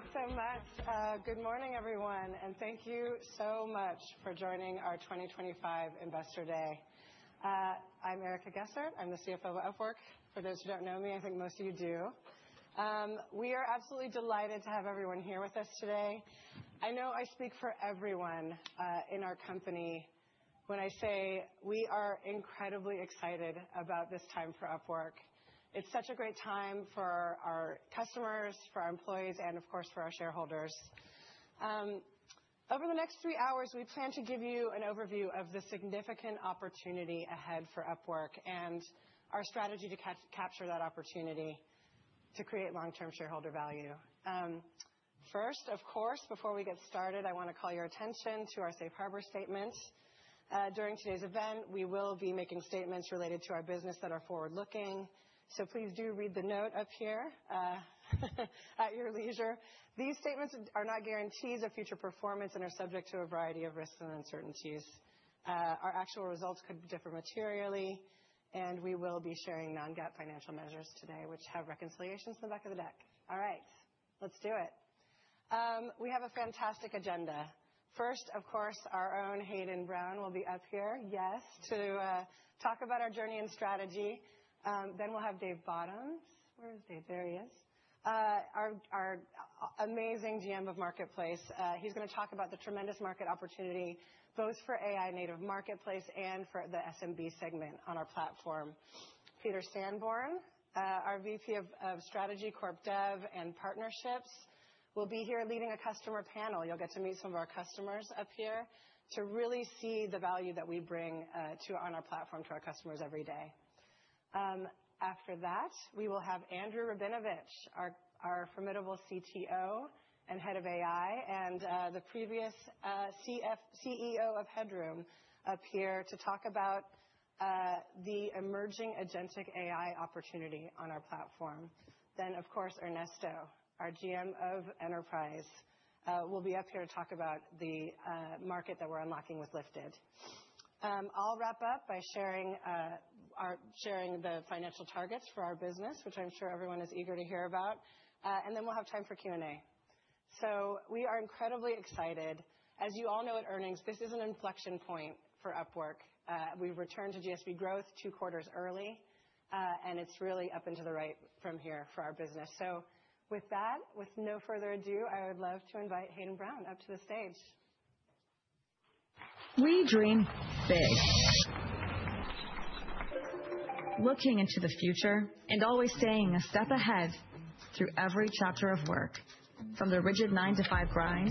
All right. Tha nks so much. Good morning, everyone, and thank you so much for joining our 2025 Investor Day. I'm Erica Gessert. I'm the CFO of Upwork. For those who don't know me, I think most of you do. We are absolutely delighted to have everyone here with us today. I know I speak for everyone in our company when I say we are incredibly excited about this time for Upwork. It's such a great time for our customers, for our employees, and of course, for our shareholders. Over the next three hours, we plan to give you an overview of the significant opportunity ahead for Upwork and our strategy to capture that opportunity to create long-term shareholder value. First, of course, before we get started, I want to call your attention to our safe harbor statement. During today's event, we will be making statements related to our business that are forward-looking. Please do read the note up here at your leisure. These statements are not guarantees of future performance and are subject to a variety of risks and uncertainties. Our actual results could differ materially, and we will be sharing non-GAAP financial measures today, which have reconciliations in the back of the deck. All right, let's do it. We have a fantastic agenda. First, of course, our own Hayden Brown will be up here, yes, to talk about our journey and strategy. Next, we will have Dave Bottoms. Where is Dave? There he is. Our amazing GM of Marketplace. He is going to talk about the tremendous market opportunity both for AI native marketplace and for the SMB segment on our platform. Peter Sanborn, our VP of Strategy, Corporate Development and Partnerships, will be here leading a customer panel. You'll get to meet some of our customers up here to really see the value that we bring on our platform to our customers every day. After that, we will have Andrew Rabinovich, our formidable CTO and head of AI and the previous CEO of Headroom up here to talk about the emerging Agentic AI opportunity on our platform. Of course, Ernesto, our GM of Enterprise, will be up here to talk about the market that we're unlocking with Lifted. I'll wrap up by sharing the financial targets for our business, which I'm sure everyone is eager to hear about. Then we'll have time for Q&A. We are incredibly excited. As you all know at earnings, this is an inflection point for Upwork. We've returned to GSV growth two quarters early, and it's really up and to the right from here for our business. With that, with no further ado, I would love to invite Hayden Brown up to the stage. We dream big. Looking into the future and always staying a step ahead through every chapter of work, from the rigid nine to five grind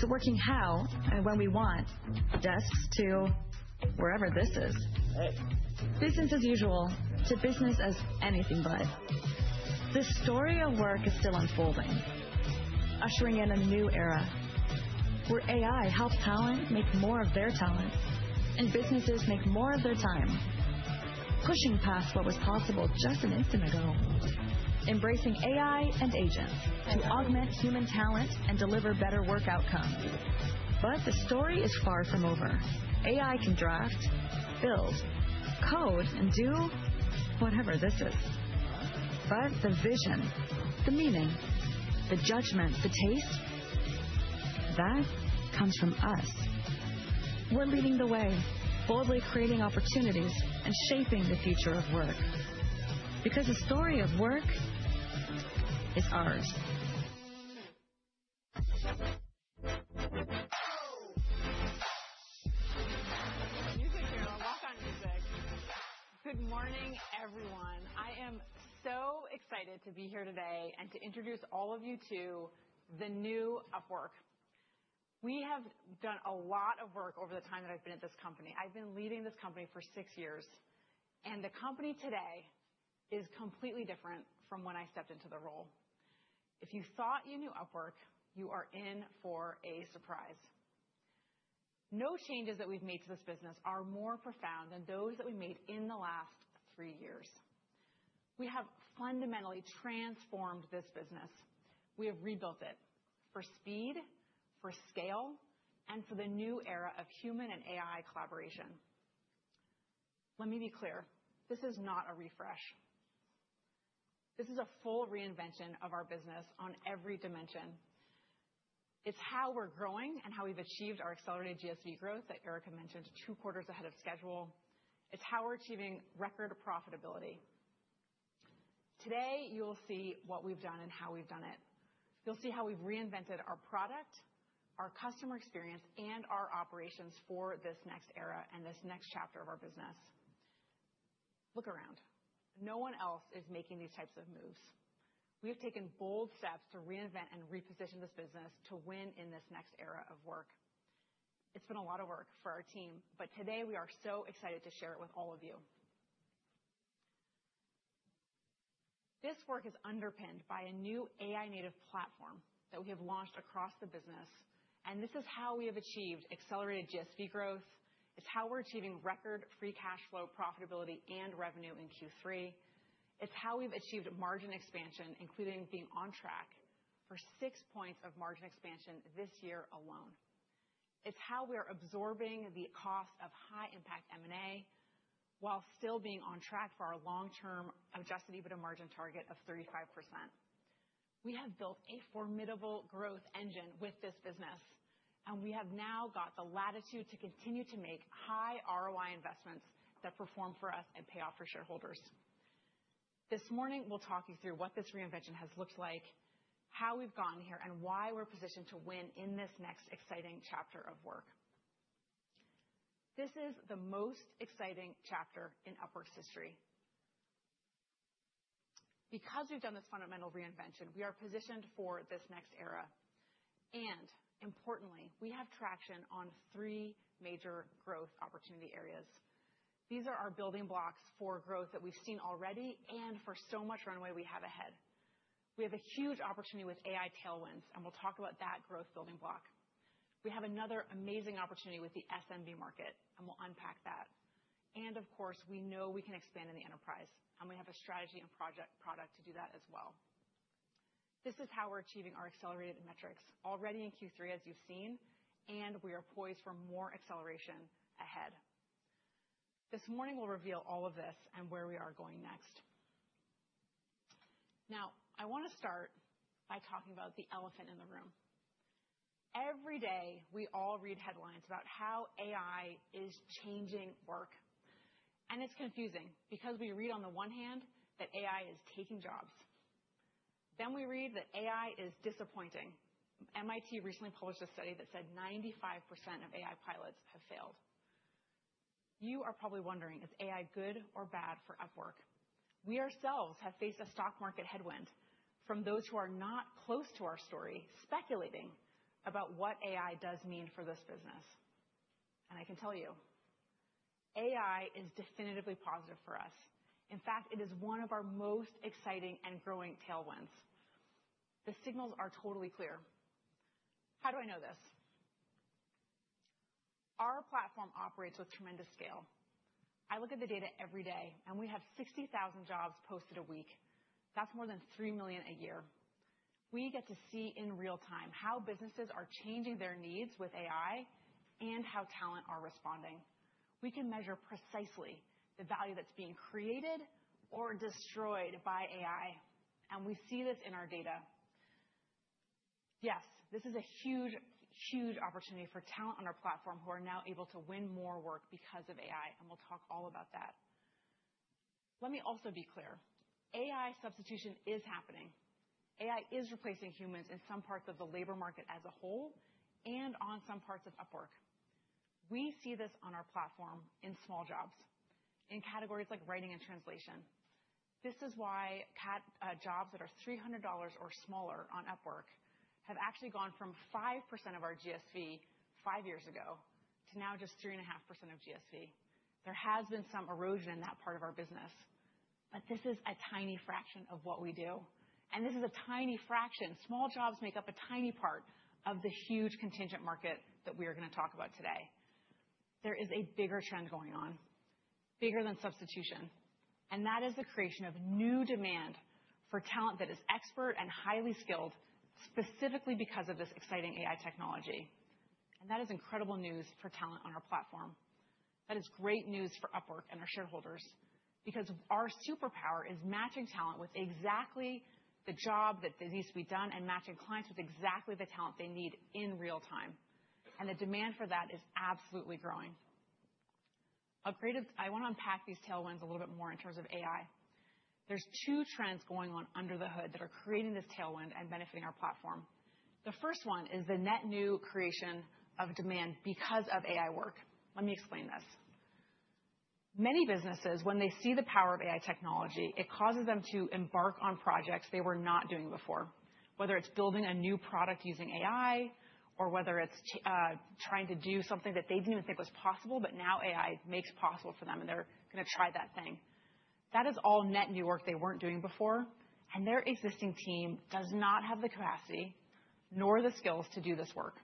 to working how and when we want, desks to wherever this is. Hey. Business as usual to business as anything but. The story of work is still unfolding, ushering in a new era where AI helps talent make more of their talent and businesses make more of their time, pushing past what was possible just an instant ago, embracing AI and agents to augment human talent and deliver better work outcomes. The story is far from over. AI can draft, build, code, and do whatever this is. The vision, the meaning, the judgment, the taste, that comes from us. We're leading the way, boldly creating opportunities and shaping the future of work because the story of work is ours. Music here. I'll walk on music. Good morning, everyone. I am so excited to be here today and to introduce all of you to the new Upwork. We have done a lot of work over the time that I've been at this company. I've been leading this company for six years, and the company today is completely different from when I stepped into the role. If you thought you knew Upwork, you are in for a surprise. No changes that we've made to this business are more profound than those that we made in the last three years. We have fundamentally transformed this business. We have rebuilt it for speed, for scale, and for the new era of human and AI collaboration. Let me be clear. This is not a refresh. This is a full reinvention of our business on every dimension. It's how we're growing and how we've achieved our accelerated GSV growth that Erica mentioned two quarters ahead of schedule. It's how we're achieving record profitability. Today, you'll see what we've done and how we've done it. You'll see how we've reinvented our product, our customer experience, and our operations for this next era and this next chapter of our business. Look around. No one else is making these types of moves. We have taken bold steps to reinvent and reposition this business to win in this next era of work. It's been a lot of work for our team, but today we are so excited to share it with all of you. This work is underpinned by a new AI-native platform that we have launched across the business, and this is how we have achieved accelerated GSV growth. It's how we're achieving record free cash flow, profitability, and revenue in Q3. It's how we've achieved margin expansion, including being on track for six points of margin expansion this year alone. It's how we are absorbing the cost of high-impact M&A while still being on track for our long-term adjusted EBITDA margin target of 35%. We have built a formidable growth engine with this business, and we have now got the latitude to continue to make high ROI investments that perform for us and pay off for shareholders. This morning, we'll talk you through what this reinvention has looked like, how we've gotten here, and why we're positioned to win in this next exciting chapter of work. This is the most exciting chapter in Upwork's history. Because we've done this fundamental reinvention, we are positioned for this next era. Importantly, we have traction on three major growth opportunity areas. These are our building blocks for growth that we've seen already and for so much runway we have ahead. We have a huge opportunity with AI tailwinds, and we'll talk about that growth building block. We have another amazing opportunity with the SMB market, and we'll unpack that. Of course, we know we can expand in the enterprise, and we have a strategy and product to do that as well. This is how we're achieving our accelerated metrics already in Q3, as you've seen, and we are poised for more acceleration ahead. This morning will reveal all of this and where we are going next. Now, I want to start by talking about the elephant in the room. Every day, we all read headlines about how AI is changing work, and it's confusing because we read on the one hand that AI is taking jobs. Then we read that AI is disappointing. MIT recently published a study that said 95% of AI pilots have failed. You are probably wondering, is AI good or bad for Upwork? We ourselves have faced a stock market headwind from those who are not close to our story speculating about what AI does mean for this business. I can tell you, AI is definitively positive for us. In fact, it is one of our most exciting and growing tailwinds. The signals are totally clear. How do I know this? Our platform operates with tremendous scale. I look at the data every day, and we have 60,000 jobs posted a week. That's more than three million a year. We get to see in real time how businesses are changing their needs with AI and how talent are responding. We can measure precisely the value that's being created or destroyed by AI, and we see this in our data. Yes, this is a huge, huge opportunity for talent on our platform who are now able to win more work because of AI, and we'll talk all about that. Let me also be clear. AI substitution is happening. AI is replacing humans in some parts of the labor market as a whole and on some parts of Upwork. We see this on our platform in small jobs, in categories like writing and translation. This is why jobs that are $300 or smaller on Upwork have actually gone from 5% of our GSV five years ago to now just 3.5% of GSV. There has been some erosion in that part of our business, but this is a tiny fraction of what we do, and this is a tiny fraction. Small jobs make up a tiny part of the huge contingent market that we are going to talk about today. There is a bigger trend going on, bigger than substitution, and that is the creation of new demand for talent that is expert and highly skilled specifically because of this exciting AI technology. That is incredible news for talent on our platform. That is great news for Upwork and our shareholders because our superpower is matching talent with exactly the job that needs to be done and matching clients with exactly the talent they need in real time. The demand for that is absolutely growing. I want to unpack these tailwinds a little bit more in terms of AI. are two trends going on under the hood that are creating this tailwind and benefiting our platform. The first one is the net new creation of demand because of AI work. Let me explain this. Many businesses, when they see the power of AI technology, it causes them to embark on projects they were not doing before, whether it is building a new product using AI or whether it is trying to do something that they did not even think was possible, but now AI makes possible for them and they are going to try that thing. That is all net new work they were not doing before, and their existing team does not have the capacity nor the skills to do this work.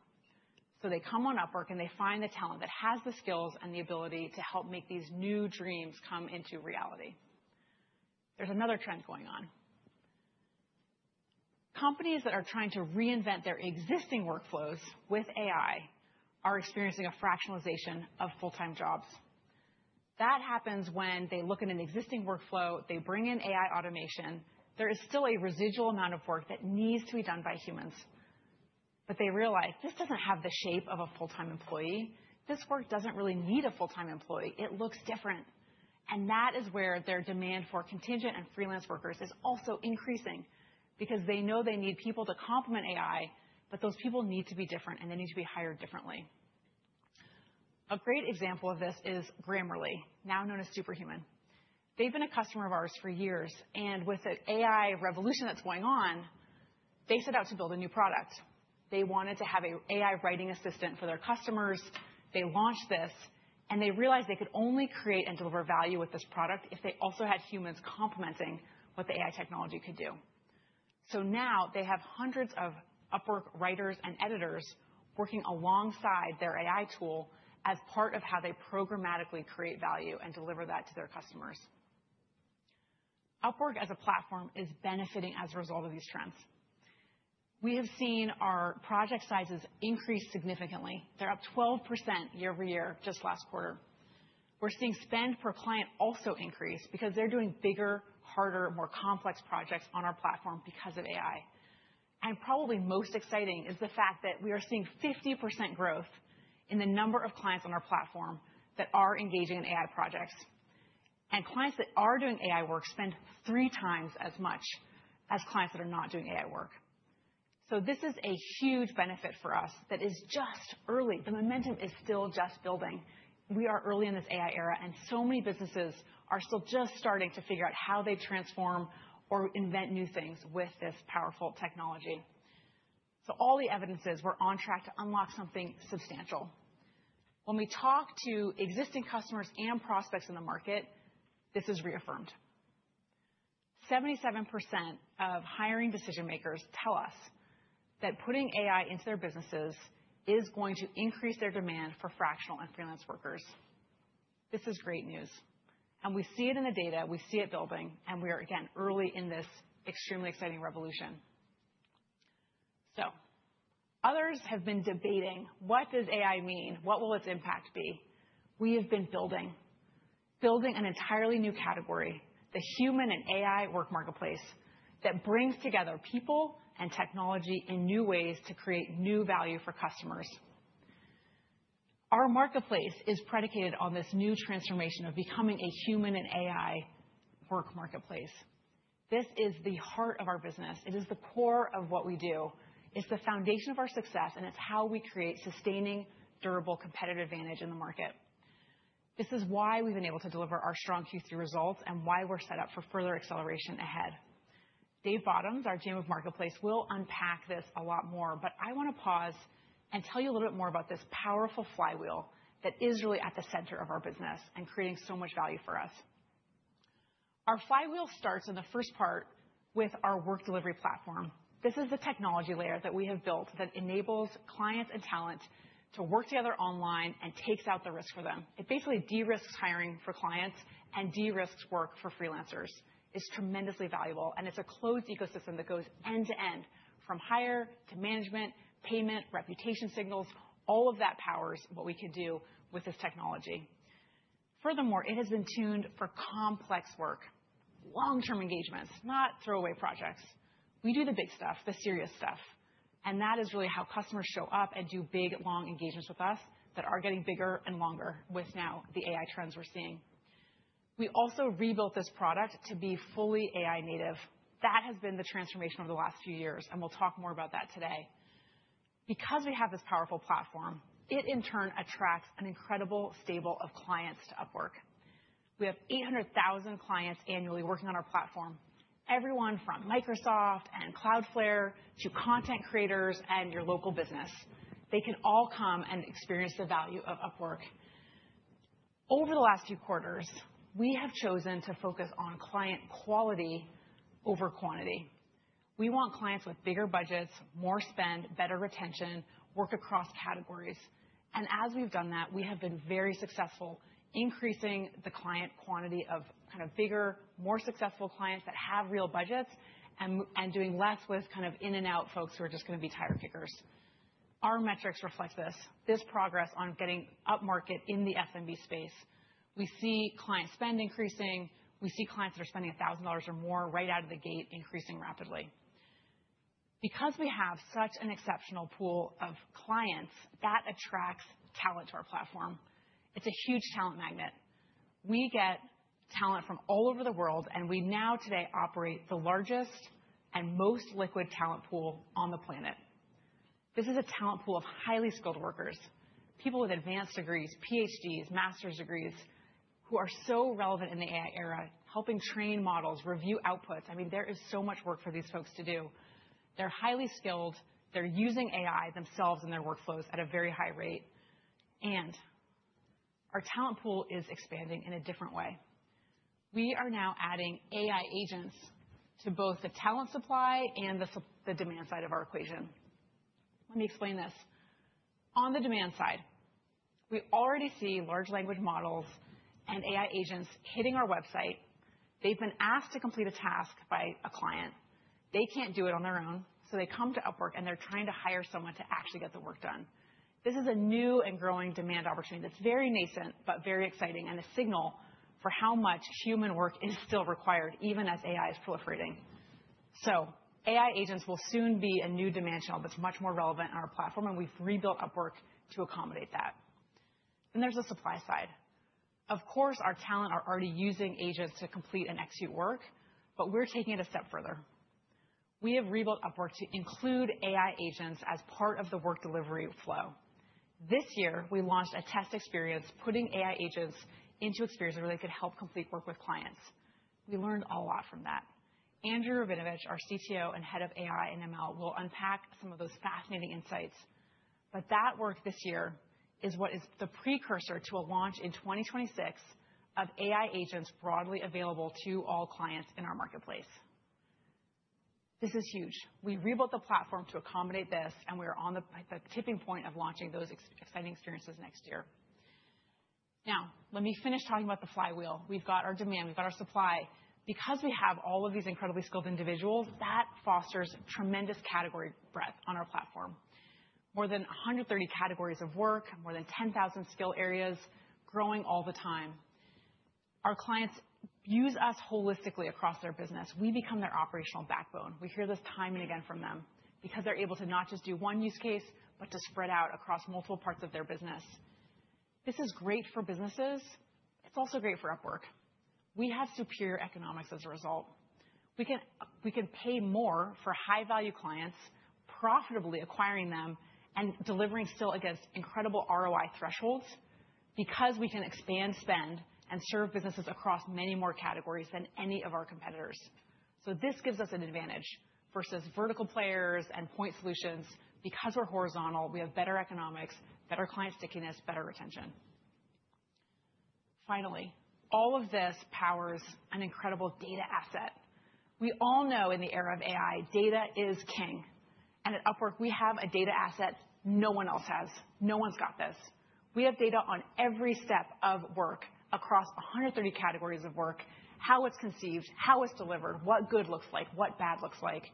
They come on Upwork and they find the talent that has the skills and the ability to help make these new dreams come into reality. There is another trend going on. Companies that are trying to reinvent their existing workflows with AI are experiencing a fractionalization of full-time jobs. That happens when they look at an existing workflow, they bring in AI automation. There is still a residual amount of work that needs to be done by humans, but they realize this does not have the shape of a full-time employee. This work does not really need a full-time employee. It looks different. That is where their demand for contingent and freelance workers is also increasing because they know they need people to complement AI, but those people need to be different and they need to be hired differently. A great example of this is Grammarly, now known as Superhuman. They have been a customer of ours for years, and with the AI revolution that is going on, they set out to build a new product. They wanted to have an AI writing assistant for their customers. They launched this, and they realized they could only create and deliver value with this product if they also had humans complementing what the AI technology could do. Now they have hundreds of Upwork writers and editors working alongside their AI tool as part of how they programmatically create value and deliver that to their customers. Upwork as a platform is benefiting as a result of these trends. We have seen our project sizes increase significantly. They're up 12% year over year just last quarter. We're seeing spend per client also increase because they're doing bigger, harder, more complex projects on our platform because of AI. Probably most exciting is the fact that we are seeing 50% growth in the number of clients on our platform that are engaging in AI projects. Clients that are doing AI work spend three times as much as clients that are not doing AI work. This is a huge benefit for us that is just early. The momentum is still just building. We are early in this AI era, and so many businesses are still just starting to figure out how they transform or invent new things with this powerful technology. All the evidence is we're on track to unlock something substantial. When we talk to existing customers and prospects in the market, this is reaffirmed. 77% of hiring decision-makers tell us that putting AI into their businesses is going to increase their demand for fractional and freelance workers. This is great news, and we see it in the data. We see it building, and we are, again, early in this extremely exciting revolution. Others have been debating, what does AI mean? What will its impact be? We have been building, building an entirely new category, the human and AI work marketplace that brings together people and technology in new ways to create new value for customers. Our marketplace is predicated on this new transformation of becoming a human and AI work marketplace. This is the heart of our business. It is the core of what we do. It's the foundation of our success, and it's how we create sustaining, durable competitive advantage in the market. This is why we've been able to deliver our strong Q3 results and why we're set up for further acceleration ahead. Dave Bottoms, our GM of Marketplace, will unpack this a lot more, but I want to pause and tell you a little bit more about this powerful flywheel that is really at the center of our business and creating so much value for us. Our flywheel starts in the first part with our work delivery platform. This is the technology layer that we have built that enables clients and talent to work together online and takes out the risk for them. It basically de-risks hiring for clients and de-risks work for freelancers. It's tremendously valuable, and it's a closed ecosystem that goes end to end from hire to management, payment, reputation signals. All of that powers what we can do with this technology. Furthermore, it has been tuned for complex work, long-term engagements, not throwaway projects. We do the big stuff, the serious stuff, and that is really how customers show up and do big, long engagements with us that are getting bigger and longer with now the AI trends we're seeing. We also rebuilt this product to be fully AI native. That has been the transformation over the last few years, and we'll talk more about that today. Because we have this powerful platform, it in turn attracts an incredible stable of clients to Upwork. We have 800,000 clients annually working on our platform. Everyone from Microsoft and Cloudflare to content creators and your local business, they can all come and experience the value of Upwork. Over the last few quarters, we have chosen to focus on client quality over quantity. We want clients with bigger budgets, more spend, better retention, work across categories. As we've done that, we have been very successful increasing the client quantity of kind of bigger, more successful clients that have real budgets and doing less with kind of in and out folks who are just going to be tire kickers. Our metrics reflect this, this progress on getting up market in the SMB space. We see client spend increasing. We see clients that are spending $1,000 or more right out of the gate, increasing rapidly. Because we have such an exceptional pool of clients, that attracts talent to our platform. It's a huge talent magnet. We get talent from all over the world, and we now today operate the largest and most liquid talent pool on the planet. This is a talent pool of highly skilled workers, people with advanced degrees, PhDs, master's degrees who are so relevant in the AI era, helping train models, review outputs. I mean, there is so much work for these folks to do. They're highly skilled. They're using AI themselves in their workflows at a very high rate. Our talent pool is expanding in a different way. We are now adding AI agents to both the talent supply and the demand side of our equation. Let me explain this. On the demand side, we already see large language models and AI agents hitting our website. They've been asked to complete a task by a client. They can't do it on their own, so they come to Upwork and they're trying to hire someone to actually get the work done. This is a new and growing demand opportunity that's very nascent, but very exciting and a signal for how much human work is still required, even as AI is proliferating. AI agents will soon be a new demand channel that's much more relevant on our platform, and we've rebuilt Upwork to accommodate that. There's the supply side. Of course, our talent are already using agents to complete and execute work, but we're taking it a step further. We have rebuilt Upwork to include AI agents as part of the work delivery flow. This year, we launched a test experience putting AI agents into experiences where they could help complete work with clients. We learned a lot from that. Andrew Rabinovich, our CTO and head of AI and ML, will unpack some of those fascinating insights, but that work this year is what is the precursor to a launch in 2026 of AI agents broadly available to all clients in our marketplace. This is huge. We rebuilt the platform to accommodate this, and we are on the tipping point of launching those exciting experiences next year. Now, let me finish talking about the flywheel. We've got our demand, we've got our supply. Because we have all of these incredibly skilled individuals, that fosters tremendous category breadth on our platform. More than 130 categories of work, more than 10,000 skill areas growing all the time. Our clients use us holistically across their business. We become their operational backbone. We hear this time and again from them because they're able to not just do one use case, but to spread out across multiple parts of their business. This is great for businesses, but it's also great for Upwork. We have superior economics as a result. We can pay more for high-value clients, profitably acquiring them and delivering still against incredible ROI thresholds because we can expand spend and serve businesses across many more categories than any of our competitors. This gives us an advantage versus vertical players and point solutions. Because we're horizontal, we have better economics, better client stickiness, better retention. Finally, all of this powers an incredible data asset. We all know in the era of AI, data is king. At Upwork, we have a data asset no one else has. No one's got this. We have data on every step of work across 130 categories of work, how it's conceived, how it's delivered, what good looks like, what bad looks like.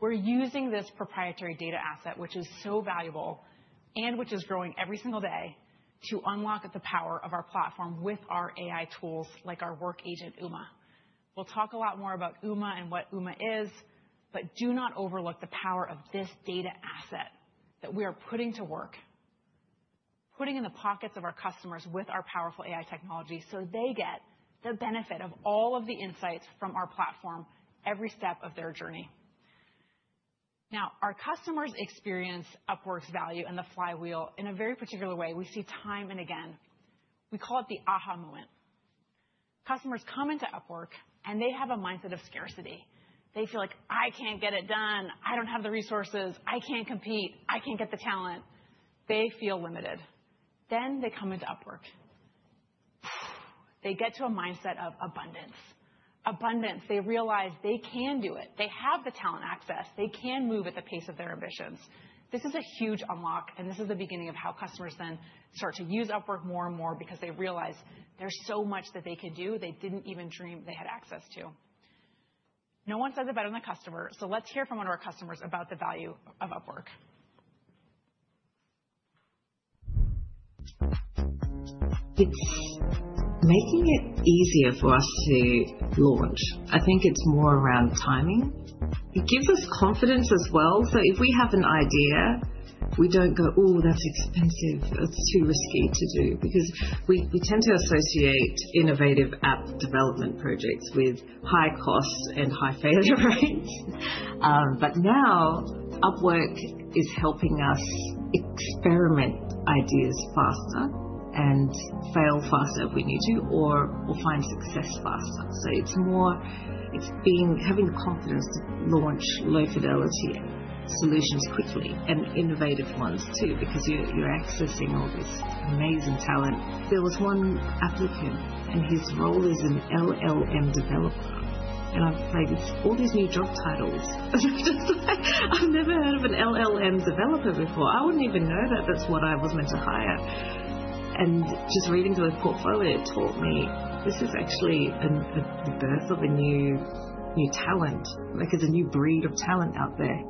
We're using this proprietary data asset, which is so valuable and which is growing every single day to unlock the power of our platform with our AI tools like our work agent, Uma. We'll talk a lot more about Uma and what Uma is, but do not overlook the power of this data asset that we are putting to work, putting in the pockets of our customers with our powerful AI technology so they get the benefit of all of the insights from our platform every step of their journey. Now, our customers experience Upwork's value and the flywheel in a very particular way. We see time and again. We call it the aha moment. Customers come into Upwork and they have a mindset of scarcity. They feel like, "I can't get it done. I don't have the resources. I can't compete. I can't get the talent." They feel limited. They come into Upwork. They get to a mindset of abundance. Abundance. They realize they can do it. They have the talent access. They can move at the pace of their ambitions. This is a huge unlock, and this is the beginning of how customers then start to use Upwork more and more because they realize there's so much that they could do they didn't even dream they had access to. No one says it better than a customer, so let's hear from one of our customers about the value of Upwork. It's making it easier for us to launch. I think it's more around timing. It gives us confidence as well. If we have an idea, we don't go, "Oh, that's expensive. That's too risky to do," because we tend to associate innovative app development projects with high costs and high failure rates. Now Upwork is helping us experiment ideas faster and fail faster if we need to or find success faster. It's having the confidence to launch low-fidelity solutions quickly and innovative ones too because you're accessing all this amazing talent. There was one applicant, and his role is an LLM developer. I've played all these new job titles. I've never heard of an LLM developer before. I wouldn't even know that that's what I was meant to hire. Just reading the portfolio, it taught me this is actually the birth of a new talent. There's a new breed of talent out there.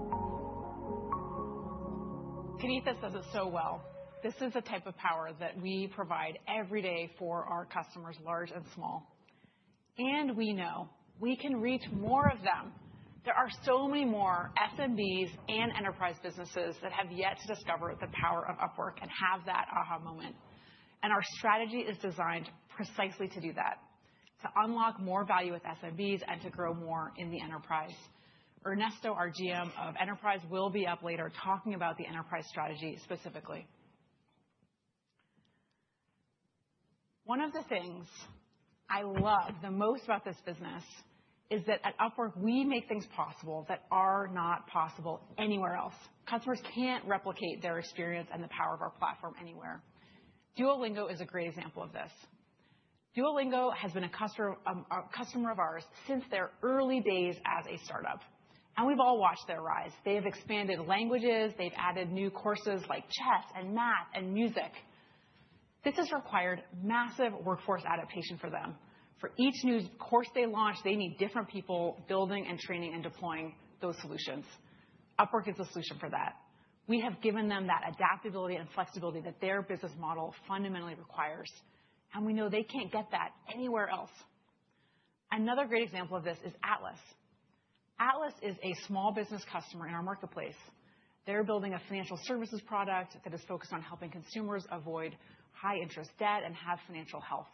Kaneitha says it so well. This is the type of power that we provide every day for our customers, large and small. We know we can reach more of them. There are so many more SMBs and enterprise businesses that have yet to discover the power of Upwork and have that aha moment. Our strategy is designed precisely to do that, to unlock more value with SMBs and to grow more in the enterprise. Ernesto, our GM of Enterprise, will be up later talking about the enterprise strategy specifically. One of the things I love the most about this business is that at Upwork, we make things possible that are not possible anywhere else. Customers cannot replicate their experience and the power of our platform anywhere. Duolingo is a great example of this. Duolingo has been a customer of ours since their early days as a startup, and we have all watched their rise. They have expanded languages. They've added new courses like chess and math and music. This has required massive workforce adaptation for them. For each new course they launch, they need different people building and training and deploying those solutions. Upwork is a solution for that. We have given them that adaptability and flexibility that their business model fundamentally requires, and we know they can't get that anywhere else. Another great example of this is Atlas. Atlas is a small business customer in our marketplace. They're building a financial services product that is focused on helping consumers avoid high-interest debt and have financial health.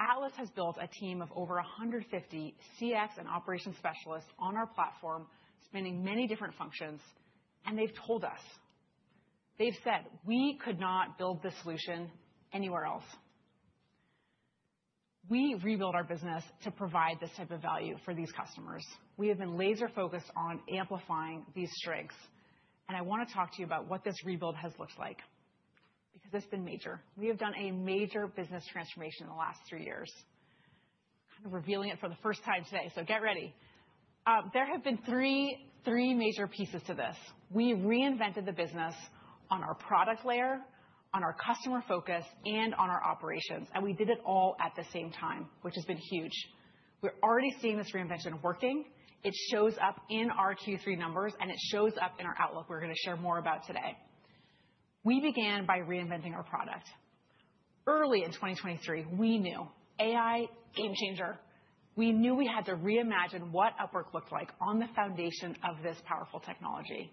Atlas has built a team of over 150 CX and operations specialists on our platform, spanning many different functions, and they've told us. They've said, "We could not build this solution anywhere else." We rebuilt our business to provide this type of value for these customers. We have been laser-focused on amplifying these strengths, and I want to talk to you about what this rebuild has looked like because it's been major. We have done a major business transformation in the last three years, kind of revealing it for the first time today, so get ready. There have been three major pieces to this. We reinvented the business on our product layer, on our customer focus, and on our operations, and we did it all at the same time, which has been huge. We're already seeing this reinvention working. It shows up in our Q3 numbers, and it shows up in our outlook we're going to share more about today. We began by reinventing our product. Early in 2023, we knew AI game changer. We knew we had to reimagine what Upwork looked like on the foundation of this powerful technology.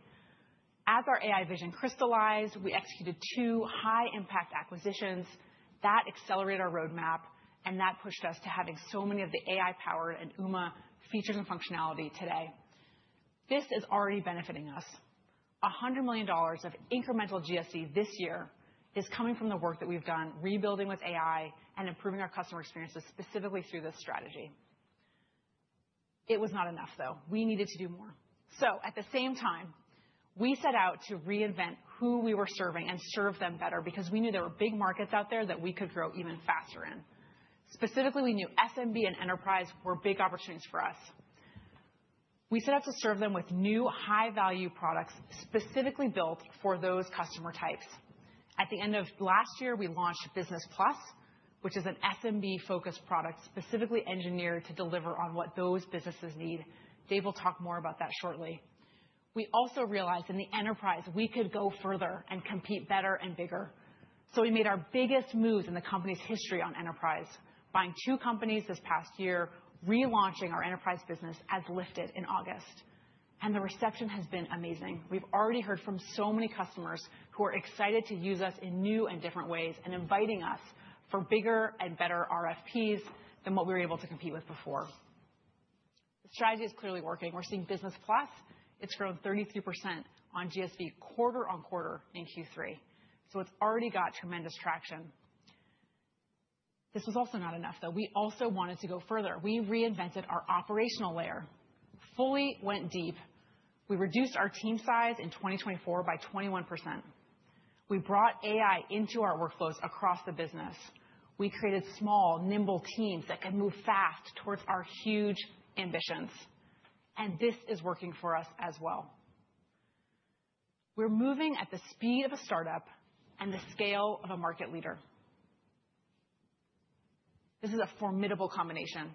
As our AI vision crystallized, we executed two high-impact acquisitions that accelerated our roadmap, and that pushed us to having so many of the AI-powered and Uma features and functionality today. This is already benefiting us. $100 million of incremental GSV this year is coming from the work that we've done rebuilding with AI and improving our customer experiences specifically through this strategy. It was not enough, though. We needed to do more. At the same time, we set out to reinvent who we were serving and serve them better because we knew there were big markets out there that we could grow even faster in. Specifically, we knew SMB and enterprise were big opportunities for us. We set out to serve them with new high-value products specifically built for those customer types. At the end of last year, we launched Business Plus, which is an SMB-focused product specifically engineered to deliver on what those businesses need. Dave will talk more about that shortly. We also realized in the enterprise we could go further and compete better and bigger. We made our biggest moves in the company's history on enterprise, buying two companies this past year, relaunching our enterprise business as Lifted in August. The reception has been amazing. We've already heard from so many customers who are excited to use us in new and different ways and inviting us for bigger and better RFPs than what we were able to compete with before. The strategy is clearly working. We're seeing Business Plus. It's grown 33% on GSV quarter on quarter in Q3, so it's already got tremendous traction. This was also not enough, though. We also wanted to go further. We reinvented our operational layer, fully went deep. We reduced our team size in 2024 by 21%. We brought AI into our workflows across the business. We created small, nimble teams that could move fast towards our huge ambitions, and this is working for us as well. We're moving at the speed of a startup and the scale of a market leader. This is a formidable combination.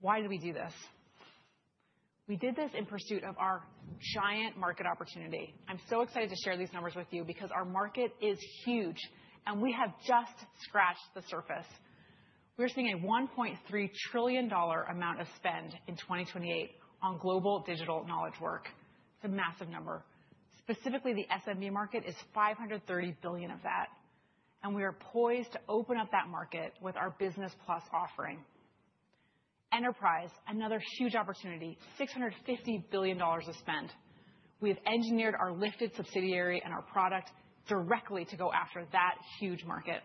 Why did we do this? We did this in pursuit of our giant market opportunity. I'm so excited to share these numbers with you because our market is huge, and we have just scratched the surface. We're seeing a $1.3 trillion amount of spend in 2028 on global digital knowledge work. It's a massive number. Specifically, the SMB market is $530 billion of that, and we are poised to open up that market with our Business Plus offering. Enterprise, another huge opportunity, $650 billion of spend. We have engineered our Lifted subsidiary and our product directly to go after that huge market.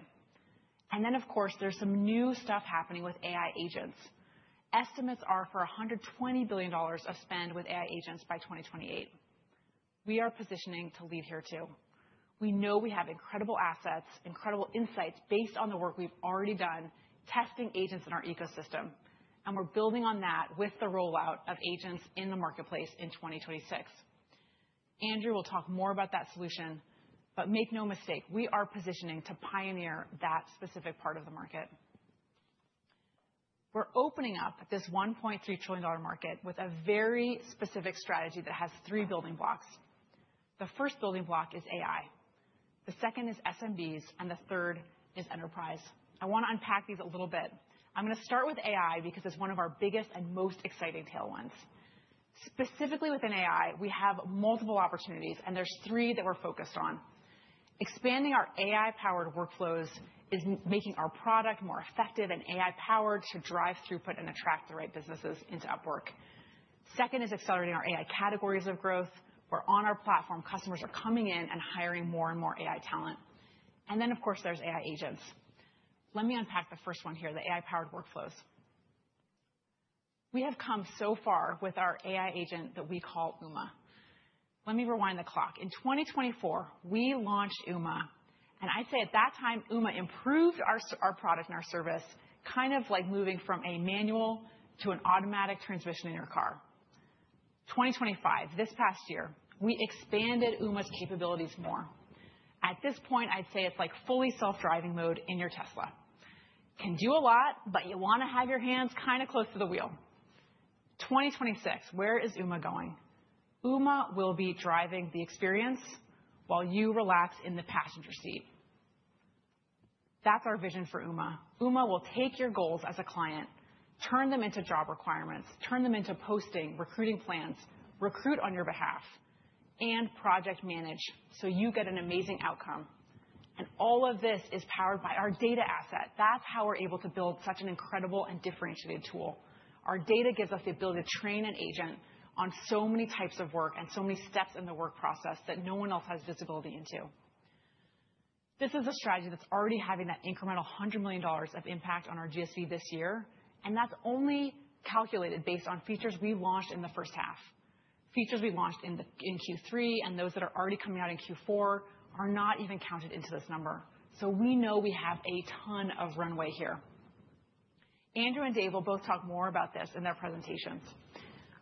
Of course, there's some new stuff happening with AI agents. Estimates are for $120 billion of spend with AI agents by 2028. We are positioning to lead here too. We know we have incredible assets, incredible insights based on the work we've already done testing agents in our ecosystem, and we're building on that with the rollout of agents in the marketplace in 2026. Andrew will talk more about that solution, but make no mistake, we are positioning to pioneer that specific part of the market. We're opening up this $1.3 trillion market with a very specific strategy that has three building blocks. The first building block is AI. The second is SMBs, and the third is enterprise. I want to unpack these a little bit. I'm going to start with AI because it's one of our biggest and most exciting tailwinds. Specifically within AI, we have multiple opportunities, and there's three that we're focused on. Expanding our AI-powered workflows is making our product more effective and AI-powered to drive throughput and attract the right businesses into Upwork. Second is accelerating our AI categories of growth, where on our platform, customers are coming in and hiring more and more AI talent. And then, of course, there's AI agents. Let me unpack the first one here, the AI-powered workflows. We have come so far with our AI agent that we call Uma. Let me rewind the clock. In 2024, we launched Uma, and I'd say at that time, Uma improved our product and our service, kind of like moving from a manual to an automatic transmission in your car. 2025, this past year, we expanded Uma's capabilities more. At this point, I'd say it's like fully self-driving mode in your Tesla. Can do a lot, but you want to have your hands kind of close to the wheel. 2026, where is Uma going? Uma will be driving the experience while you relax in the passenger seat. That's our vision for Uma. Uma will take your goals as a client, turn them into job requirements, turn them into posting, recruiting plans, recruit on your behalf, and project manage so you get an amazing outcome. All of this is powered by our data asset. That's how we're able to build such an incredible and differentiated tool. Our data gives us the ability to train an agent on so many types of work and so many steps in the work process that no one else has visibility into. This is a strategy that's already having that incremental $100 million of impact on our GSV this year, and that's only calculated based on features we launched in the first half. Features we launched in Q3 and those that are already coming out in Q4 are not even counted into this number. We know we have a ton of runway here. Andrew and Dave will both talk more about this in their presentations.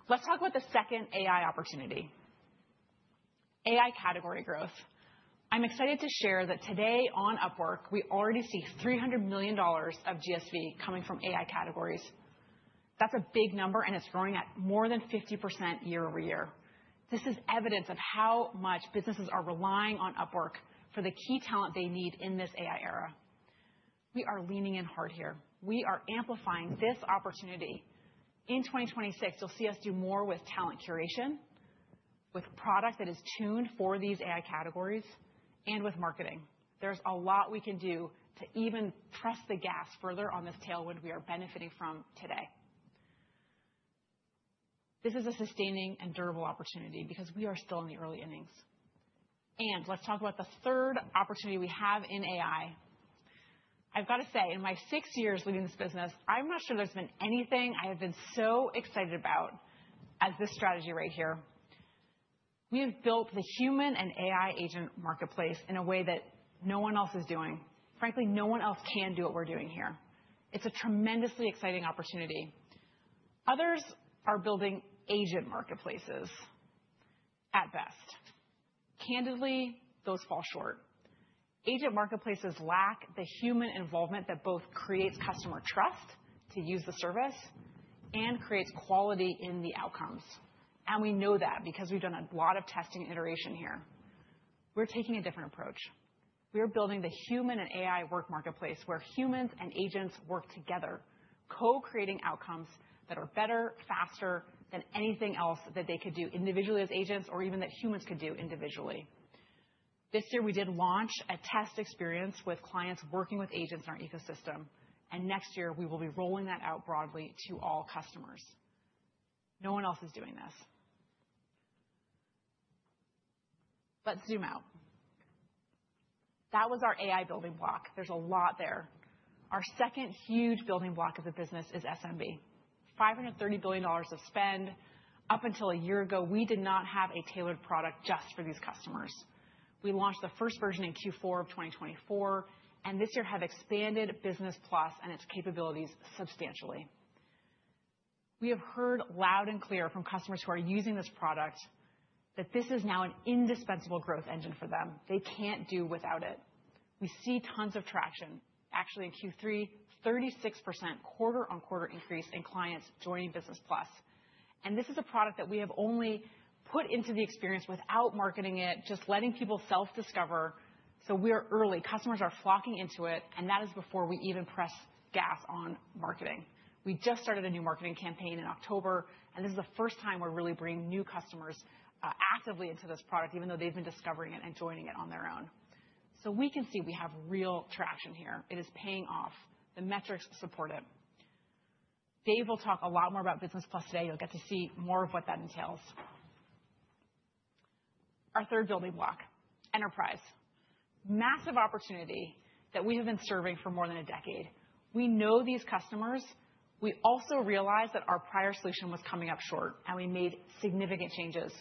Let's talk about the second AI opportunity: AI category growth. I'm excited to share that today on Upwork, we already see $300 million of GSV coming from AI categories. That's a big number, and it's growing at more than 50% year over year. This is evidence of how much businesses are relying on Upwork for the key talent they need in this AI era. We are leaning in hard here. We are amplifying this opportunity. In 2026, you'll see us do more with talent curation, with product that is tuned for these AI categories, and with marketing. There is a lot we can do to even thrust the gas further on this tailwind we are benefiting from today. This is a sustaining and durable opportunity because we are still in the early innings. Let's talk about the third opportunity we have in AI. I've got to say, in my six years leading this business, I'm not sure there has been anything I have been so excited about as this strategy right here. We have built the human and AI agent marketplace in a way that no one else is doing. Frankly, no one else can do what we're doing here. It's a tremendously exciting opportunity. Others are building agent marketplaces at best. Candidly, those fall short. Agent marketplaces lack the human involvement that both creates customer trust to use the service and creates quality in the outcomes. We know that because we've done a lot of testing and iteration here. We're taking a different approach. We are building the human and AI work marketplace where humans and agents work together, co-creating outcomes that are better, faster than anything else that they could do individually as agents or even that humans could do individually. This year, we did launch a test experience with clients working with agents in our ecosystem, and next year, we will be rolling that out broadly to all customers. No one else is doing this. Let's zoom out. That was our AI building block. There's a lot there. Our second huge building block as a business is SMB. $530 billion of spend. Up until a year ago, we did not have a tailored product just for these customers. We launched the first version in Q4 of 2024, and this year have expanded Business Plus and its capabilities substantially. We have heard loud and clear from customers who are using this product that this is now an indispensable growth engine for them. They can't do without it. We see tons of traction. Actually, in Q3, 36% quarter on quarter increase in clients joining Business Plus. This is a product that we have only put into the experience without marketing it, just letting people self-discover. We are early. Customers are flocking into it, and that is before we even press gas on marketing. We just started a new marketing campaign in October, and this is the first time we're really bringing new customers actively into this product, even though they've been discovering it and joining it on their own. We can see we have real traction here. It is paying off. The metrics support it. Dave will talk a lot more about Business Plus today. You'll get to see more of what that entails. Our third building block, enterprise. Massive opportunity that we have been serving for more than a decade. We know these customers. We also realized that our prior solution was coming up short, and we made significant changes.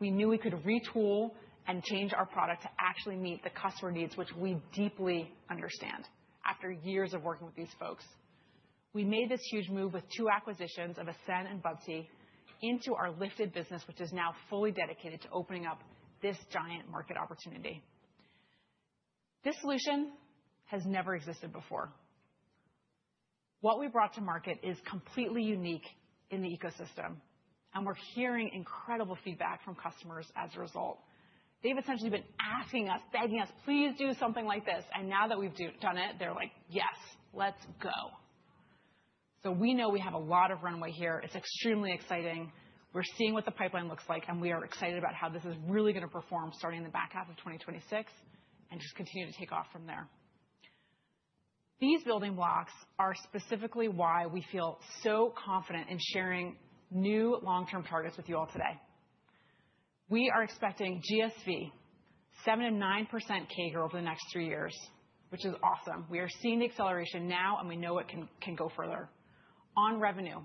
We knew we could retool and change our product to actually meet the customer needs, which we deeply understand after years of working with these folks. We made this huge move with two acquisitions of Ascen and Buddy into our Lifted business, which is now fully dedicated to opening up this giant market opportunity. This solution has never existed before. What we brought to market is completely unique in the ecosystem, and we're hearing incredible feedback from customers as a result. They've essentially been asking us, begging us, "Please do something like this." Now that we've done it, they're like, "Yes, let's go." We know we have a lot of runway here. It's extremely exciting. We're seeing what the pipeline looks like, and we are excited about how this is really going to perform starting in the back half of 2026 and just continue to take off from there. These building blocks are specifically why we feel so confident in sharing new long-term targets with you all today. We are expecting GSV 7%-9% CAGR over the next three years, which is awesome. We are seeing the acceleration now, and we know it can go further. On revenue,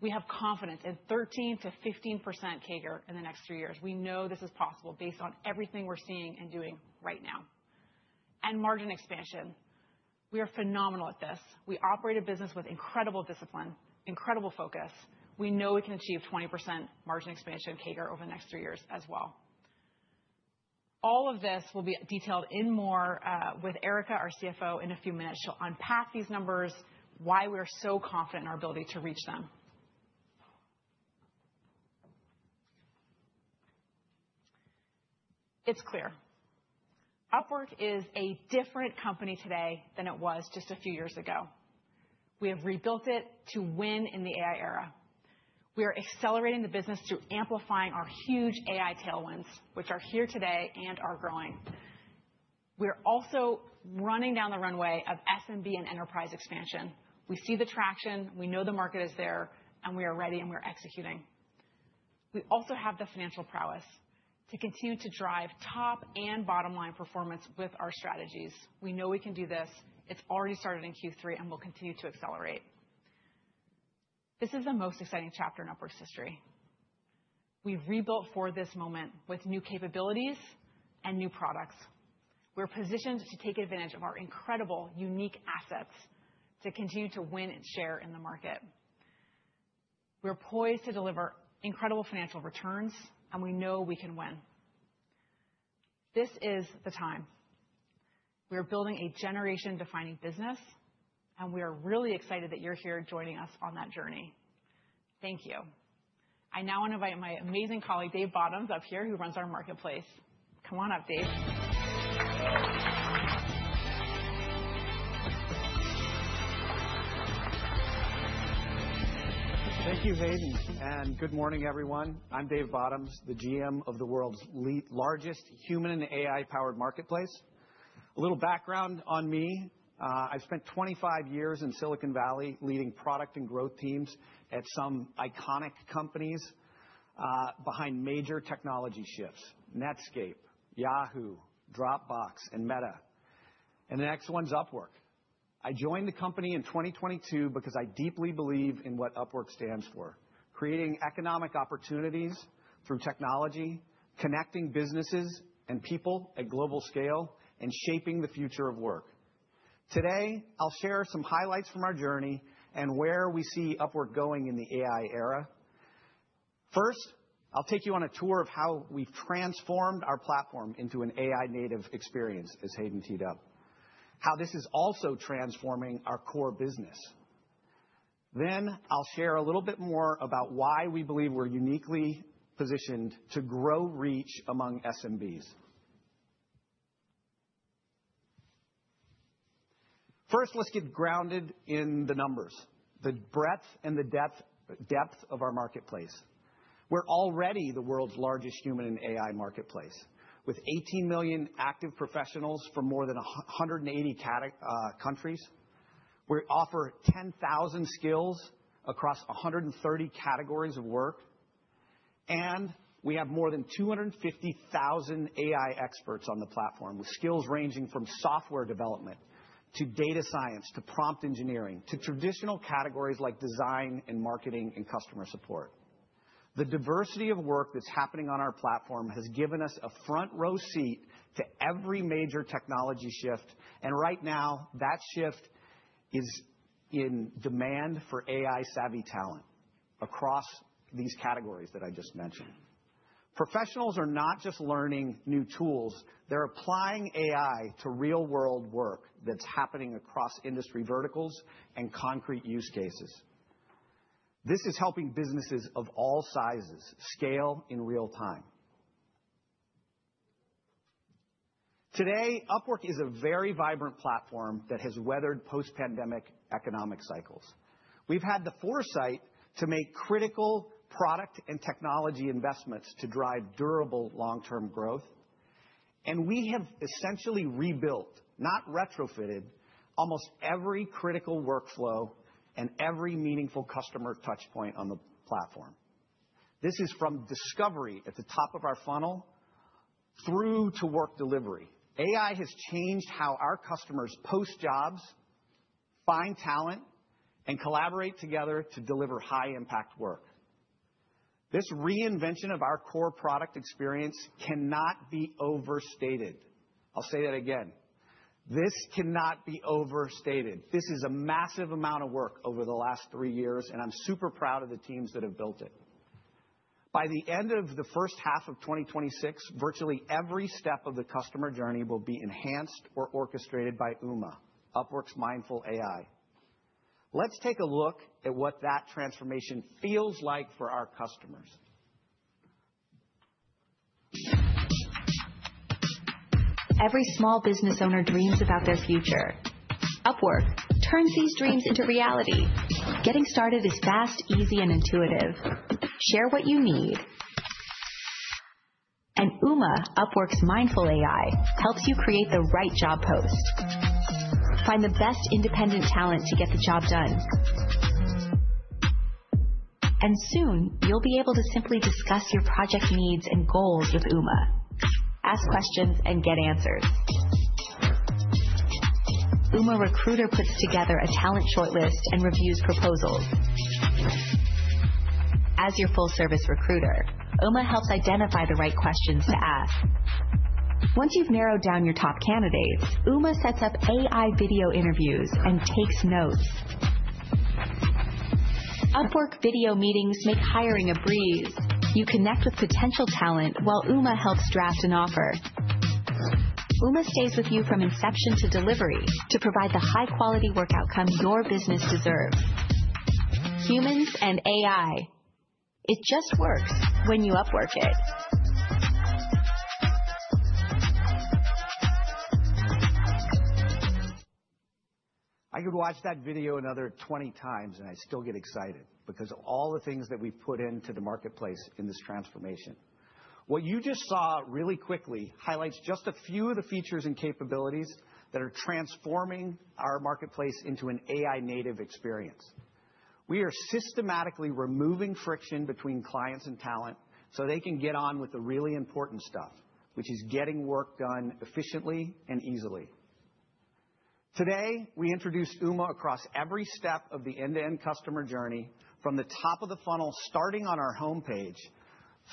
we have confidence in 13%-15% CAGR in the next three years. We know this is possible based on everything we're seeing and doing right now. Margin expansion. We are phenomenal at this. We operate a business with incredible discipline, incredible focus. We know we can achieve 20% margin expansion CAGR over the next three years as well. All of this will be detailed in more with Erica, our CFO, in a few minutes. She'll unpack these numbers, why we are so confident in our ability to reach them. It's clear. Upwork is a different company today than it was just a few years ago. We have rebuilt it to win in the AI era. We are accelerating the business through amplifying our huge AI tailwinds, which are here today and are growing. We are also running down the runway of SMB and enterprise expansion. We see the traction. We know the market is there, and we are ready, and we're executing. We also have the financial prowess to continue to drive top and bottom line performance with our strategies. We know we can do this. It's already started in Q3, and we'll continue to accelerate. This is the most exciting chapter in Upwork's history. We've rebuilt for this moment with new capabilities and new products. We're positioned to take advantage of our incredible unique assets to continue to win and share in the market. We're poised to deliver incredible financial returns, and we know we can win. This is the time. We are building a generation-defining business, and we are really excited that you're here joining us on that journey. Thank you. I now want to invite my amazing colleague, Dave Bottoms, up here who runs our marketplace. Come on up, Dave. Thank you, Hayden, and good morning, everyone. I'm Dave Bottoms, the GM of the world's largest human and AI-powered marketplace. A little background on me. I've spent 25 years in Silicon Valley leading product and growth teams at some iconic companies behind major technology shifts: Netscape, Yahoo, Dropbox, and Meta. The next one's Upwork. I joined the company in 2022 because I deeply believe in what Upwork stands for: creating economic opportunities through technology, connecting businesses and people at global scale, and shaping the future of work. Today, I'll share some highlights from our journey and where we see Upwork going in the AI era. First, I'll take you on a tour of how we've transformed our platform into an AI-native experience, as Hayden teed up, how this is also transforming our core business. I'll share a little bit more about why we believe we're uniquely positioned to grow reach among SMBs. First, let's get grounded in the numbers, the breadth and the depth of our marketplace. We're already the world's largest human and AI marketplace with 18 million active professionals from more than 180 countries. We offer 10,000 skills across 130 categories of work, and we have more than 250,000 AI experts on the platform with skills ranging from software development to data science to prompt engineering to traditional categories like design and marketing and customer support. The diversity of work that's happening on our platform has given us a front-row seat to every major technology shift, and right now, that shift is in demand for AI-savvy talent across these categories that I just mentioned. Professionals are not just learning new tools. They're applying AI to real-world work that's happening across industry verticals and concrete use cases. This is helping businesses of all sizes scale in real time. Today, Upwork is a very vibrant platform that has weathered post-pandemic economic cycles. We've had the foresight to make critical product and technology investments to drive durable long-term growth, and we have essentially rebuilt, not retrofitted, almost every critical workflow and every meaningful customer touchpoint on the platform. This is from discovery at the top of our funnel through to work delivery. AI has changed how our customers post jobs, find talent, and collaborate together to deliver high-impact work. This reinvention of our core product experience cannot be overstated. I'll say that again. This cannot be overstated. This is a massive amount of work over the last three years, and I'm super proud of the teams that have built it. By the end of the first half of 2026, virtually every step of the customer journey will be enhanced or orchestrated by Uma, Upwork's mindful AI. Let's take a look at what that transformation feels like for our customers. Every small business owner dreams about their future. Upwork turns these dreams into reality. Getting started is fast, easy, and intuitive. Share what you need, and Uma, Upwork's mindful AI, helps you create the right job post. Find the best independent talent to get the job done. Soon, you'll be able to simply discuss your project needs and goals with Uma. Ask questions and get answers. Uma Recruiter puts together a talent shortlist and reviews proposals. As your full-service recruiter, Uma helps identify the right questions to ask. Once you've narrowed down your top candidates, Uma sets up AI video interviews and takes notes. Upwork video meetings make hiring a breeze. You connect with potential talent while Uma helps draft an offer. Uma stays with you from inception to delivery to provide the high-quality work outcome your business deserves. Humans and AI, it just works when you Upwork it. I could watch that video another 20 times, and I still get excited because of all the things that we've put into the marketplace in this transformation. What you just saw really quickly highlights just a few of the features and capabilities that are transforming our marketplace into an AI-native experience. We are systematically removing friction between clients and talent so they can get on with the really important stuff, which is getting work done efficiently and easily. Today, we introduced Uma across every step of the end-to-end customer journey from the top of the funnel, starting on our homepage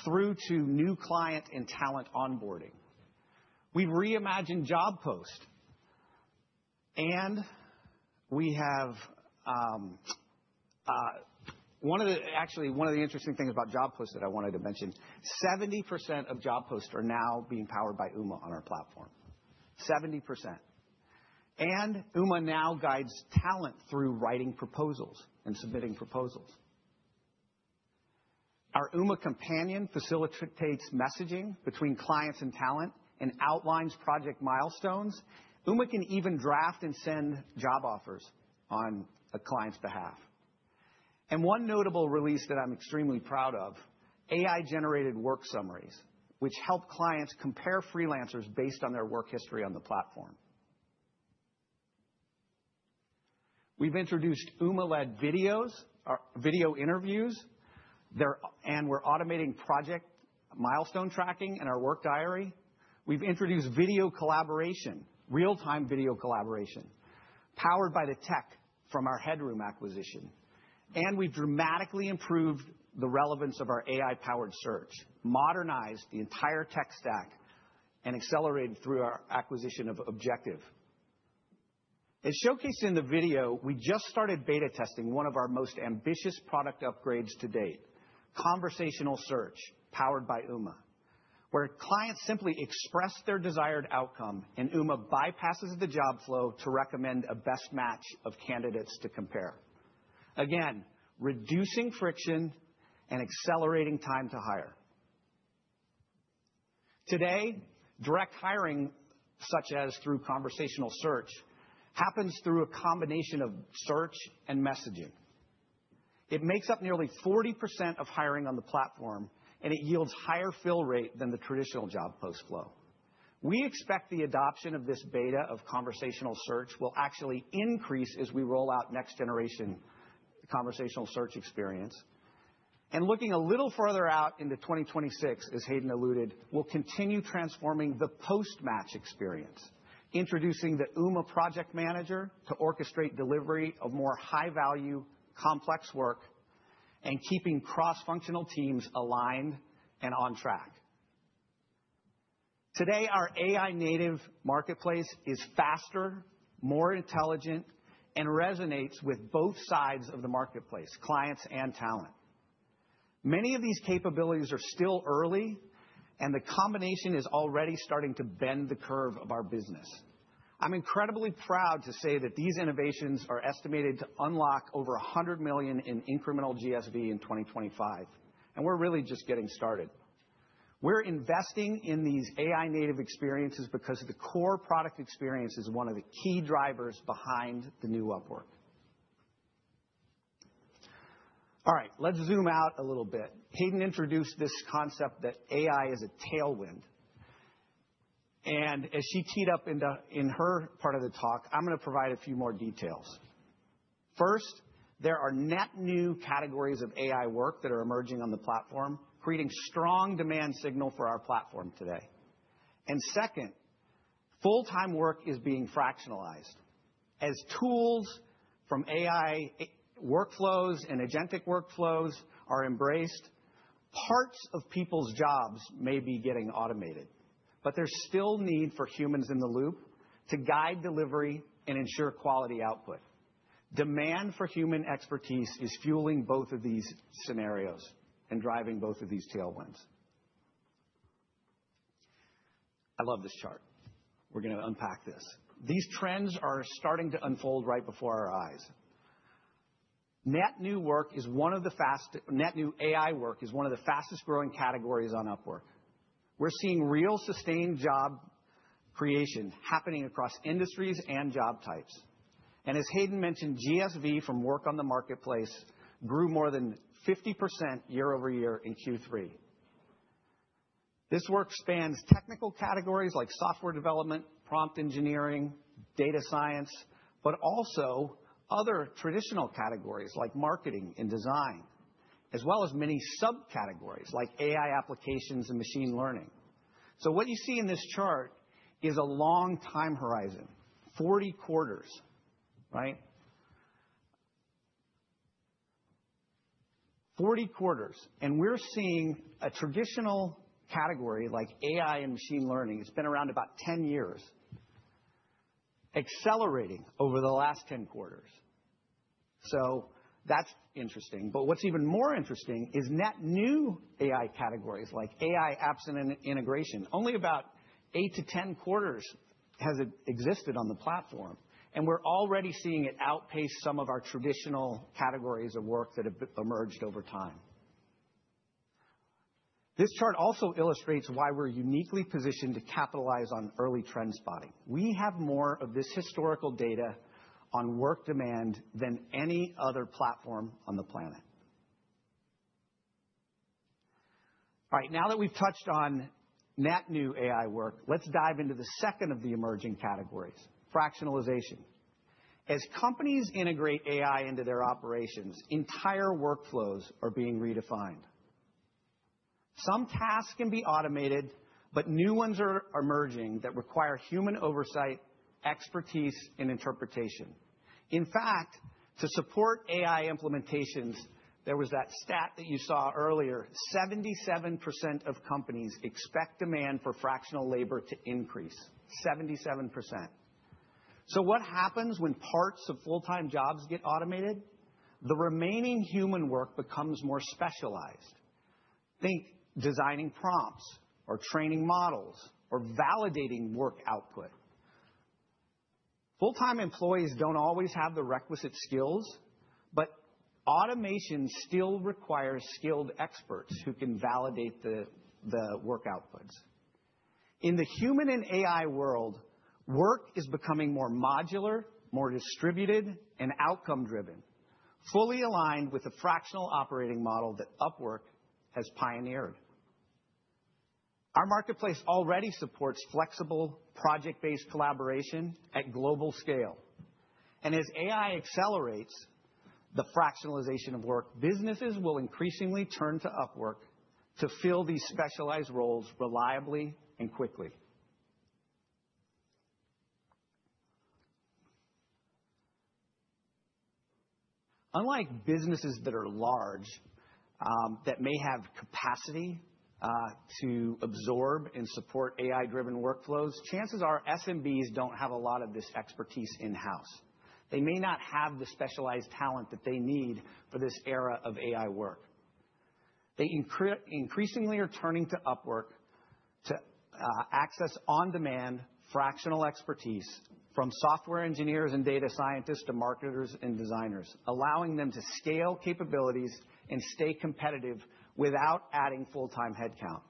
through to new client and talent onboarding. We've reimagined Job Post, and we have one of the, actually, one of the interesting things about Job Post that I wanted to mention. 70% of Job Post are now being powered by Uma on our platform. 70%. Uma now guides talent through writing proposals and submitting proposals. Our Uma companion facilitates messaging between clients and talent and outlines project milestones. Uma can even draft and send job offers on a client's behalf. One notable release that I'm extremely proud of is AI-generated work summaries, which help clients compare freelancers based on their work history on the platform. We've introduced Uma-led videos, video interviews, and we're automating project milestone tracking in our work diary. We've introduced video collaboration, real-time video collaboration, powered by the tech from our Headroom acquisition. We've dramatically improved the relevance of our AI-powered search, modernized the entire tech stack, and accelerated through our acquisition of Objective. As showcased in the video, we just started beta testing one of our most ambitious product upgrades to date, conversational search, powered by Uma, where clients simply express their desired outcome, and Uma bypasses the job flow to recommend a best match of candidates to compare. Again, reducing friction and accelerating time to hire. Today, direct hiring, such as through conversational search, happens through a combination of search and messaging. It makes up nearly 40% of hiring on the platform, and it yields a higher fill rate than the traditional Job Post flow. We expect the adoption of this beta of conversational search will actually increase as we roll out next-generation conversational search experience. Looking a little further out into 2026, as Hayden alluded, we'll continue transforming the post-match experience, introducing the Uma Project Manager to orchestrate delivery of more high-value, complex work and keeping cross-functional teams aligned and on track. Today, our AI-native marketplace is faster, more intelligent, and resonates with both sides of the marketplace, clients and talent. Many of these capabilities are still early, and the combination is already starting to bend the curve of our business. I'm incredibly proud to say that these innovations are estimated to unlock over $100 million in incremental GSV in 2025, and we're really just getting started. We're investing in these AI-native experiences because the core product experience is one of the key drivers behind the new Upwork. All right, let's zoom out a little bit. Hayden introduced this concept that AI is a tailwind. As she teed up in her part of the talk, I'm going to provide a few more details. First, there are net new categories of AI work that are emerging on the platform, creating a strong demand signal for our platform today. Second, full-time work is being fractionalized. As tools from AI workflows and agentic workflows are embraced, parts of people's jobs may be getting automated, but there's still a need for humans in the loop to guide delivery and ensure quality output. Demand for human expertise is fueling both of these scenarios and driving both of these tailwinds. I love this chart. We're going to unpack this. These trends are starting to unfold right before our eyes. Net new AI work is one of the fastest growing categories on Upwork. We're seeing real sustained job creation happening across industries and job types. As Hayden mentioned, GSV from work on the marketplace grew more than 50% year over year in Q3. This work spans technical categories like software development, prompt engineering, data science, but also other traditional categories like marketing and design, as well as many subcategories like AI applications and machine learning. What you see in this chart is a long time horizon, 40 quarters, right? 40 quarters. We're seeing a traditional category like AI and machine learning, it's been around about 10 years, accelerating over the last 10 quarters. That's interesting. What's even more interesting is net new AI categories like AI apps and integration. Only about 8-10 quarters has existed on the platform, and we're already seeing it outpace some of our traditional categories of work that have emerged over time. This chart also illustrates why we're uniquely positioned to capitalize on early trend spotting. We have more of this historical data on work demand than any other platform on the planet. All right, now that we've touched on net new AI work, let's dive into the second of the emerging categories, fractionalization. As companies integrate AI into their operations, entire workflows are being redefined. Some tasks can be automated, but new ones are emerging that require human oversight, expertise, and interpretation. In fact, to support AI implementations, there was that stat that you saw earlier, 77% of companies expect demand for fractional labor to increase, 77%. What happens when parts of full-time jobs get automated? The remaining human work becomes more specialized. Think designing prompts or training models or validating work output. Full-time employees do not always have the requisite skills, but automation still requires skilled experts who can validate the work outputs. In the human and AI world, work is becoming more modular, more distributed, and outcome-driven, fully aligned with the fractional operating model that Upwork has pioneered. Our marketplace already supports flexible project-based collaboration at global scale. As AI accelerates the fractionalization of work, businesses will increasingly turn to Upwork to fill these specialized roles reliably and quickly. Unlike businesses that are large, that may have capacity to absorb and support AI-driven workflows, chances are SMBs do not have a lot of this expertise in-house. They may not have the specialized talent that they need for this era of AI work. They increasingly are turning to Upwork to access on-demand fractional expertise from software engineers and data scientists to marketers and designers, allowing them to scale capabilities and stay competitive without adding full-time headcount.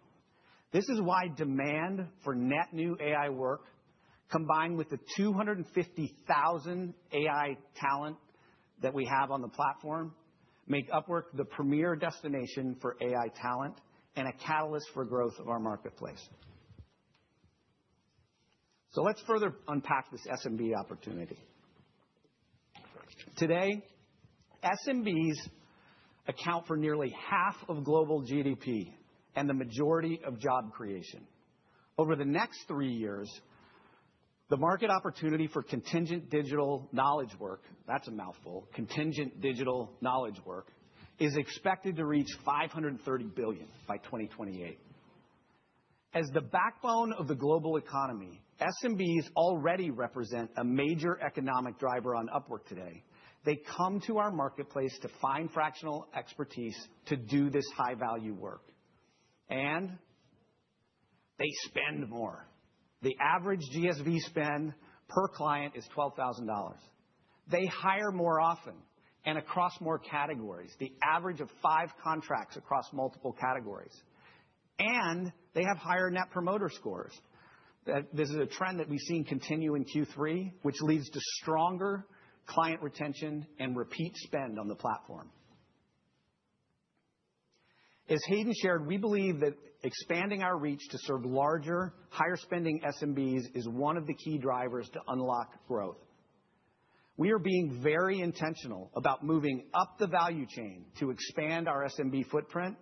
This is why demand for net new AI work, combined with the 250,000 AI talent that we have on the platform, makes Upwork the premier destination for AI talent and a catalyst for growth of our marketplace. Let's further unpack this SMB opportunity. Today, SMBs account for nearly half of global GDP and the majority of job creation. Over the next three years, the market opportunity for contingent digital knowledge work, that's a mouthful, contingent digital knowledge work, is expected to reach $530 billion by 2028. As the backbone of the global economy, SMBs already represent a major economic driver on Upwork today. They come to our marketplace to find fractional expertise to do this high-value work. They spend more. The average GSV spend per client is $12,000. They hire more often and across more categories, the average of five contracts across multiple categories. They have higher net promoter scores. This is a trend that we have seen continue in Q3, which leads to stronger client retention and repeat spend on the platform. As Hayden shared, we believe that expanding our reach to serve larger, higher-spending SMBs is one of the key drivers to unlock growth. We are being very intentional about moving up the value chain to expand our SMB footprint,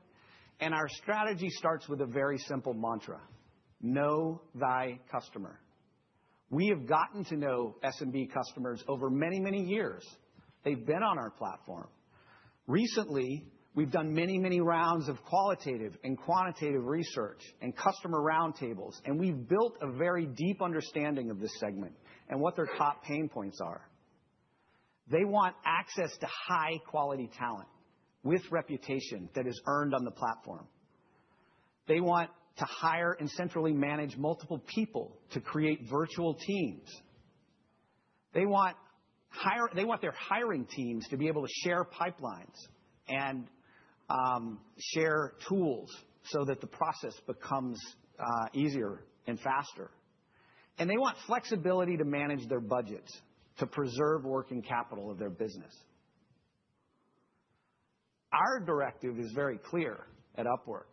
and our strategy starts with a very simple mantra, "Know thy customer." We have gotten to know SMB customers over many, many years. They have been on our platform. Recently, we've done many, many rounds of qualitative and quantitative research and customer round tables, and we've built a very deep understanding of this segment and what their top pain points are. They want access to high-quality talent with reputation that is earned on the platform. They want to hire and centrally manage multiple people to create virtual teams. They want their hiring teams to be able to share pipelines and share tools so that the process becomes easier and faster. They want flexibility to manage their budgets to preserve working capital of their business. Our directive is very clear at Upwork.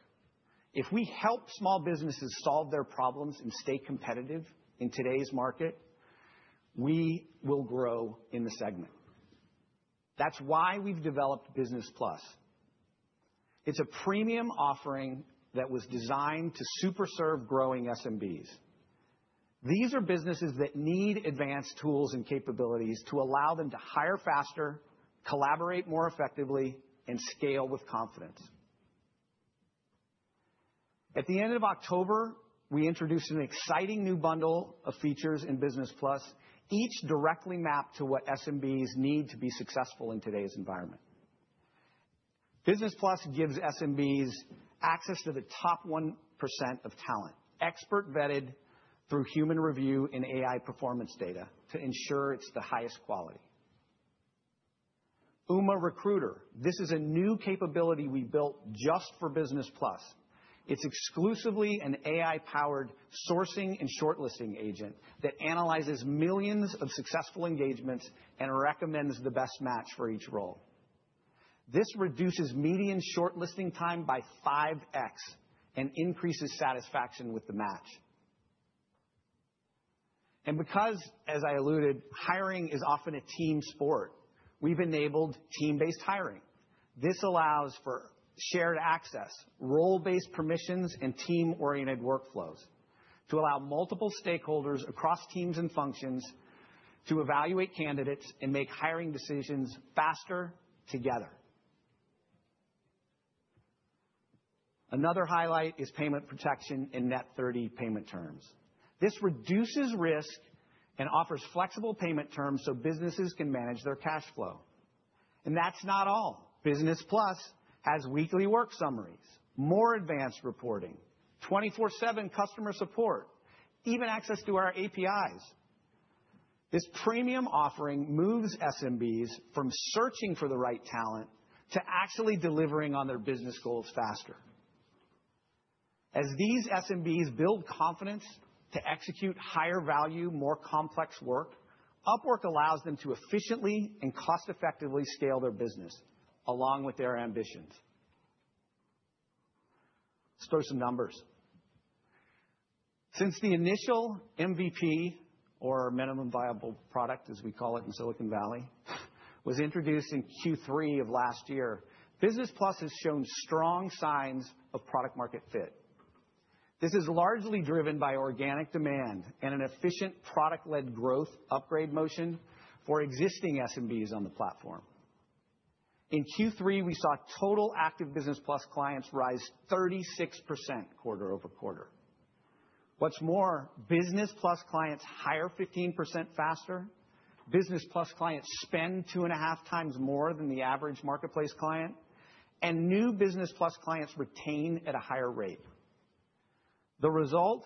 If we help small businesses solve their problems and stay competitive in today's market, we will grow in the segment. That's why we've developed Business Plus. It's a premium offering that was designed to super serve growing SMBs. These are businesses that need advanced tools and capabilities to allow them to hire faster, collaborate more effectively, and scale with confidence. At the end of October, we introduced an exciting new bundle of features in Business Plus, each directly mapped to what SMBs need to be successful in today's environment. Business Plus gives SMBs access to the top 1% of talent, expert-vetted through human review and AI performance data to ensure it's the highest quality. Uma Recruiter, this is a new capability we built just for Business Plus. It's exclusively an AI-powered sourcing and shortlisting agent that analyzes millions of successful engagements and recommends the best match for each role. This reduces median shortlisting time by 5x and increases satisfaction with the match. Because, as I alluded, hiring is often a team sport, we've enabled team-based hiring. This allows for shared access, role-based permissions, and team-oriented workflows to allow multiple stakeholders across teams and functions to evaluate candidates and make hiring decisions faster together. Another highlight is payment protection and net 30 payment terms. This reduces risk and offers flexible payment terms so businesses can manage their cash flow. That is not all. Business Plus has weekly work summaries, more advanced reporting, 24/7 customer support, even access to our APIs. This premium offering moves SMBs from searching for the right talent to actually delivering on their business goals faster. As these SMBs build confidence to execute higher-value, more complex work, Upwork allows them to efficiently and cost-effectively scale their business along with their ambitions. Let's throw some numbers. Since the initial MVP, or minimum viable product, as we call it in Silicon Valley, was introduced in Q3 of last year, Business Plus has shown strong signs of product-market fit. This is largely driven by organic demand and an efficient product-led growth upgrade motion for existing SMBs on the platform. In Q3, we saw total active Business Plus clients rise 36% quarter over quarter. What's more, Business Plus clients hire 15% faster, Business Plus clients spend two and a half times more than the average marketplace client, and new Business Plus clients retain at a higher rate. The result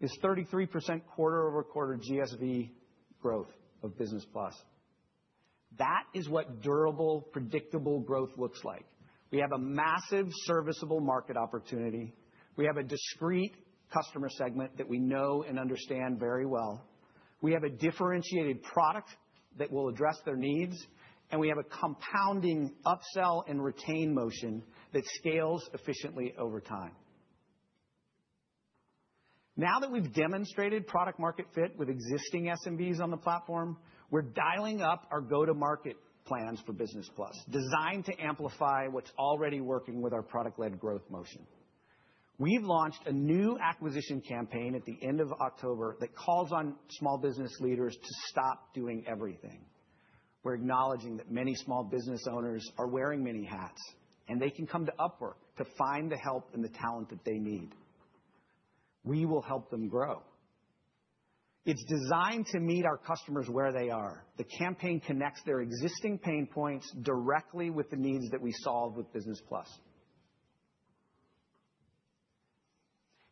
is 33% quarter over quarter GSV growth of Business Plus. That is what durable, predictable growth looks like. We have a massive serviceable market opportunity. We have a discreet customer segment that we know and understand very well. We have a differentiated product that will address their needs, and we have a compounding upsell and retain motion that scales efficiently over time. Now that we've demonstrated product-market fit with existing SMBs on the platform, we're dialing up our go-to-market plans for Business Plus, designed to amplify what's already working with our product-led growth motion. We've launched a new acquisition campaign at the end of October that calls on small business leaders to stop doing everything. We're acknowledging that many small business owners are wearing many hats, and they can come to Upwork to find the help and the talent that they need. We will help them grow. It's designed to meet our customers where they are. The campaign connects their existing pain points directly with the needs that we solve with Business Plus.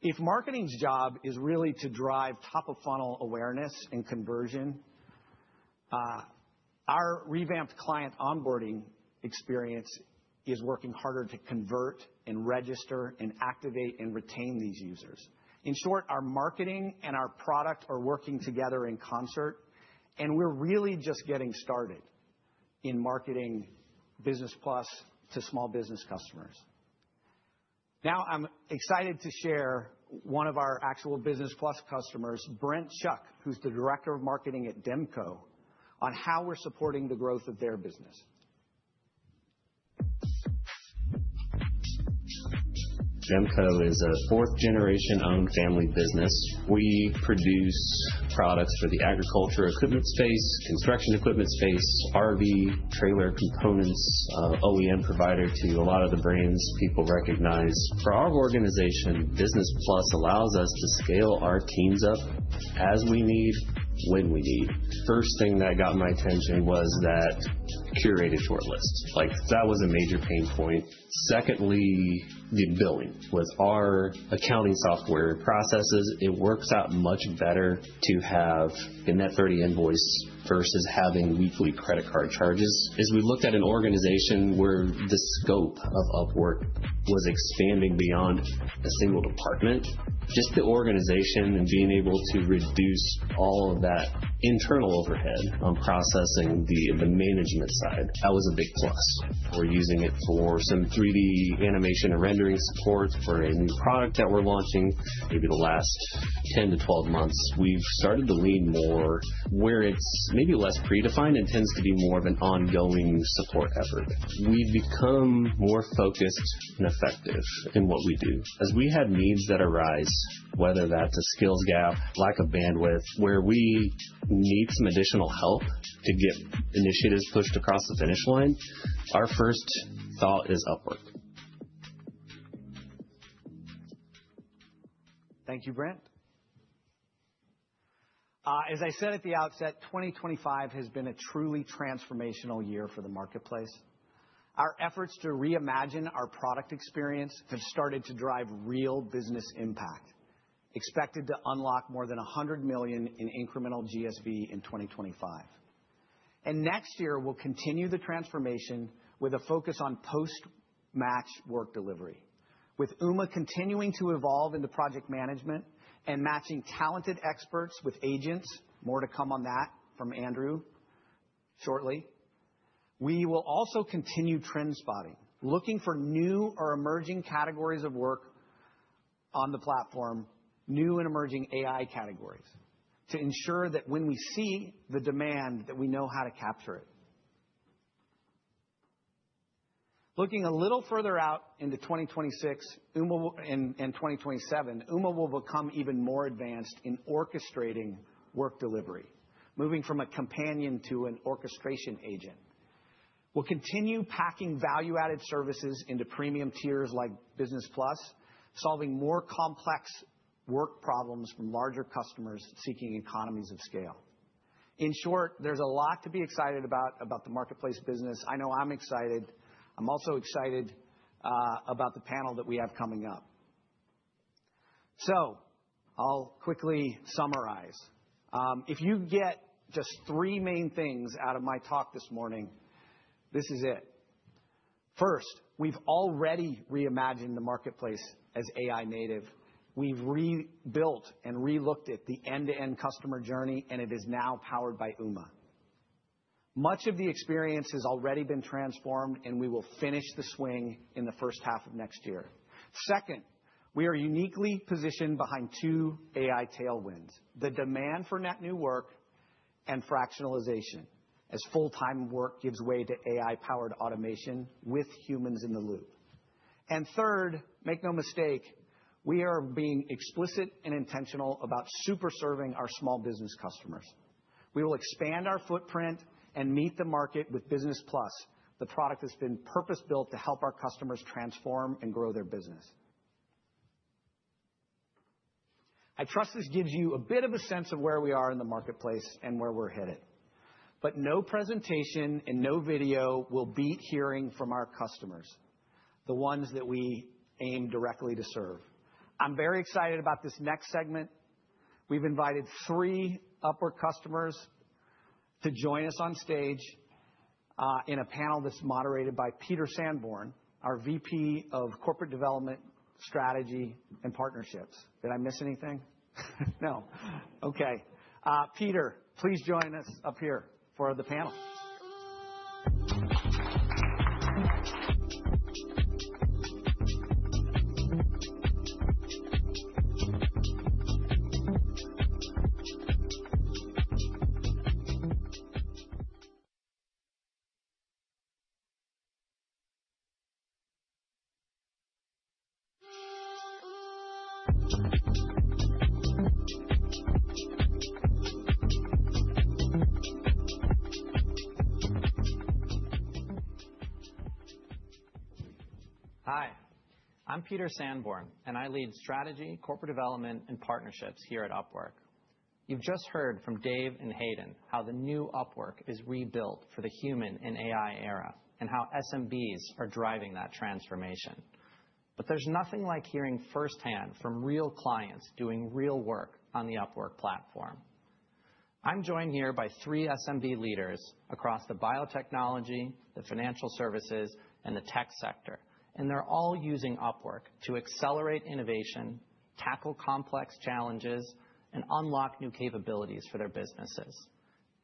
If marketing's job is really to drive top-of-funnel awareness and conversion, our revamped client onboarding experience is working harder to convert and register and activate and retain these users. In short, our marketing and our product are working together in concert, and we're really just getting started in marketing Business Plus to small business customers. Now, I'm excited to share one of our actual Business Plus customers, Brent Schuck, who's the Director of Marketing at Demco, on how we're supporting the growth of their business. Demco is a fourth-generation owned family business. We produce products for the agriculture equipment space, construction equipment space, RV, trailer components, OEM provider to a lot of the brands people recognize. For our organization, Business Plus allows us to scale our teams up as we need, when we need. First thing that got my attention was that curated shortlist. That was a major pain point. Secondly, the billing. With our accounting software processes, it works out much better to have a net 30 invoice versus having weekly credit card charges. As we looked at an organization where the scope of Upwork was expanding beyond a single department, just the organization and being able to reduce all of that internal overhead on processing the management side, that was a big plus. We're using it for some 3D animation and rendering support for a new product that we're launching. Maybe the last 10-12 months, we've started to lean more where it's maybe less predefined and tends to be more of an ongoing support effort. We've become more focused and effective in what we do. As we have needs that arise, whether that's a skills gap, lack of bandwidth, where we need some additional help to get initiatives pushed across the finish line, our first thought is Upwork. Thank you, Brent. As I said at the outset, 2025 has been a truly transformational year for the marketplace. Our efforts to reimagine our product experience have started to drive real business impact. Expected to unlock more than $100 million in incremental GSV in 2025. Next year, we'll continue the transformation with a focus on post-match work delivery. With Uma continuing to evolve into project management and matching talented experts with agents, more to come on that from Andrew shortly, we will also continue trend spotting, looking for new or emerging categories of work on the platform, new and emerging AI categories, to ensure that when we see the demand, that we know how to capture it. Looking a little further out into 2026 and 2027, Uma will become even more advanced in orchestrating work delivery, moving from a companion to an orchestration agent. We'll continue packing value-added services into premium tiers like Business Plus, solving more complex work problems from larger customers seeking economies of scale. In short, there's a lot to be excited about about the marketplace business. I know I'm excited. I'm also excited about the panel that we have coming up. So I'll quickly summarize. If you get just three main things out of my talk this morning, this is it. First, we have already reimagined the marketplace as AI native. We have rebuilt and relooked at the end-to-end customer journey, and it is now powered by Uma. Much of the experience has already been transformed, and we will finish the swing in the first half of next year. Second, we are uniquely positioned behind two AI tailwinds, the demand for net new work and fractionalization, as full-time work gives way to AI-powered automation with humans in the loop. Third, make no mistake, we are being explicit and intentional about super serving our small business customers. We will expand our footprint and meet the market with Business Plus, the product that has been purpose-built to help our customers transform and grow their business. I trust this gives you a bit of a sense of where we are in the marketplace and where we're headed. No presentation and no video will beat hearing from our customers, the ones that we aim directly to serve. I'm very excited about this next segment. We've invited three Upwork customers to join us on stage in a panel that's moderated by Peter Sanborn, our VP of Corporate Development, Strategy, and Partnerships. Did I miss anything? No. Okay. Peter, please join us up here for the panel. Hi. I'm Peter Sanborn, and I lead strategy, corporate development, and partnerships here at Upwork. You've just heard from Dave and Hayden how the new Upwork is rebuilt for the human and AI era and how SMBs are driving that transformation. There's nothing like hearing firsthand from real clients doing real work on the Upwork platform. I'm joined here by three SMB leaders across the biotechnology, the financial services, and the tech sector. They're all using Upwork to accelerate innovation, tackle complex challenges, and unlock new capabilities for their businesses.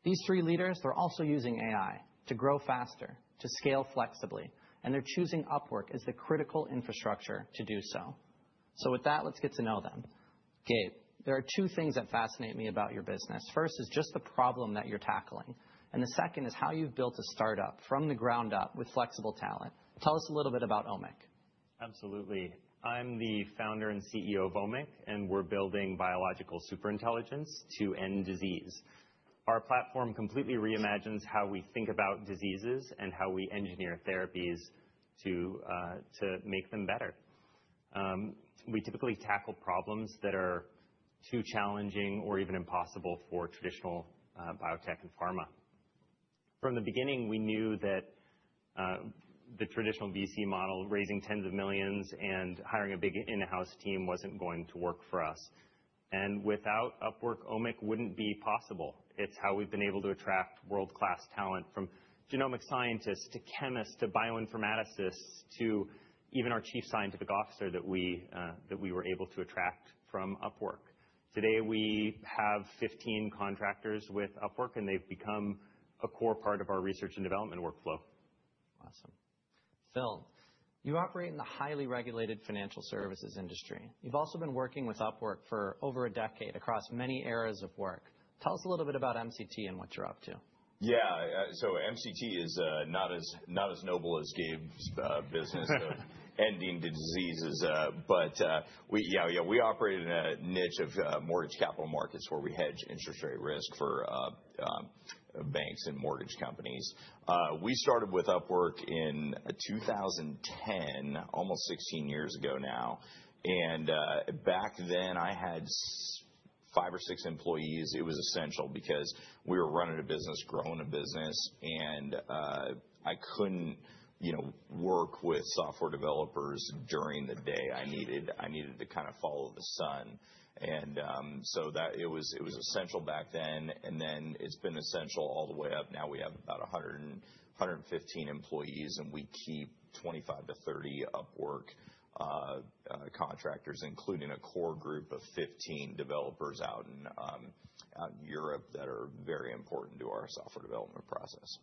These three leaders, they're also using AI to grow faster, to scale flexibly, and they're choosing Upwork as the critical infrastructure to do so. With that, let's get to know them. Gabe, there are two things that fascinate me about your business. First is just the problem that you're tackling. The second is how you've built a startup from the ground up with flexible talent. Tell us a little bit about OMIC. Absolutely. I'm the founder and CEO of OMIC, and we're building biological superintelligence to end disease. Our platform completely reimagines how we think about diseases and how we engineer therapies to make them better. We typically tackle problems that are too challenging or even impossible for traditional biotech and pharma. From the beginning, we knew that the traditional VC model, raising tens of millions and hiring a big in-house team, was not going to work for us. Without Upwork, OMIC would not be possible. It is how we have been able to attract world-class talent from genomic scientists to chemists to bioinformaticists to even our Chief Scientific Officer that we were able to attract from Upwork. Today, we have 15 contractors with Upwork, and they have become a core part of our research and development workflow. Awesome. Phil, you operate in the highly regulated financial services industry. You have also been working with Upwork for over a decade across many areas of work. Tell us a little bit about MCT and what you are up to. Yeah. MCT is not as noble as Gabe's business of ending the diseases. Yeah, we operate in a niche of mortgage capital markets where we hedge interest rate risk for banks and mortgage companies. We started with Upwork in 2010, almost 16 years ago now. Back then, I had five or six employees. It was essential because we were running a business, growing a business, and I couldn't work with software developers during the day. I needed to kind of follow the sun. It was essential back then. It's been essential all the way up. Now we have about 115 employees, and we keep 25-30 Upwork contractors, including a core group of 15 developers out in Europe that are very important to our software development process.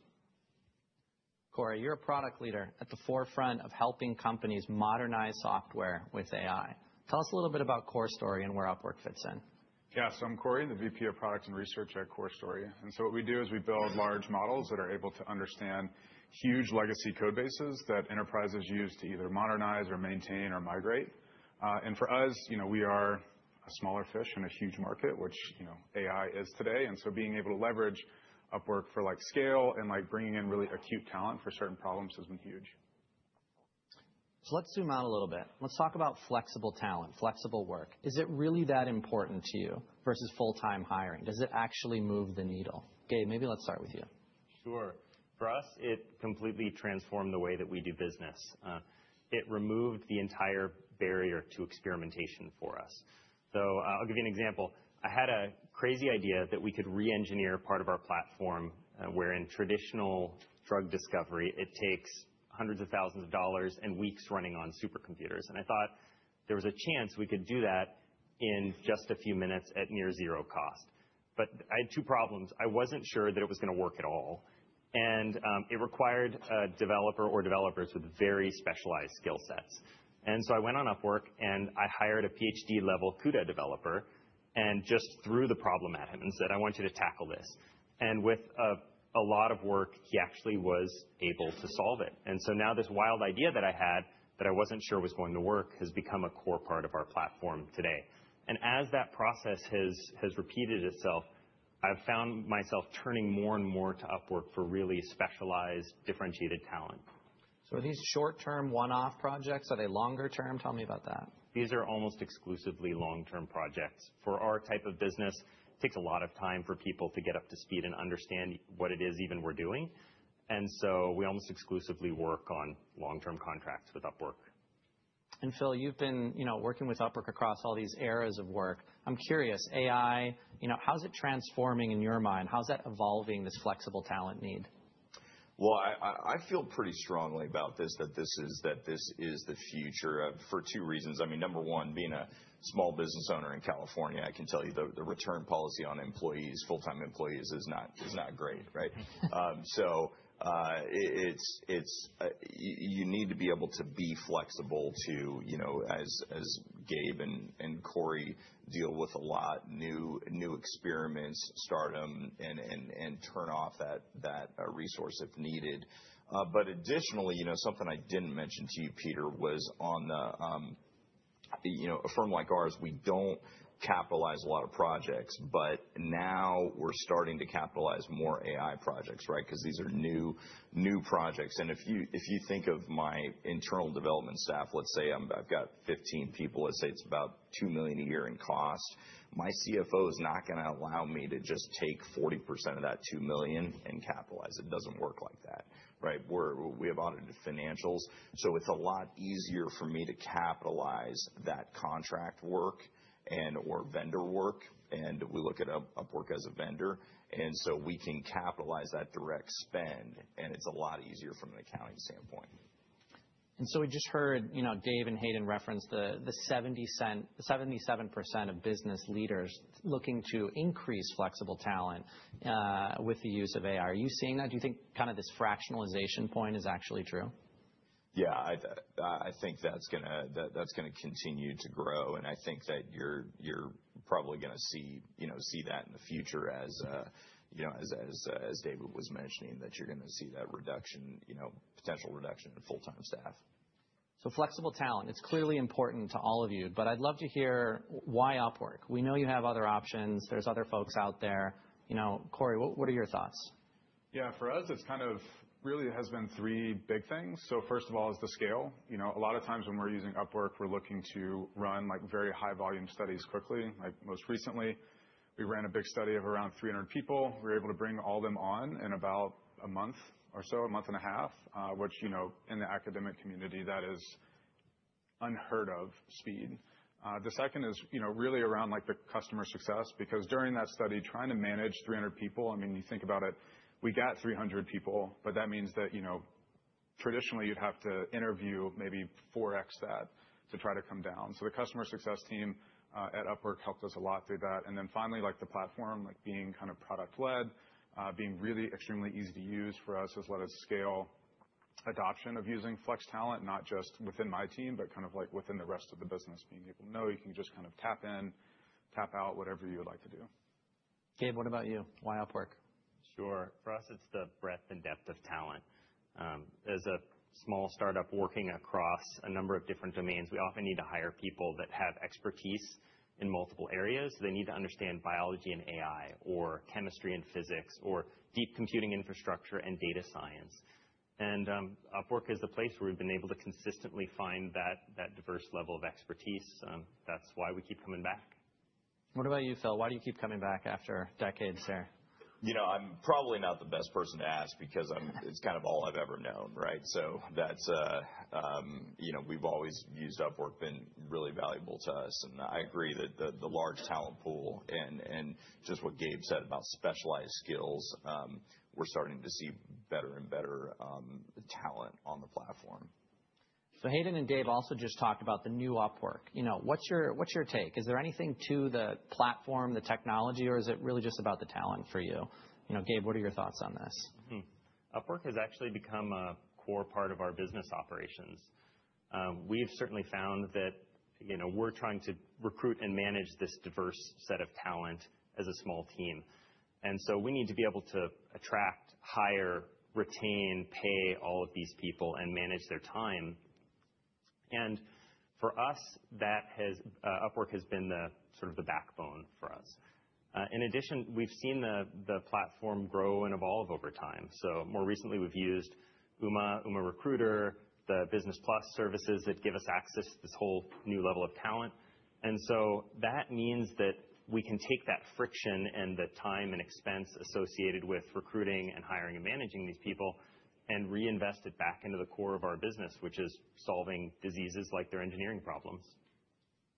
Corey, you're a product leader at the forefront of helping companies modernize software with AI. Tell us a little bit about CoreStory and where Upwork fits in. Yeah. I'm Corey, the VP of Product and Research at CoreStory. What we do is we build large models that are able to understand huge legacy code bases that enterprises use to either modernize or maintain or migrate. For us, we are a smaller fish in a huge market, which AI is today. Being able to leverage Upwork for scale and bringing in really acute talent for certain problems has been huge. Let's zoom out a little bit. Let's talk about flexible talent, flexible work. Is it really that important to you versus full-time hiring? Does it actually move the needle? Gabe, maybe let's start with you. Sure. For us, it completely transformed the way that we do business. It removed the entire barrier to experimentation for us. I'll give you an example. I had a crazy idea that we could re-engineer part of our platform where in traditional drug discovery, it takes hundreds of thousands of dollars and weeks running on supercomputers. I thought there was a chance we could do that in just a few minutes at near zero cost. I had two problems. I was not sure that it was going to work at all. It required a developer or developers with very specialized skill sets. I went on Upwork and I hired a PhD-level CUDA developer and just threw the problem at him and said, "I want you to tackle this." With a lot of work, he actually was able to solve it. Now this wild idea that I had that I was not sure was going to work has become a core part of our platform today. As that process has repeated itself, I've found myself turning more and more to Upwork for really specialized, differentiated talent. Are these short-term one-off projects? Are they longer-term? Tell me about that. These are almost exclusively long-term projects. For our type of business, it takes a lot of time for people to get up to speed and understand what it is even we're doing. We almost exclusively work on long-term contracts with Upwork. Phil, you've been working with Upwork across all these eras of work. I'm curious, AI, how's it transforming in your mind? How's that evolving this flexible talent need? I feel pretty strongly about this, that this is the future for two reasons. I mean, number one, being a small business owner in California, I can tell you the return policy on employees, full-time employees is not great, right? You need to be able to be flexible to, as Gabe and Corey deal with a lot, new experiments, start them, and turn off that resource if needed. Additionally, something I did not mention to you, Peter, was on a firm like ours, we do not capitalize a lot of projects, but now we are starting to capitalize more AI projects, right? Because these are new projects. If you think of my internal development staff, let's say I have 15 people, let's say it is about $2 million a year in cost. My CFO is not going to allow me to just take 40% of that $2 million and capitalize. It does not work like that, right? We have audited financials. It is a lot easier for me to capitalize that contract work and/or vendor work. We look at Upwork as a vendor. We can capitalize that direct spend. It's a lot easier from an accounting standpoint. We just heard Dave and Hayden reference the 77% of business leaders looking to increase flexible talent with the use of AI. Are you seeing that? Do you think kind of this fractionalization point is actually true? Yeah. I think that's going to continue to grow. I think that you're probably going to see that in the future, as Dave was mentioning, that you're going to see that potential reduction in full-time staff. Flexible talent, it's clearly important to all of you. I'd love to hear why Upwork. We know you have other options. There's other folks out there. Corey, what are your thoughts? Yeah. For us, it kind of really has been three big things. First of all is the scale. A lot of times when we're using Upwork, we're looking to run very high-volume studies quickly. Most recently, we ran a big study of around 300 people. We were able to bring all of them on in about a month or so, a month and a half, which in the academic community, that is unheard of speed. The second is really around the customer success because during that study, trying to manage 300 people, I mean, you think about it, we got 300 people, but that means that traditionally, you'd have to interview maybe 4X that to try to come down. The customer success team at Upwork helped us a lot through that. Finally, the platform being kind of product-led, being really extremely easy to use for us has let us scale adoption of using flex talent, not just within my team, but kind of within the rest of the business, being able to know you can just kind of tap in, tap out, whatever you would like to do. Gabe, what about you? Why Upwork? Sure. For us, it's the breadth and depth of talent. As a small startup working across a number of different domains, we often need to hire people that have expertise in multiple areas. They need to understand biology and AI or chemistry and physics or deep computing infrastructure and data science. Upwork is the place where we've been able to consistently find that diverse level of expertise. That's why we keep coming back. What about you, Phil? Why do you keep coming back after decades here? I'm probably not the best person to ask because it's kind of all I've ever known, right? We've always used Upwork, been really valuable to us. I agree that the large talent pool and just what Gabe said about specialized skills, we're starting to see better and better talent on the platform. Hayden and Dave also just talked about the new Upwork. What's your take? Is there anything to the platform, the technology, or is it really just about the talent for you? Gabe, what are your thoughts on this? Upwork has actually become a core part of our business operations. We have certainly found that we're trying to recruit and manage this diverse set of talent as a small team. We need to be able to attract, hire, retain, pay all of these people, and manage their time. For us, Upwork has been sort of the backbone for us. In addition, we've seen the platform grow and evolve over time. More recently, we've used Uma, Uma Recruiter, the Business Plus services that give us access to this whole new level of talent. That means that we can take that friction and the time and expense associated with recruiting and hiring and managing these people and reinvest it back into the core of our business, which is solving diseases like their engineering problems.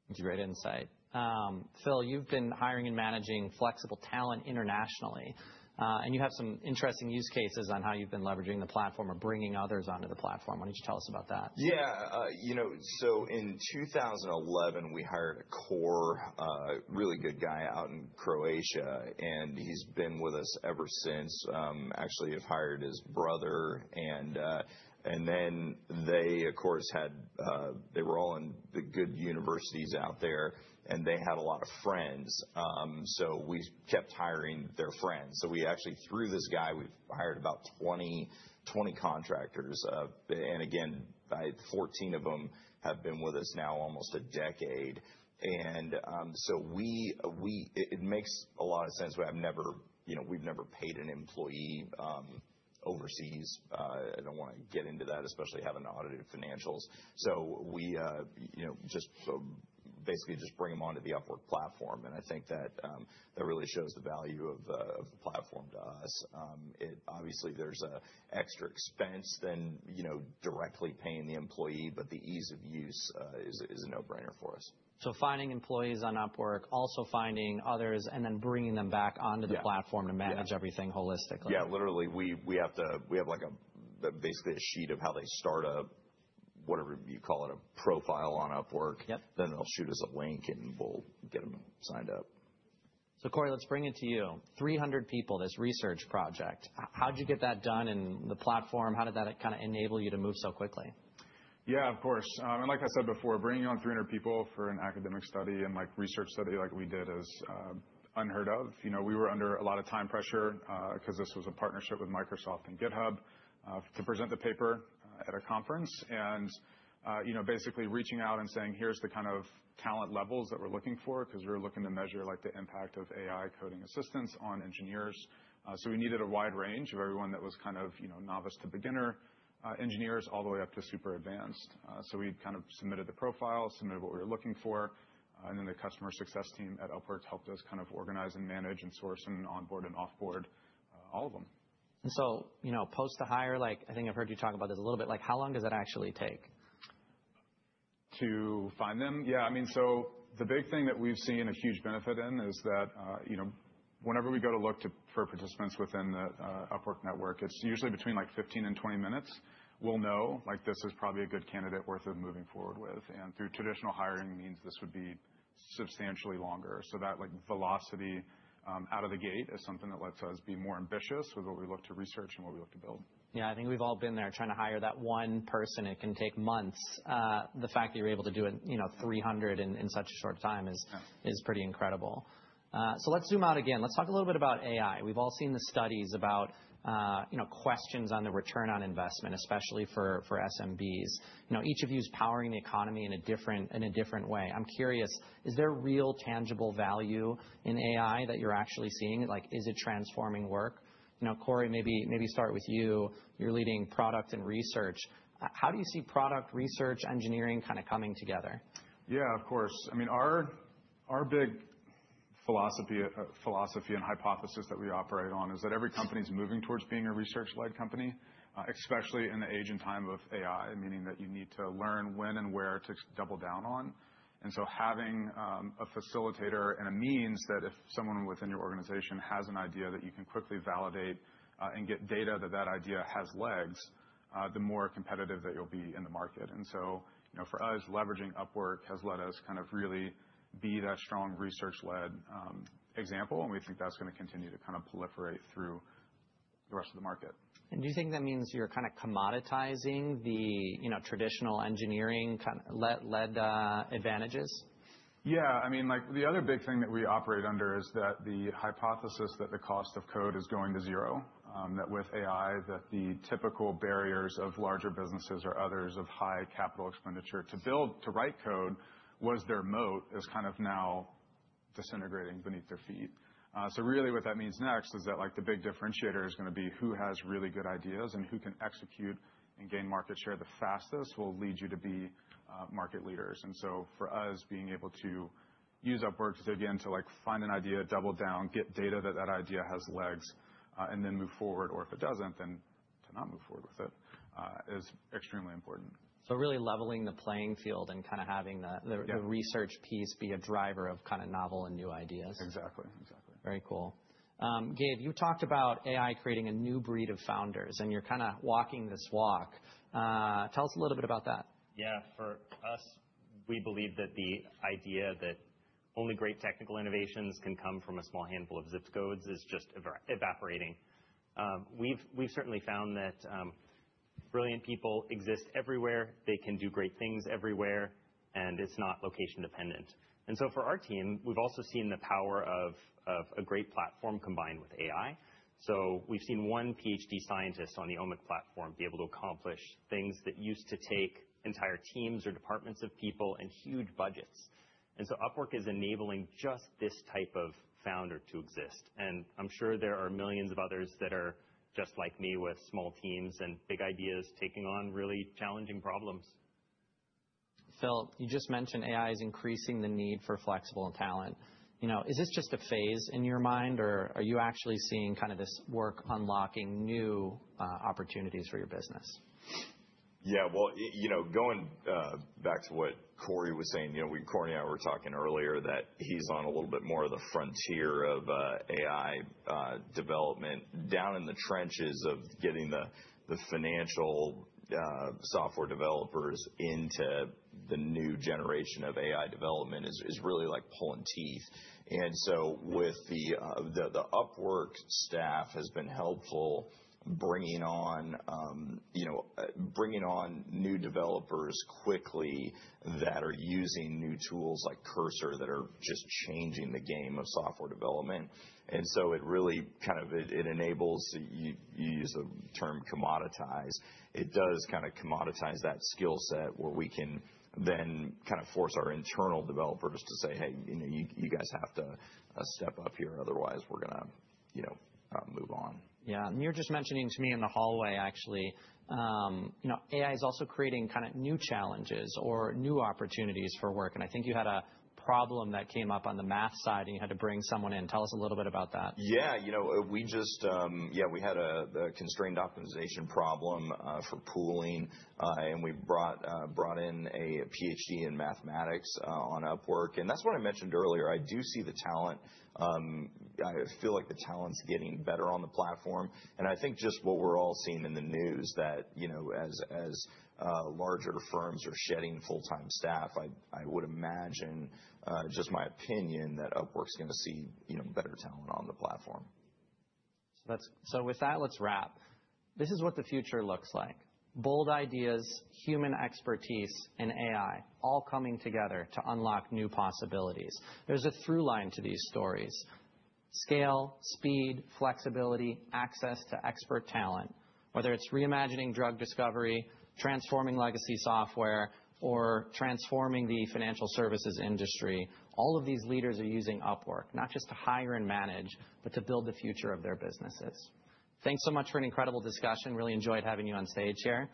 That's a great insight. Phil, you've been hiring and managing flexible talent internationally. You have some interesting use cases on how you've been leveraging the platform or bringing others onto the platform. Why don't you tell us about that? Yeah. In 2011, we hired a core, really good guy out in Croatia. He's been with us ever since. Actually, I've hired his brother. They were all in the good universities out there, and they had a lot of friends. We kept hiring their friends. Through this guy, we've hired about 20 contractors. Fourteen of them have been with us now almost a decade. It makes a lot of sense. We've never paid an employee overseas. I don't want to get into that, especially having audited financials. We just basically bring them onto the Upwork platform. I think that really shows the value of the platform to us. Obviously, there's an extra expense than directly paying the employee, but the ease of use is a no-brainer for us. Finding employees on Upwork, also finding others, and then bringing them back onto the platform to manage everything holistically. Yeah, literally. We have basically a sheet of how they start up, whatever you call it, a profile on Upwork. Then they'll shoot us a link, and we'll get them signed up. Corey, let's bring it to you. 300 people, this research project. How did you get that done in the platform? How did that kind of enable you to move so quickly? Yeah, of course. Like I said before, bringing on 300 people for an academic study and research study like we did is unheard of. We were under a lot of time pressure because this was a partnership with Microsoft and GitHub to present the paper at a conference. Basically reaching out and saying, "Here's the kind of talent levels that we're looking for because we're looking to measure the impact of AI coding assistance on engineers." We needed a wide range of everyone that was kind of novice to beginner engineers all the way up to super advanced. We kind of submitted the profile, submitted what we were looking for. The customer success team at Upwork helped us kind of organize and manage and source and onboard and offboard all of them. Post the hire, I think I've heard you talk about this a little bit. How long does that actually take? To find them? Yeah. I mean, the big thing that we've seen a huge benefit in is that whenever we go to look for participants within the Upwork network, it's usually between 15-20 minutes. We'll know this is probably a good candidate worth moving forward with. Through traditional hiring means this would be substantially longer. That velocity out of the gate is something that lets us be more ambitious with what we look to research and what we look to build. Yeah, I think we've all been there trying to hire that one person. It can take months. The fact that you're able to do 300 in such a short time is pretty incredible. Let's zoom out again. Let's talk a little bit about AI. We've all seen the studies about questions on the return on investment, especially for SMBs. Each of you is powering the economy in a different way. I'm curious, is there real tangible value in AI that you're actually seeing? Is it transforming work? Corey, maybe start with you. You're leading product and research. How do you see product, research, engineering kind of coming together? Yeah, of course. I mean, our big philosophy and hypothesis that we operate on is that every company is moving towards being a research-led company, especially in the age and time of AI, meaning that you need to learn when and where to double down on. Having a facilitator and a means that if someone within your organization has an idea that you can quickly validate and get data that that idea has legs, the more competitive that you'll be in the market. For us, leveraging Upwork has let us kind of really be that strong research-led example. We think that's going to continue to kind of proliferate through the rest of the market. Do you think that means you're kind of commoditizing the traditional engineering-led advantages? Yeah. I mean, the other big thing that we operate under is that the hypothesis that the cost of code is going to zero, that with AI, that the typical barriers of larger businesses or others of high capital expenditure to write code was their moat is kind of now disintegrating beneath their feet. Really what that means next is that the big differentiator is going to be who has really good ideas and who can execute and gain market share the fastest will lead you to be market leaders. For us, being able to use Upwork to, again, to find an idea, double down, get data that that idea has legs, and then move forward. Or if it does not, then to not move forward with it is extremely important. Really leveling the playing field and kind of having the research piece be a driver of kind of novel and new ideas. Exactly. Exactly. Very cool. Gabe, you talked about AI creating a new breed of founders, and you're kind of walking this walk. Tell us a little bit about that. Yeah. For us, we believe that the idea that only great technical innovations can come from a small handful of zip codes is just evaporating. We've certainly found that brilliant people exist everywhere. They can do great things everywhere, and it's not location-dependent. For our team, we've also seen the power of a great platform combined with AI. We've seen one PhD scientist on the OMIC platform be able to accomplish things that used to take entire teams or departments of people and huge budgets. Upwork is enabling just this type of founder to exist. I'm sure there are millions of others that are just like me with small teams and big ideas taking on really challenging problems. Phil, you just mentioned AI is increasing the need for flexible talent. Is this just a phase in your mind, or are you actually seeing kind of this work unlocking new opportunities for your business? Yeah. Going back to what Corey was saying, Corey and I were talking earlier that he's on a little bit more of the frontier of AI development. Down in the trenches of getting the financial software developers into the new generation of AI development is really like pulling teeth. With the Upwork staff, it has been helpful bringing on new developers quickly that are using new tools like Cursor that are just changing the game of software development. It really kind of enables—you use the term commoditize. It does kind of commoditize that skill set where we can then kind of force our internal developers to say, "Hey, you guys have to step up here. Otherwise, we're going to move on." You were just mentioning to me in the hallway, actually, AI is also creating kind of new challenges or new opportunities for work. I think you had a problem that came up on the math side, and you had to bring someone in. Tell us a little bit about that. Yeah. We had a constrained optimization problem for pooling, and we brought in a PhD in mathematics on Upwork. That's what I mentioned earlier. I do see the talent. I feel like the talent's getting better on the platform. I think just what we're all seeing in the news, that as larger firms are shedding full-time staff, I would imagine, just my opinion, that Upwork's going to see better talent on the platform. With that, let's wrap. This is what the future looks like. Bold ideas, human expertise, and AI all coming together to unlock new possibilities. There's a through line to these stories: scale, speed, flexibility, access to expert talent. Whether it's reimagining drug discovery, transforming legacy software, or transforming the financial services industry, all of these leaders are using Upwork not just to hire and manage, but to build the future of their businesses. Thanks so much for an incredible discussion. Really enjoyed having you on stage here.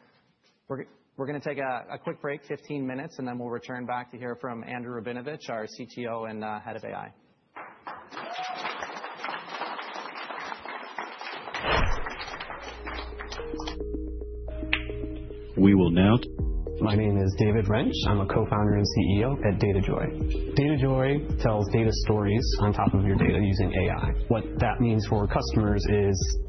We're going to take a quick break, 15 minutes, and then we'll return back to hear from Andrew Rabinovich, our CTO and head of AI. We will now. My name is David Wrench. I'm a co-founder and CEO at Data Joy. Data Joy tells data stories on top of your data using AI. What that means for customers is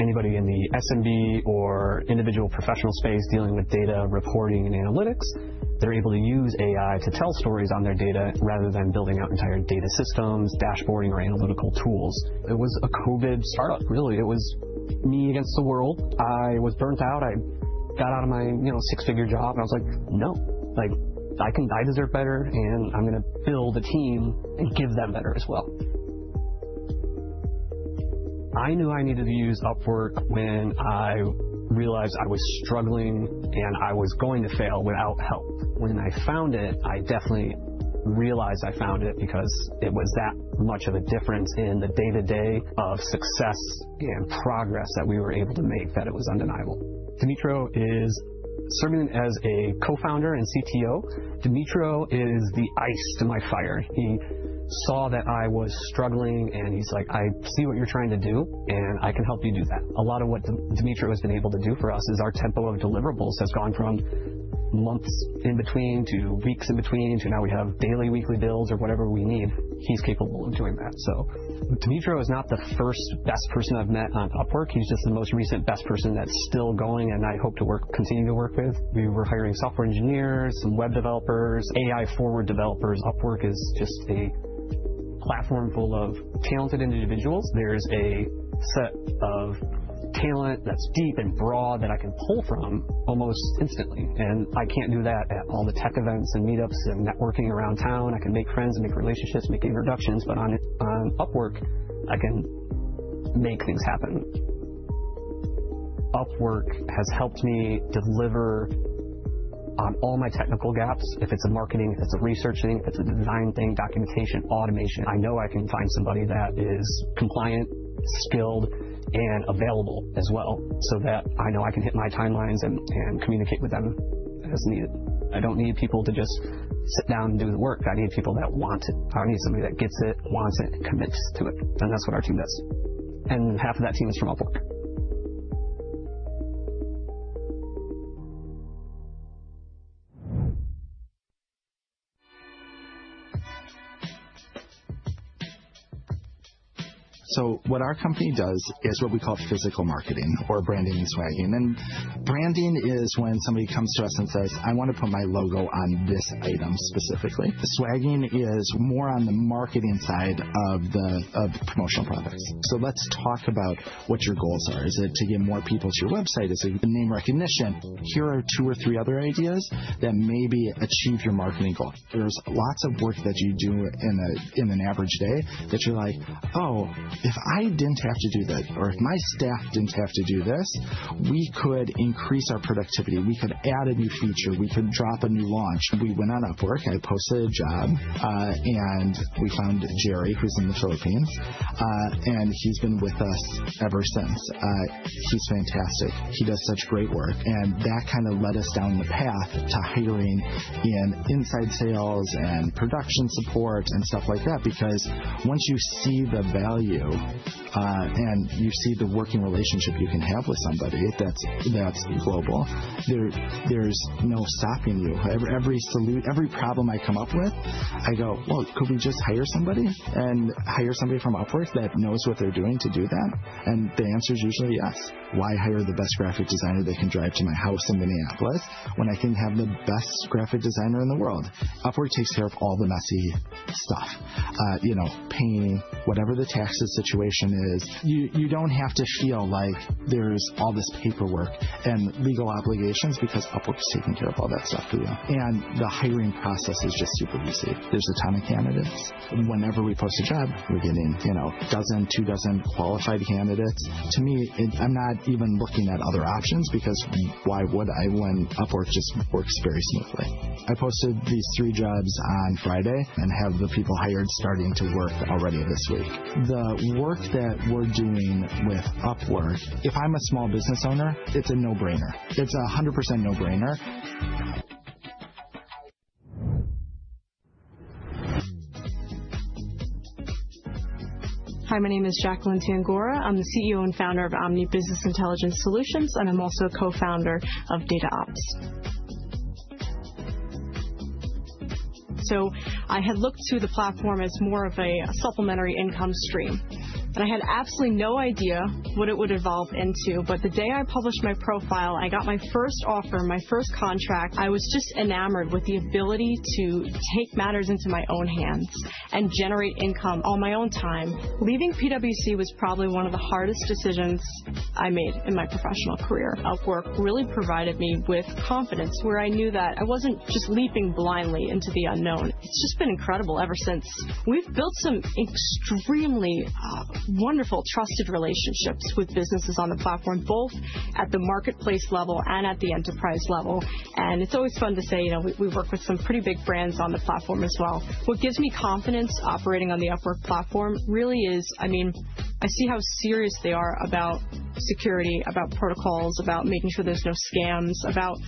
anybody in the SMB or individual professional space dealing with data, reporting, and analytics, they're able to use AI to tell stories on their data rather than building out entire data systems, dashboarding, or analytical tools. It was a COVID startup, really. It was me against the world. I was burnt out. I got out of my six-figure job, and I was like, "No. I deserve better, and I'm going to build a team and give them better as well. I knew I needed to use Upwork when I realized I was struggling and I was going to fail without help. When I found it, I definitely realized I found it because it was that much of a difference in the day-to-day of success and progress that we were able to make that it was undeniable. Demetrio is serving as a co-founder and CTO. Demetrio is the ice to my fire. He saw that I was struggling, and he's like, "I see what you're trying to do, and I can help you do that." A lot of what Demetrio has been able to do for us is our tempo of deliverables has gone from months in between to weeks in between to now we have daily, weekly bills or whatever we need. He's capable of doing that. Demetrio is not the first best person I've met on Upwork. He's just the most recent best person that's still going and I hope to continue to work with. We were hiring software engineers, some web developers, AI-forward developers. Upwork is just a platform full of talented individuals. There's a set of talent that's deep and broad that I can pull from almost instantly. I can't do that at all the tech events and meetups and networking around town. I can make friends and make relationships, make introductions, but on Upwork, I can make things happen. Upwork has helped me deliver on all my technical gaps. If it's a marketing, if it's a research thing, if it's a design thing, documentation, automation, I know I can find somebody that is compliant, skilled, and available as well so that I know I can hit my timelines and communicate with them as needed. I don't need people to just sit down and do the work. I need people that want it. I need somebody that gets it, wants it, and commits to it. That is what our team does. Half of that team is from Upwork. What our company does is what we call physical marketing or branding and swagging. Branding is when somebody comes to us and says, "I want to put my logo on this item specifically." Swagging is more on the marketing side of promotional products. Let's talk about what your goals are. Is it to get more people to your website? Is it name recognition? Here are two or three other ideas that maybe achieve your marketing goal. There is lots of work that you do in an average day that you are like, "Oh, if I did not have to do that or if my staff did not have to do this, we could increase our productivity. We could add a new feature. We could drop a new launch." We went on Upwork. I posted a job, and we found Jerry, who is in the Philippines, and he has been with us ever since. He is fantastic. He does such great work. That kind of led us down the path to hiring in inside sales and production support and stuff like that because once you see the value and you see the working relationship you can have with somebody that is global, there is no stopping you. Every problem I come up with, I go, "Well, could we just hire somebody and hire somebody from Upwork that knows what they're doing to do that?" The answer is usually yes. Why hire the best graphic designer that can drive to my house in Minneapolis when I can have the best graphic designer in the world? Upwork takes care of all the messy stuff, painting, whatever the taxes situation is. You do not have to feel like there is all this paperwork and legal obligations because Upwork is taking care of all that stuff for you. The hiring process is just super easy. There is a ton of candidates. Whenever we post a job, we are getting a dozen, two dozen qualified candidates. To me, I am not even looking at other options because why would I when Upwork just works very smoothly? I posted these three jobs on Friday and have the people hired starting to work already this week. The work that we're doing with Upwork, if I'm a small business owner, it's a no-brainer. It's a 100% no-brainer. Hi, my name is Jacqueline Tangora. I'm the CEO and founder of Omni Business Intelligence Solutions, and I'm also a co-founder of Data Ops. I had looked to the platform as more of a supplementary income stream, and I had absolutely no idea what it would evolve into. The day I published my profile, I got my first offer, my first contract. I was just enamored with the ability to take matters into my own hands and generate income on my own time. Leaving PwC was probably one of the hardest decisions I made in my professional career. Upwork really provided me with confidence where I knew that I wasn't just leaping blindly into the unknown. It's just been incredible ever since. We've built some extremely wonderful, trusted relationships with businesses on the platform, both at the marketplace level and at the enterprise level. It's always fun to say we work with some pretty big brands on the platform as well. What gives me confidence operating on the Upwork platform really is, I mean, I see how serious they are about security, about protocols, about making sure there's no scams, about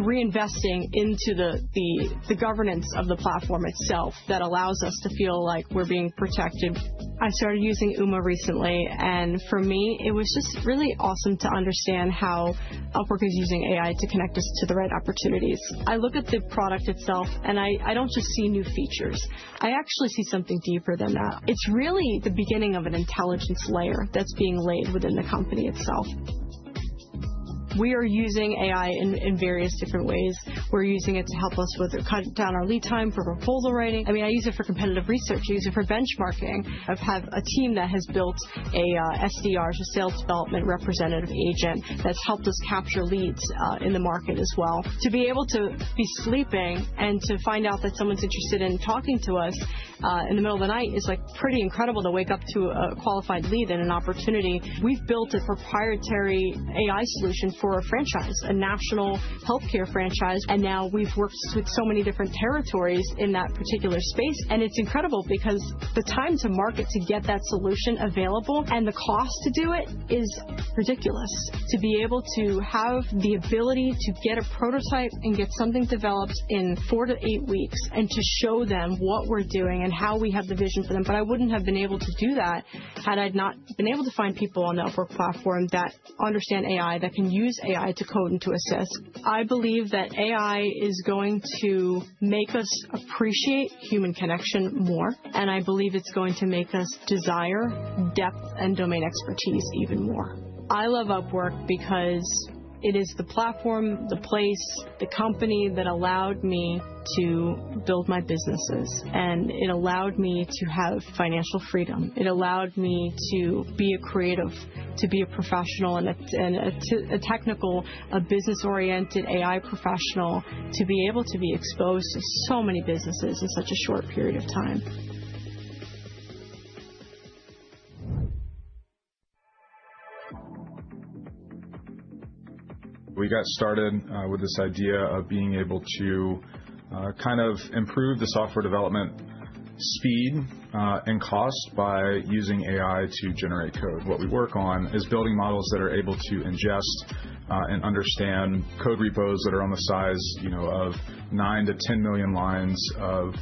reinvesting into the governance of the platform itself that allows us to feel like we're being protected. I started using Uma recently, and for me, it was just really awesome to understand how Upwork is using AI to connect us to the right opportunities. I look at the product itself, and I don't just see new features. I actually see something deeper than that. It's really the beginning of an intelligence layer that's being laid within the company itself. We are using AI in various different ways. We're using it to help us with cutting down our lead time for proposal writing. I mean, I use it for competitive research. I use it for benchmarking. I have a team that has built a SDR, so Sales Development Representative Agent, that's helped us capture leads in the market as well. To be able to be sleeping and to find out that someone's interested in talking to us in the middle of the night is pretty incredible to wake up to a qualified lead and an opportunity. We've built a proprietary AI solution for a franchise, a national healthcare franchise, and now we've worked with so many different territories in that particular space. It's incredible because the time to market to get that solution available and the cost to do it is ridiculous. To be able to have the ability to get a prototype and get something developed in four to eight weeks and to show them what we're doing and how we have the vision for them. I wouldn't have been able to do that had I not been able to find people on the Upwork platform that understand AI, that can use AI to code and to assist. I believe that AI is going to make us appreciate human connection more, and I believe it's going to make us desire depth and domain expertise even more. I love Upwork because it is the platform, the place, the company that allowed me to build my businesses, and it allowed me to have financial freedom. It allowed me to be a creative, to be a professional, and a technical, a business-oriented AI professional, to be able to be exposed to so many businesses in such a short period of time. We got started with this idea of being able to kind of improve the software development speed and cost by using AI to generate code. What we work on is building models that are able to ingest and understand code repos that are on the size of 9 to 10 million lines of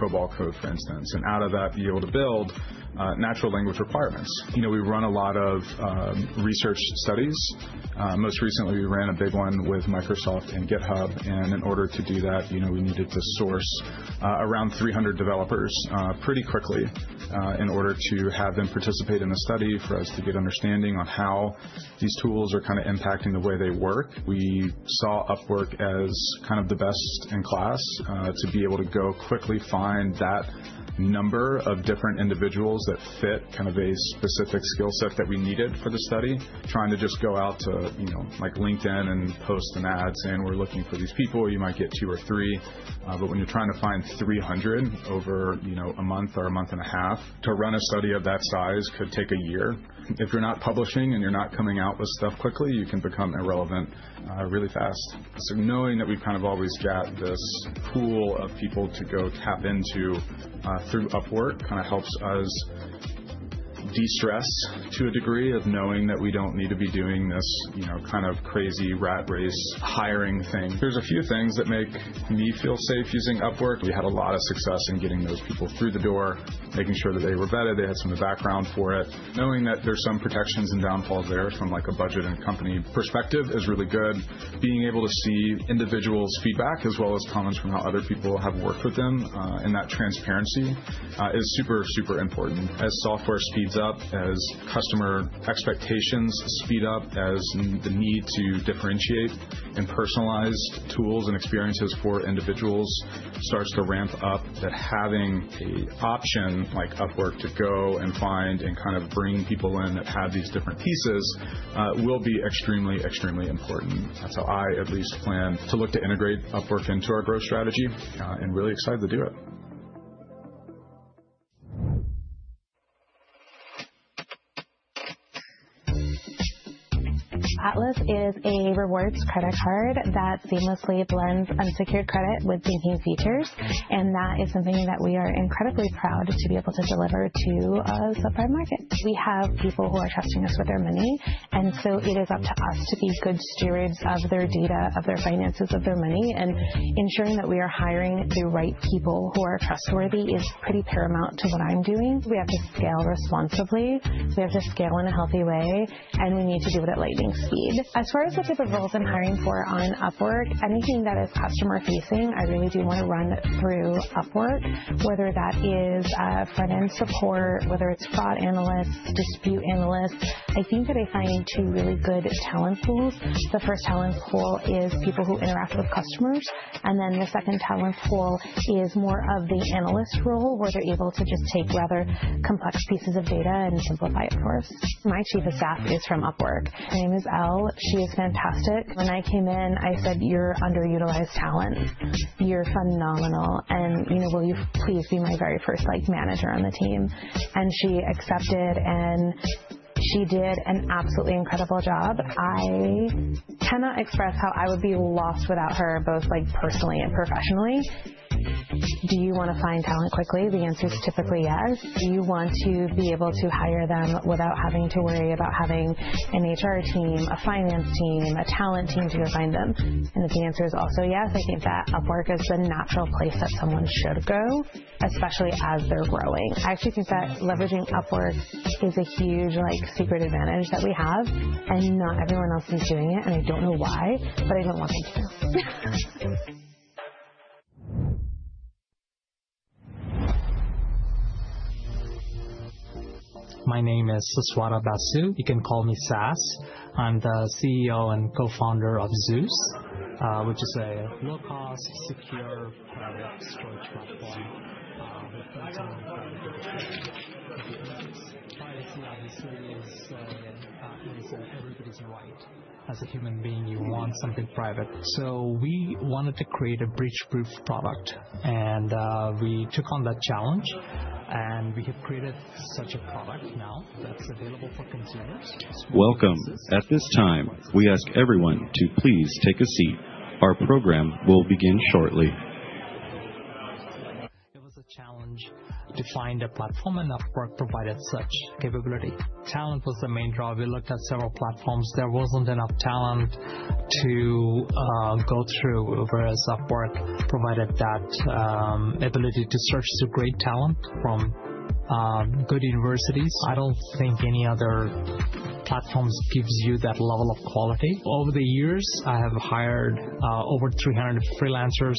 COBOL code, for instance, and out of that be able to build natural language requirements. We run a lot of research studies. Most recently, we ran a big one with Microsoft and GitHub. In order to do that, we needed to source around 300 developers pretty quickly in order to have them participate in the study for us to get understanding on how these tools are kind of impacting the way they work. We saw Upwork as kind of the best in class to be able to go quickly find that number of different individuals that fit kind of a specific skill set that we needed for the study. Trying to just go out to LinkedIn and post an ad saying, "We're looking for these people. You might get two or three." When you're trying to find 300 over a month or a month and a half, to run a study of that size could take a year. If you're not publishing and you're not coming out with stuff quickly, you can become irrelevant really fast. Knowing that we've kind of always got this pool of people to go tap into through Upwork kind of helps us de-stress to a degree of knowing that we don't need to be doing this kind of crazy rat race hiring thing. There are a few things that make me feel safe using Upwork. We had a lot of success in getting those people through the door, making sure that they were vetted, they had some background for it. Knowing that there are some protections and downfalls there from a budget and company perspective is really good. Being able to see individuals' feedback as well as comments from how other people have worked with them and that transparency is super, super important. As software speeds up, as customer expectations speed up, as the need to differentiate and personalize tools and experiences for individuals starts to ramp up, having an option like Upwork to go and find and kind of bring people in that have these different pieces will be extremely, extremely important. That's how I at least plan to look to integrate Upwork into our growth strategy and really excited to do it. Atlas is a rewards credit card that seamlessly blends unsecured credit with banking features. That is something that we are incredibly proud to be able to deliver to a subprime market. We have people who are trusting us with their money, and it is up to us to be good stewards of their data, of their finances, of their money. Ensuring that we are hiring the right people who are trustworthy is pretty paramount to what I'm doing. We have to scale responsibly. We have to scale in a healthy way, and we need to do it at lightning speed. As far as the type of roles I'm hiring for on Upwork, anything that is customer-facing, I really do want to run through Upwork, whether that is front-end support, whether it's fraud analysts, dispute analysts. I think that I find two really good talent pools. The first talent pool is people who interact with customers. And then the second talent pool is more of the analyst role where they're able to just take rather complex pieces of data and simplify it for us. My Chief of Staff is from Upwork. Her name is Elle. She is fantastic. When I came in, I said, "You're underutilized talent. You're phenomenal. Will you please be my very first manager on the team?" She accepted, and she did an absolutely incredible job. I cannot express how I would be lost without her, both personally and professionally. Do you want to find talent quickly? The answer is typically yes. Do you want to be able to hire them without having to worry about having an HR team, a finance team, a talent team to go find them? If the answer is also yes, I think that Upwork is the natural place that someone should go, especially as they're growing. I actually think that leveraging Upwork is a huge secret advantage that we have, and not everyone else is doing it. I don't know why, but I don't want them to know. My name is Saswara Basu. You can call me Sass. I'm the CEO and co-founder of Zeus, which is a low-cost, secure product storage platform with built-in privacy. Privacy, obviously, is everybody's right. As a human being, you want something private. We wanted to create a breach-proof product, and we took on that challenge. We have created such a product now that's available for consumers. Welcome. At this time, we ask everyone to please take a seat. Our program will begin shortly. It was a challenge to find a platform, and Upwork provided such capability. Talent was the main draw. We looked at several platforms. There wasn't enough talent to go through, whereas Upwork provided that ability to search to great talent from good universities. I don't think any other platform gives you that level of quality. Over the years, I have hired over 300 freelancers.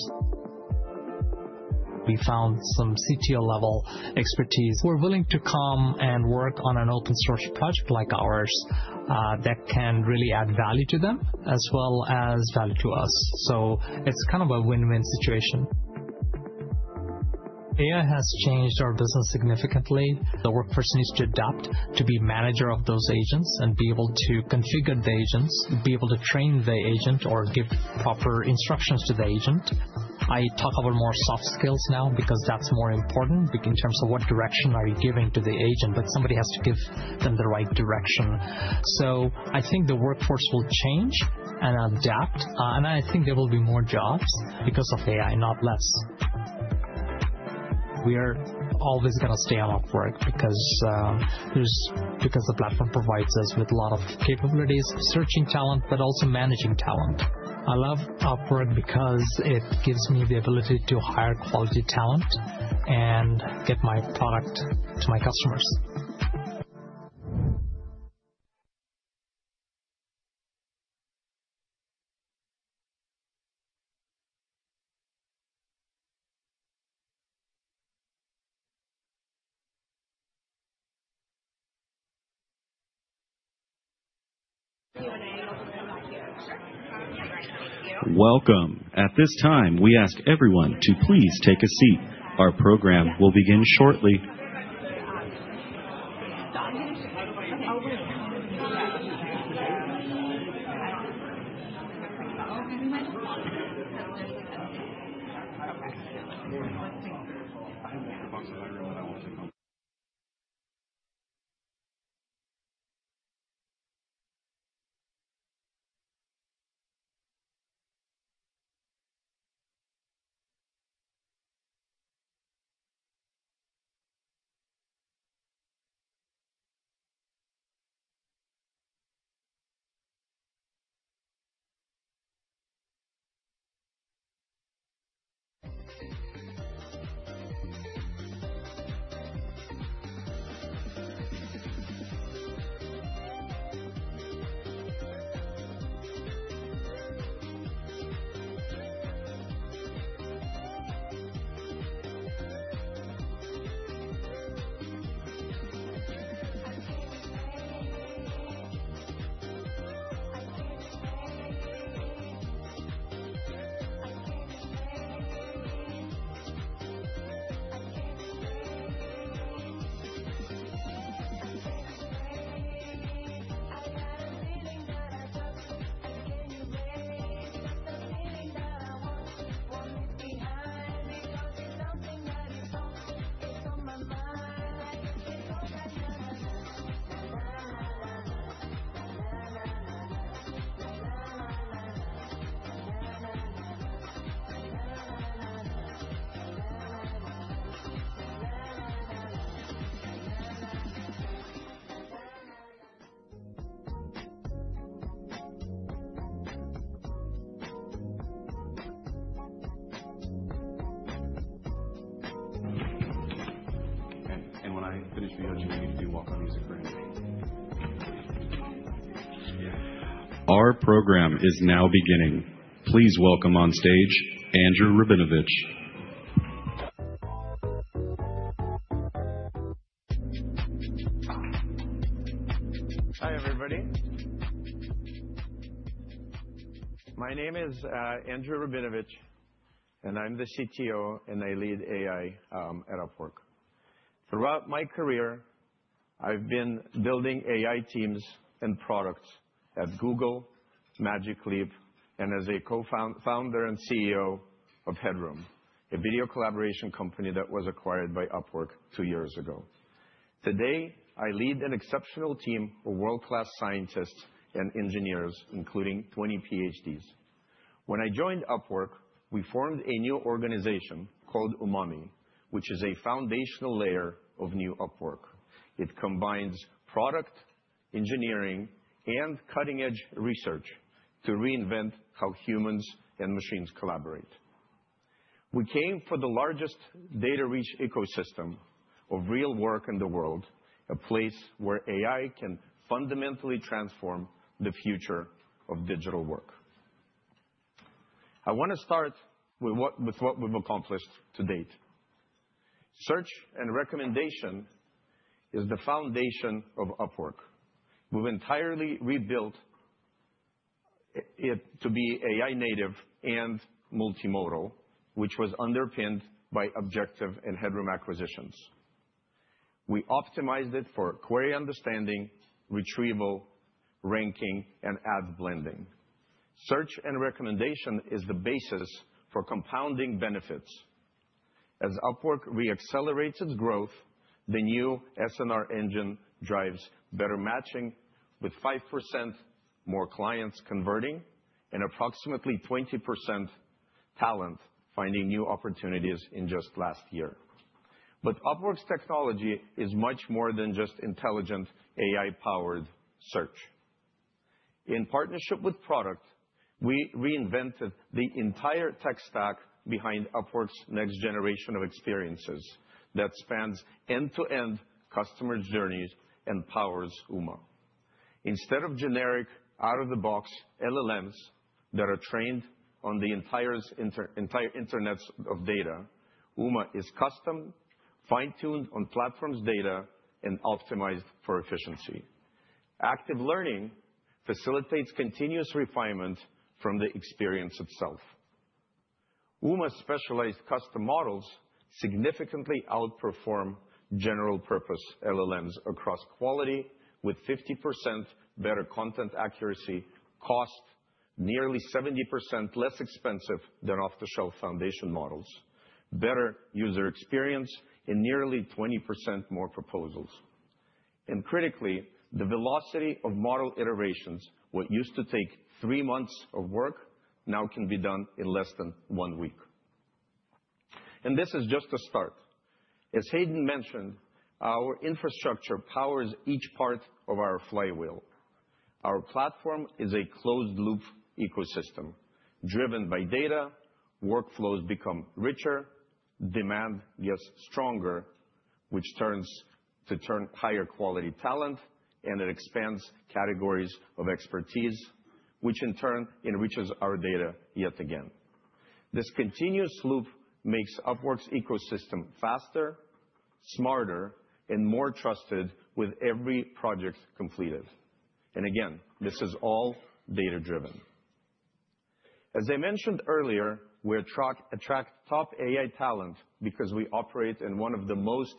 We found some CTO-level expertise. We're willing to come and work on an open-source project like ours that can really add value to them as well as value to us. It is kind of a win-win situation. AI has changed our business significantly. The workforce needs to adapt to be a manager of those agents and be able to configure the agents, be able to train the agent, or give proper instructions to the agent. I talk about more soft skills now because that is more important in terms of what direction you are giving to the agent, but somebody has to give them the right direction. I think the workforce will change and adapt, and I think there will be more jobs because of AI, not less. We are always going to stay on Upwork because the platform provides us with a lot of capabilities, searching talent, but also managing talent. I love Upwork because it gives me the ability to hire quality talent and get my product to my customers. Welcome. At this time, we ask everyone to please take a seat. Our program will begin shortly. I can't explain. A feeling that I've got. I can't erase the feeling that I want. Won't leave behind because it's something that is on. It's on my mind. And when I finish the ocean, I need to do walking music for anybody. Our program is now beginning. Please welcome on stage Andrew Rabinovich. Hi, everybody. My name is Andrew Rabinovich, and I'm the CTO, and I lead AI at Upwork. Throughout my career, I've been building AI teams and products at Google, Magic Leap, and as a co-founder and CEO of Headroom, a video collaboration company that was acquired by Upwork two years ago. Today, I lead an exceptional team of world-class scientists and engineers, including 20 PhDs. When I joined Upwork, we formed a new organization called Umami, which is a foundational layer of new Upwork. It combines product, engineering, and cutting-edge research to reinvent how humans and machines collaborate. We came for the largest data-rich ecosystem of real work in the world, a place where AI can fundamentally transform the future of digital work. I want to start with what we've accomplished to date. Search and recommendation is the foundation of Upwork. We've entirely rebuilt it to be AI-native and multimodal, which was underpinned by Objective and Headroom acquisitions. We optimized it for query understanding, retrieval, ranking, and ad blending. Search and recommendation is the basis for compounding benefits. As Upwork reaccelerates its growth, the new SNR engine drives better matching with 5% more clients converting and approximately 20% talent finding new opportunities in just last year. Upwork's technology is much more than just intelligent AI-powered search. In partnership with product, we reinvented the entire tech stack behind Upwork's next generation of experiences that spans end-to-end customer journeys and powers Uma. Instead of generic, out-of-the-box LLMs that are trained on the entire internet of data, Uma is custom, fine-tuned on platform's data and optimized for efficiency. Active learning facilitates continuous refinement from the experience itself. Uma's specialized custom models significantly outperform general-purpose LLMs across quality with 50% better content accuracy, cost nearly 70% less expensive than off-the-shelf foundation models, better user experience, and nearly 20% more proposals. Critically, the velocity of model iterations, what used to take three months of work, now can be done in less than one week. This is just a start. As Hayden mentioned, our infrastructure powers each part of our flywheel. Our platform is a closed-loop ecosystem driven by data. Workflows become richer. Demand gets stronger, which turns to turn higher-quality talent, and it expands categories of expertise, which in turn enriches our data yet again. This continuous loop makes Upwork's ecosystem faster, smarter, and more trusted with every project completed. Again, this is all data-driven. As I mentioned earlier, we attract top AI talent because we operate in one of the most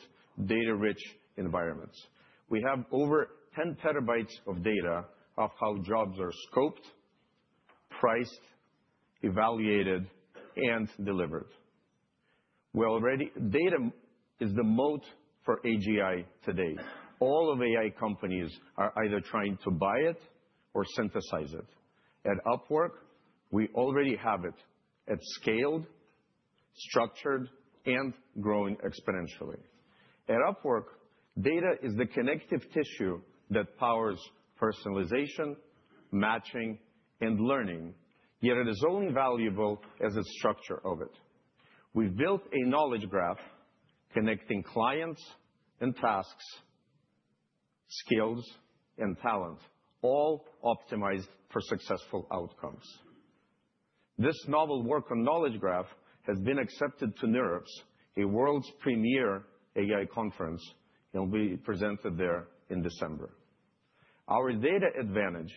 data-rich environments. We have over 10 terabytes of data of how jobs are scoped, priced, evaluated, and delivered. Data is the moat for AGI today. All of AI companies are either trying to buy it or synthesize it. At Upwork, we already have it. It's scaled, structured, and growing exponentially. At Upwork, data is the connective tissue that powers personalization, matching, and learning, yet it is only valuable as a structure of it. We've built a knowledge graph connecting clients and tasks, skills, and talent, all optimized for successful outcomes. This novel work on knowledge graph has been accepted to NeurIPS, a world's premier AI conference, and we presented there in December. Our data advantage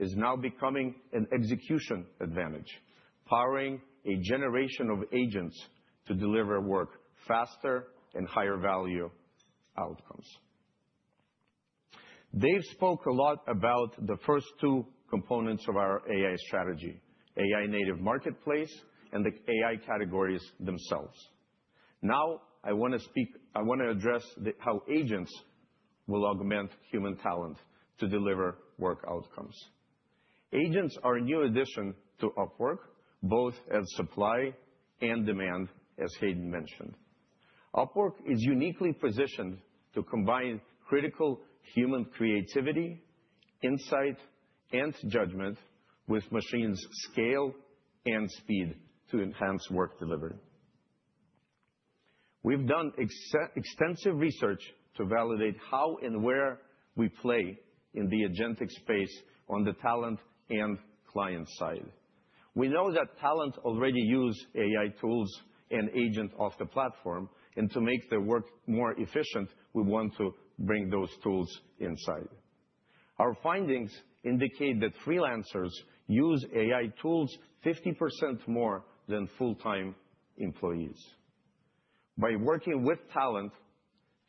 is now becoming an execution advantage, powering a generation of agents to deliver work faster and higher-value outcomes. Dave spoke a lot about the first two components of our AI strategy: AI-native marketplace and the AI categories themselves. Now, I want to speak, I want to address how agents will augment human talent to deliver work outcomes. Agents are a new addition to Upwork, both at supply and demand, as Hayden mentioned. Upwork is uniquely positioned to combine critical human creativity, insight, and judgment with machines' scale and speed to enhance work delivery. We've done extensive research to validate how and where we play in the agentic space on the talent and client side. We know that talent already uses AI tools and agents off the platform, and to make their work more efficient, we want to bring those tools inside. Our findings indicate that freelancers use AI tools 50% more than full-time employees. By working with talent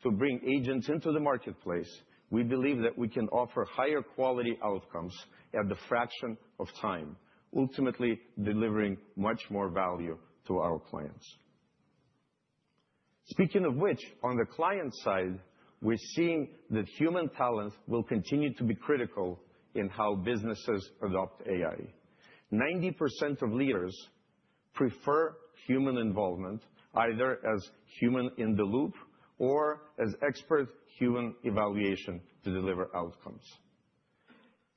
to bring agents into the marketplace, we believe that we can offer higher-quality outcomes at a fraction of time, ultimately delivering much more value to our clients. Speaking of which, on the client side, we're seeing that human talent will continue to be critical in how businesses adopt AI. 90% of leaders prefer human involvement, either as human in the loop or as expert human evaluation to deliver outcomes.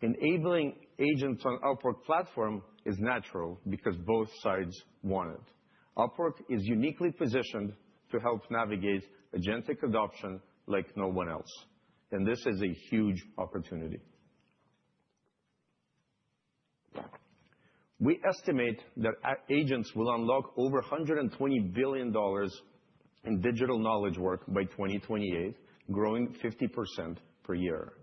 Enabling agents on the Upwork platform is natural because both sides want it. Upwork is uniquely positioned to help navigate agentic adoption like no one else, and this is a huge opportunity. We estimate that agents will unlock over $120 billion in digital knowledge work by 2028, growing 50% per year.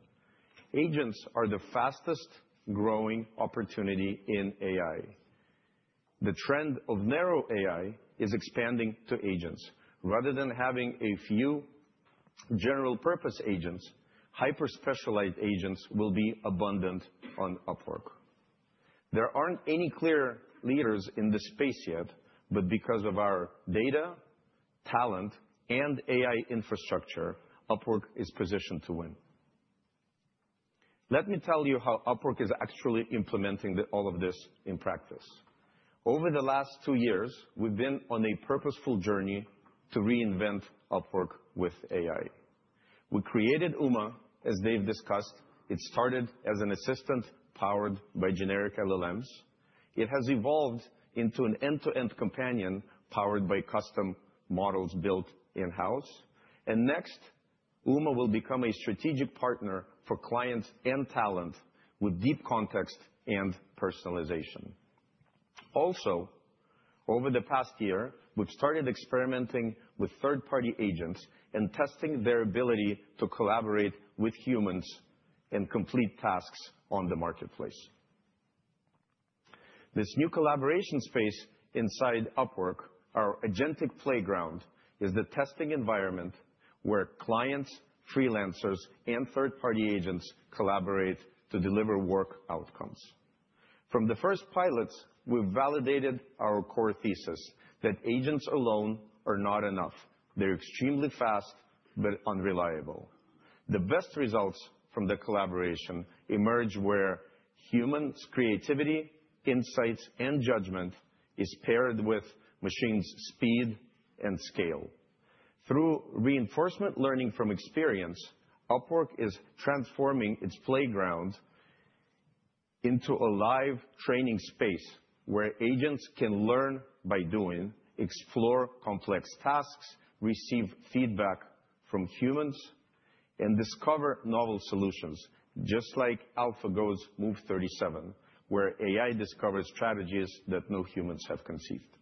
Agents are the fastest-growing opportunity in AI. The trend of narrow AI is expanding to agents. Rather than having a few general-purpose agents, hyper-specialized agents will be abundant on Upwork. There aren't any clear leaders in this space yet, but because of our data, talent, and AI infrastructure, Upwork is positioned to win. Let me tell you how Upwork is actually implementing all of this in practice. Over the last two years, we've been on a purposeful journey to reinvent Upwork with AI. We created Uma, as they've discussed. It started as an assistant powered by generic LLMs. It has evolved into an end-to-end companion powered by custom models built in-house. Next, Uma will become a strategic partner for clients and talent with deep context and personalization. Also, over the past year, we've started experimenting with third-party agents and testing their ability to collaborate with humans and complete tasks on the marketplace. This new collaboration space inside Upwork, our agentic playground, is the testing environment where clients, freelancers, and third-party agents collaborate to deliver work outcomes. From the first pilots, we've validated our core thesis that agents alone are not enough. They're extremely fast but unreliable. The best results from the collaboration emerge where human creativity, insights, and judgment are paired with machines' speed and scale. Through reinforcement learning from experience, Upwork is transforming its playground into a live training space where agents can learn by doing, explore complex tasks, receive feedback from humans, and discover novel solutions, just like AlphaGo's Move 37, where AI discovers strategies that no humans have conceived.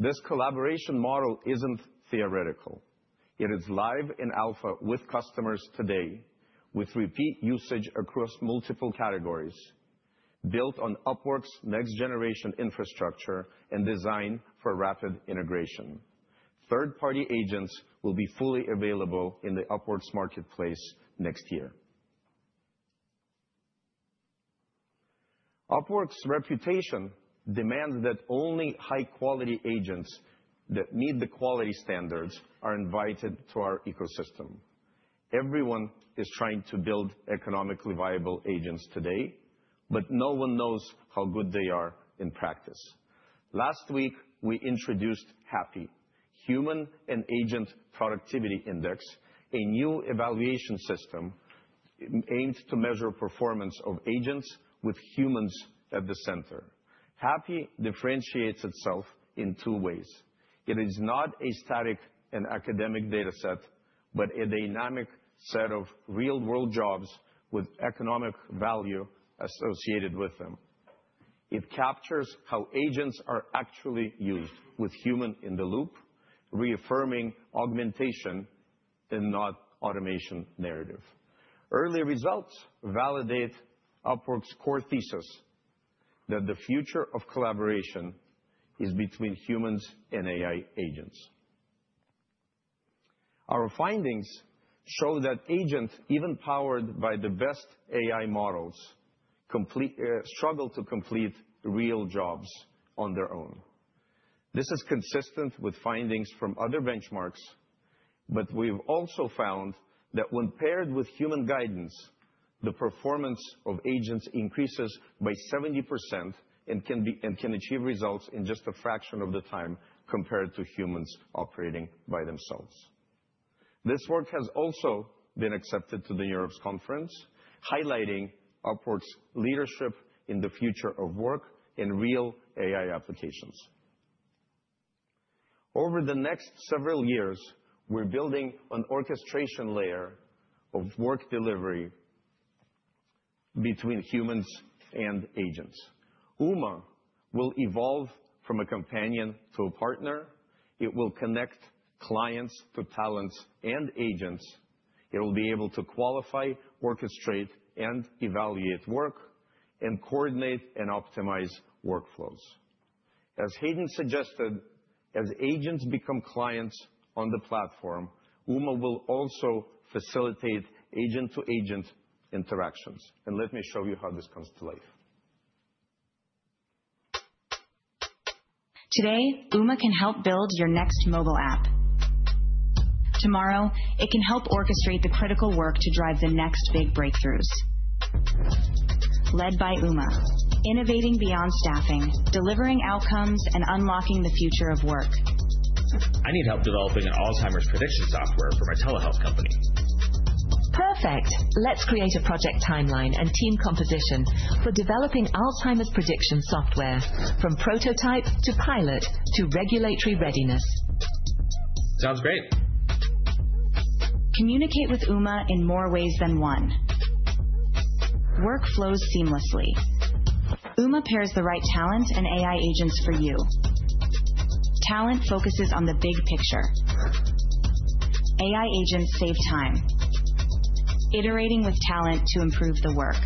This collaboration model isn't theoretical. It is live in Alpha with customers today, with repeat usage across multiple categories, built on Upwork's next-generation infrastructure and design for rapid integration. Third-party agents will be fully available in Upwork's marketplace next year. Upwork's reputation demands that only high-quality agents that meet the quality standards are invited to our ecosystem. Everyone is trying to build economically viable agents today, but no one knows how good they are in practice. Last week, we introduced HAPI, Human and Agent Productivity Index, a new evaluation system aimed to measure performance of agents with humans at the center. HAPI differentiates itself in two ways. It is not a static and academic data set, but a dynamic set of real-world jobs with economic value associated with them. It captures how agents are actually used with humans in the loop, reaffirming augmentation and not automation narrative. Early results validate Upwork's core thesis that the future of collaboration is between humans and AI agents. Our findings show that agents, even powered by the best AI models, struggle to complete real jobs on their own. This is consistent with findings from other benchmarks, but we have also found that when paired with human guidance, the performance of agents increases by 70% and can achieve results in just a fraction of the time compared to humans operating by themselves. This work has also been accepted to the NeurIPS conference, highlighting Upwork's leadership in the future of work and real AI applications. Over the next several years, we're building an orchestration layer of work delivery between humans and agents. Uma will evolve from a companion to a partner. It will connect clients to talents and agents. It will be able to qualify, orchestrate, and evaluate work, and coordinate and optimize workflows. As Hayden suggested, as agents become clients on the platform, Uma will also facilitate agent-to-agent interactions. Let me show you how this comes to life. Today, Uma can help build your next mobile app. Tomorrow, it can help orchestrate the critical work to drive the next big breakthroughs. Led by Uma, innovating beyond staffing, delivering outcomes, and unlocking the future of work. I need help developing an Alzheimer's prediction software for my telehealth company. Perfect. Let's create a project timeline and team composition for developing Alzheimer's prediction software, from prototype to pilot to regulatory readiness. Sounds great. Communicate with Uma in more ways than one. Work flows seamlessly. Uma pairs the right talent and AI agents for you. Talent focuses on the big picture. AI agents save time, iterating with talent to improve the work.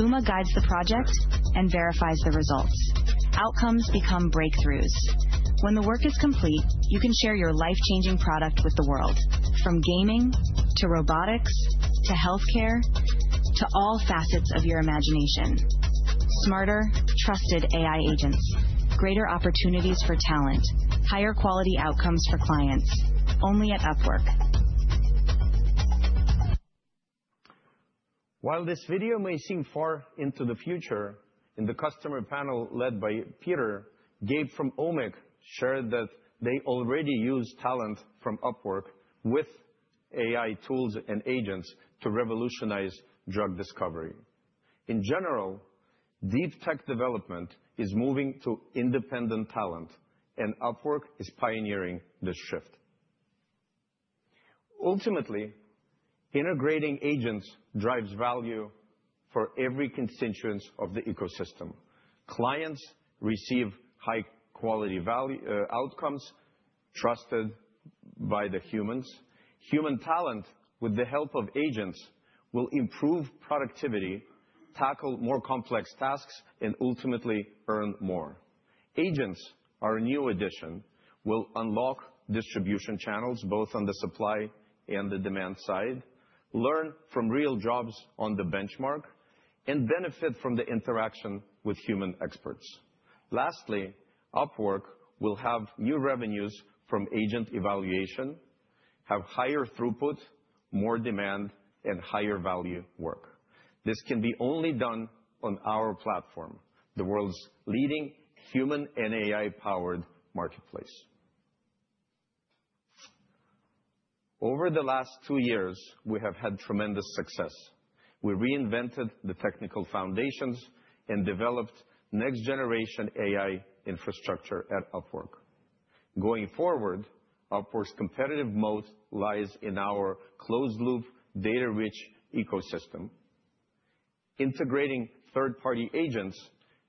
Uma guides the project and verifies the results. Outcomes become breakthroughs. When the work is complete, you can share your life-changing product with the world, from gaming to robotics to healthcare to all facets of your imagination. Smarter, trusted AI agents, greater opportunities for talent, higher-quality outcomes for clients, only at Upwork. While this video may seem far into the future, in the customer panel led by Peter, Gabe from OMIC shared that they already use talent from Upwork with AI tools and agents to revolutionize drug discovery. In general, deep tech development is moving to independent talent, and Upwork is pioneering this shift. Ultimately, integrating agents drives value for every constituent of the ecosystem. Clients receive high-quality outcomes trusted by the humans. Human talent, with the help of agents, will improve productivity, tackle more complex tasks, and ultimately earn more. Agents, our new addition, will unlock distribution channels both on the supply and the demand side, learn from real jobs on the benchmark, and benefit from the interaction with human experts. Lastly, Upwork will have new revenues from agent evaluation, have higher throughput, more demand, and higher-value work. This can be only done on our platform, the world's leading human and AI-powered marketplace. Over the last two years, we have had tremendous success. We reinvented the technical foundations and developed next-generation AI infrastructure at Upwork. Going forward, Upwork's competitive moat lies in our closed-loop, data-rich ecosystem. Integrating third-party agents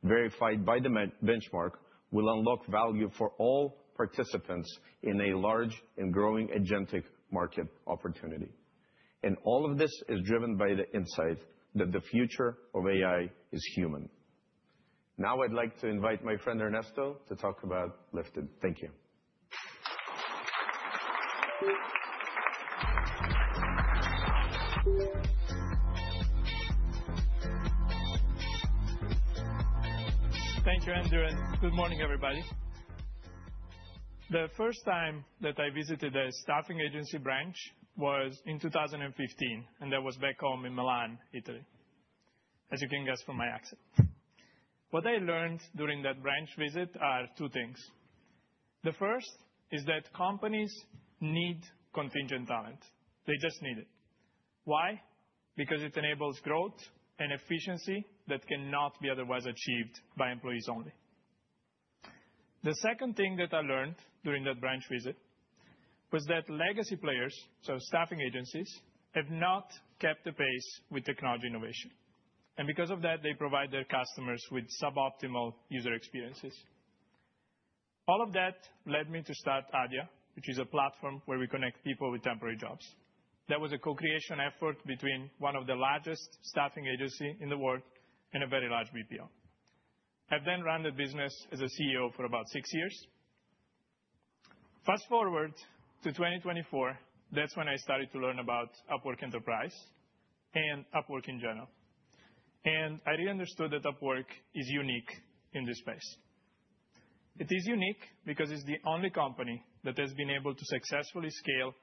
verified by the benchmark will unlock value for all participants in a large and growing agentic market opportunity. All of this is driven by the insight that the future of AI is human. Now, I'd like to invite my friend Ernesto to talk about Lifted. Thank you. Thank you, Andrew. Good morning, everybody. The first time that I visited the staffing agency branch was in 2015, and that was back home in Milan, Italy, as you can guess from my accent. What I learned during that branch visit are two things. The first is that companies need contingent talent. They just need it. Why? Because it enables growth and efficiency that cannot be otherwise achieved by employees only. The second thing that I learned during that branch visit was that legacy players, so staffing agencies, have not kept the pace with technology innovation. Because of that, they provide their customers with suboptimal user experiences. All of that led me to start Adya, which is a platform where we connect people with temporary jobs. That was a co-creation effort between one of the largest staffing agencies in the world and a very large BPO. I then ran the business as a CEO for about six years. Fast forward to 2024, that is when I started to learn about Upwork Enterprise and Upwork in general. I really understood that Upwork is unique in this space. It is unique because it is the only company that has been able to successfully scale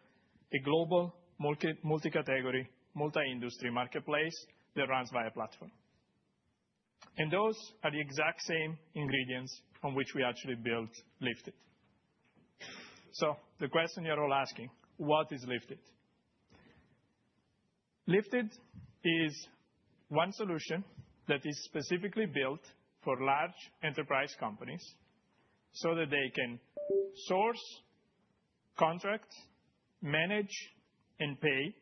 a global multi-category, multi-industry marketplace that runs via a platform. Those are the exact same ingredients on which we actually built Lifted. The question you are all asking, what is Lifted? Lifted is one solution that is specifically built for large enterprise companies so that they can source, contract, manage, and pay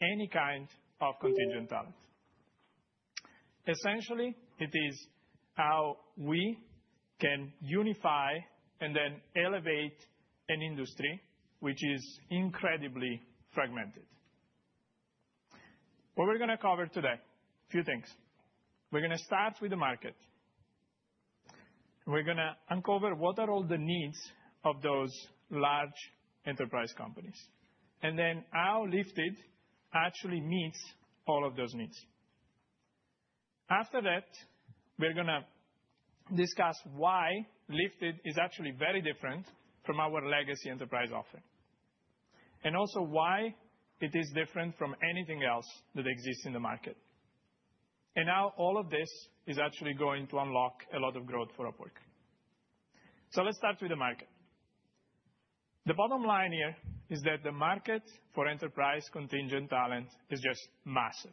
any kind of contingent talent. Essentially, it is how we can unify and then elevate an industry which is incredibly fragmented. What we're going to cover today, a few things. We're going to start with the market. We're going to uncover what are all the needs of those large enterprise companies, and then how Lifted actually meets all of those needs. After that, we're going to discuss why Lifted is actually very different from our legacy enterprise offering, and also why it is different from anything else that exists in the market, and how all of this is actually going to unlock a lot of growth for Upwork. Let's start with the market. The bottom line here is that the market for enterprise contingent talent is just massive.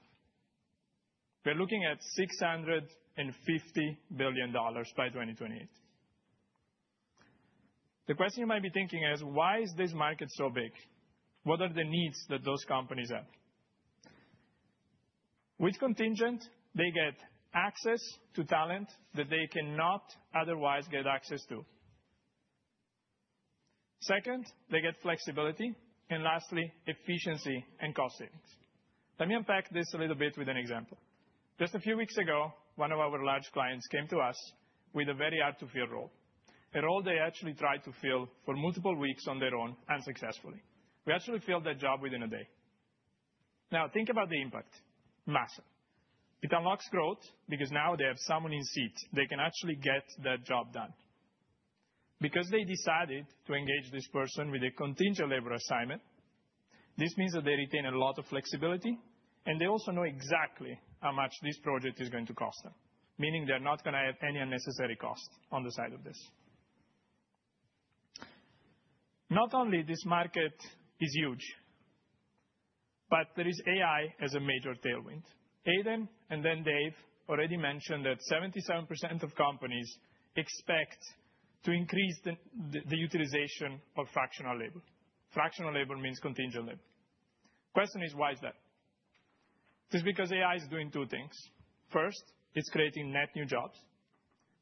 We're looking at $650 billion by 2028. The question you might be thinking is, why is this market so big? What are the needs that those companies have? With contingent, they get access to talent that they cannot otherwise get access to. Second, they get flexibility. And lastly, efficiency and cost savings. Let me unpack this a little bit with an example. Just a few weeks ago, one of our large clients came to us with a very hard-to-fill role, a role they actually tried to fill for multiple weeks on their own unsuccessfully. We actually filled that job within a day. Now, think about the impact. Massive. It unlocks growth because now they have someone in seat. They can actually get that job done. Because they decided to engage this person with a contingent labor assignment, this means that they retain a lot of flexibility, and they also know exactly how much this project is going to cost them, meaning they're not going to have any unnecessary cost on the side of this. Not only is this market huge, but there is AI as a major tailwind. Aiden and then Dave already mentioned that 77% of companies expect to increase the utilization of fractional labor. Fractional labor means contingent labor. The question is, why is that? It is because AI is doing two things. First, it's creating net new jobs.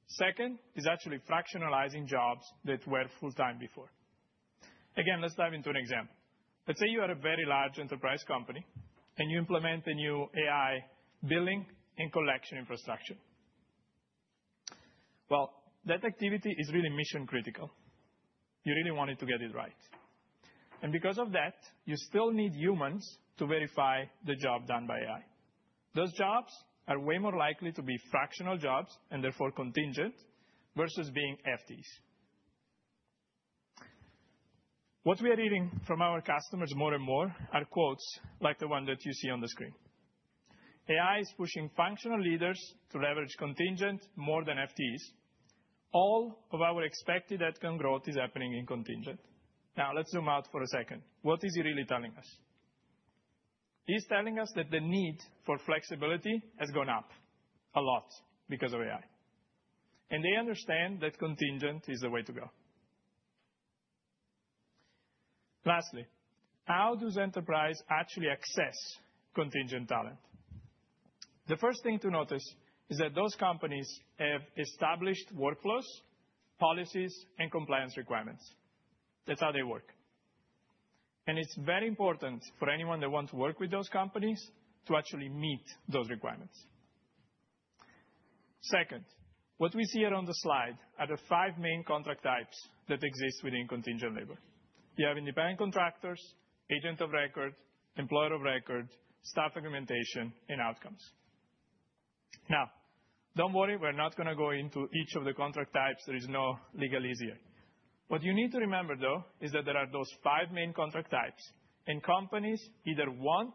Second, it's actually fractionalizing jobs that were full-time before. Again, let's dive into an example. Let's say you are a very large enterprise company, and you implement a new AI billing and collection infrastructure. That activity is really mission-critical. You really wanted to get it right. And because of that, you still need humans to verify the job done by AI. Those jobs are way more likely to be fractional jobs and therefore contingent versus being FTs. What we are hearing from our customers more and more are quotes like the one that you see on the screen. AI is pushing functional leaders to leverage contingent more than FTs. All of our expected outcome growth is happening in contingent. Now, let's zoom out for a second. What is it really telling us? It's telling us that the need for flexibility has gone up a lot because of AI. And they understand that contingent is the way to go. Lastly, how does enterprise actually access contingent talent? The first thing to notice is that those companies have established workflows, policies, and compliance requirements. That's how they work. It is very important for anyone that wants to work with those companies to actually meet those requirements. Second, what we see here on the slide are the five main contract types that exist within contingent labor. You have independent contractors, agent of record, employer of record, staff augmentation, and outcomes. Now, do not worry. We are not going to go into each of the contract types. There is no legalese here. What you need to remember, though, is that there are those five main contract types, and companies either want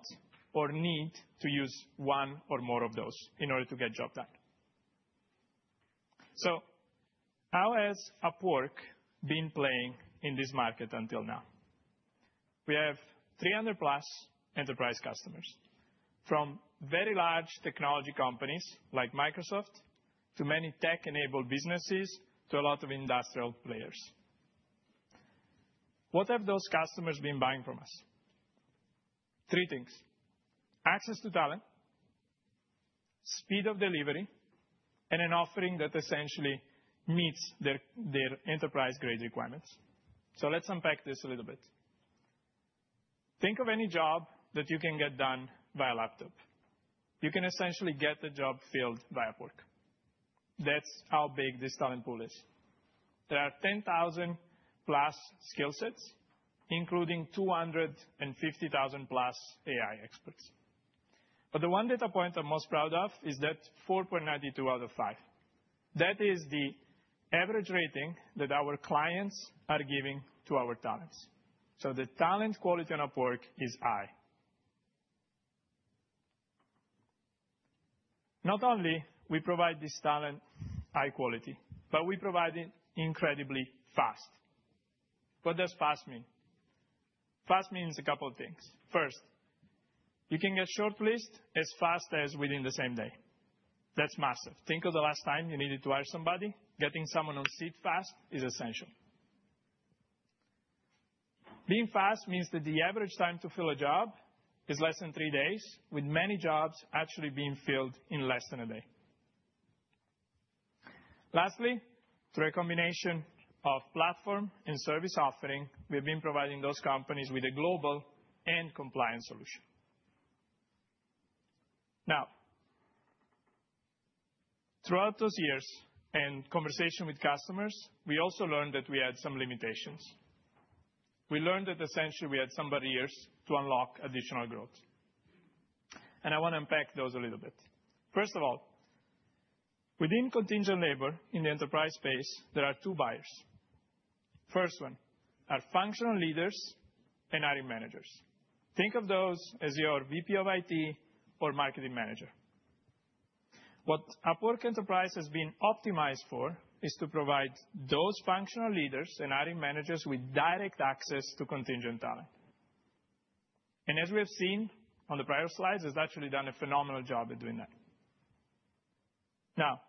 or need to use one or more of those in order to get the job done. How has Upwork been playing in this market until now? We have 300-plus enterprise customers from very large technology companies like Microsoft to many tech-enabled businesses to a lot of industrial players. What have those customers been buying from us? Three things: access to talent, speed of delivery, and an offering that essentially meets their enterprise-grade requirements. Let's unpack this a little bit. Think of any job that you can get done via laptop. You can essentially get the job filled via Upwork. That's how big this talent pool is. There are 10,000-plus skill sets, including 250,000-plus AI experts. The one data point I'm most proud of is that 4.92 out of 5. That is the average rating that our clients are giving to our talents. The talent quality on Upwork is high. Not only do we provide this talent high quality, but we provide it incredibly fast. What does fast mean? Fast means a couple of things. First, you can get shortlisted as fast as within the same day. That's massive. Think of the last time you needed to hire somebody. Getting someone on seat fast is essential. Being fast means that the average time to fill a job is less than three days, with many jobs actually being filled in less than a day. Lastly, through a combination of platform and service offering, we have been providing those companies with a global and compliant solution. Now, throughout those years and conversations with customers, we also learned that we had some limitations. We learned that essentially we had some barriers to unlock additional growth. I want to unpack those a little bit. First of all, within contingent labor in the enterprise space, there are two buyers. First one are functional leaders and hiring managers. Think of those as your VP of IT or marketing manager. What Upwork Enterprise has been optimized for is to provide those functional leaders and hiring managers with direct access to contingent talent. As we have seen on the prior slides, it's actually done a phenomenal job at doing that. Now,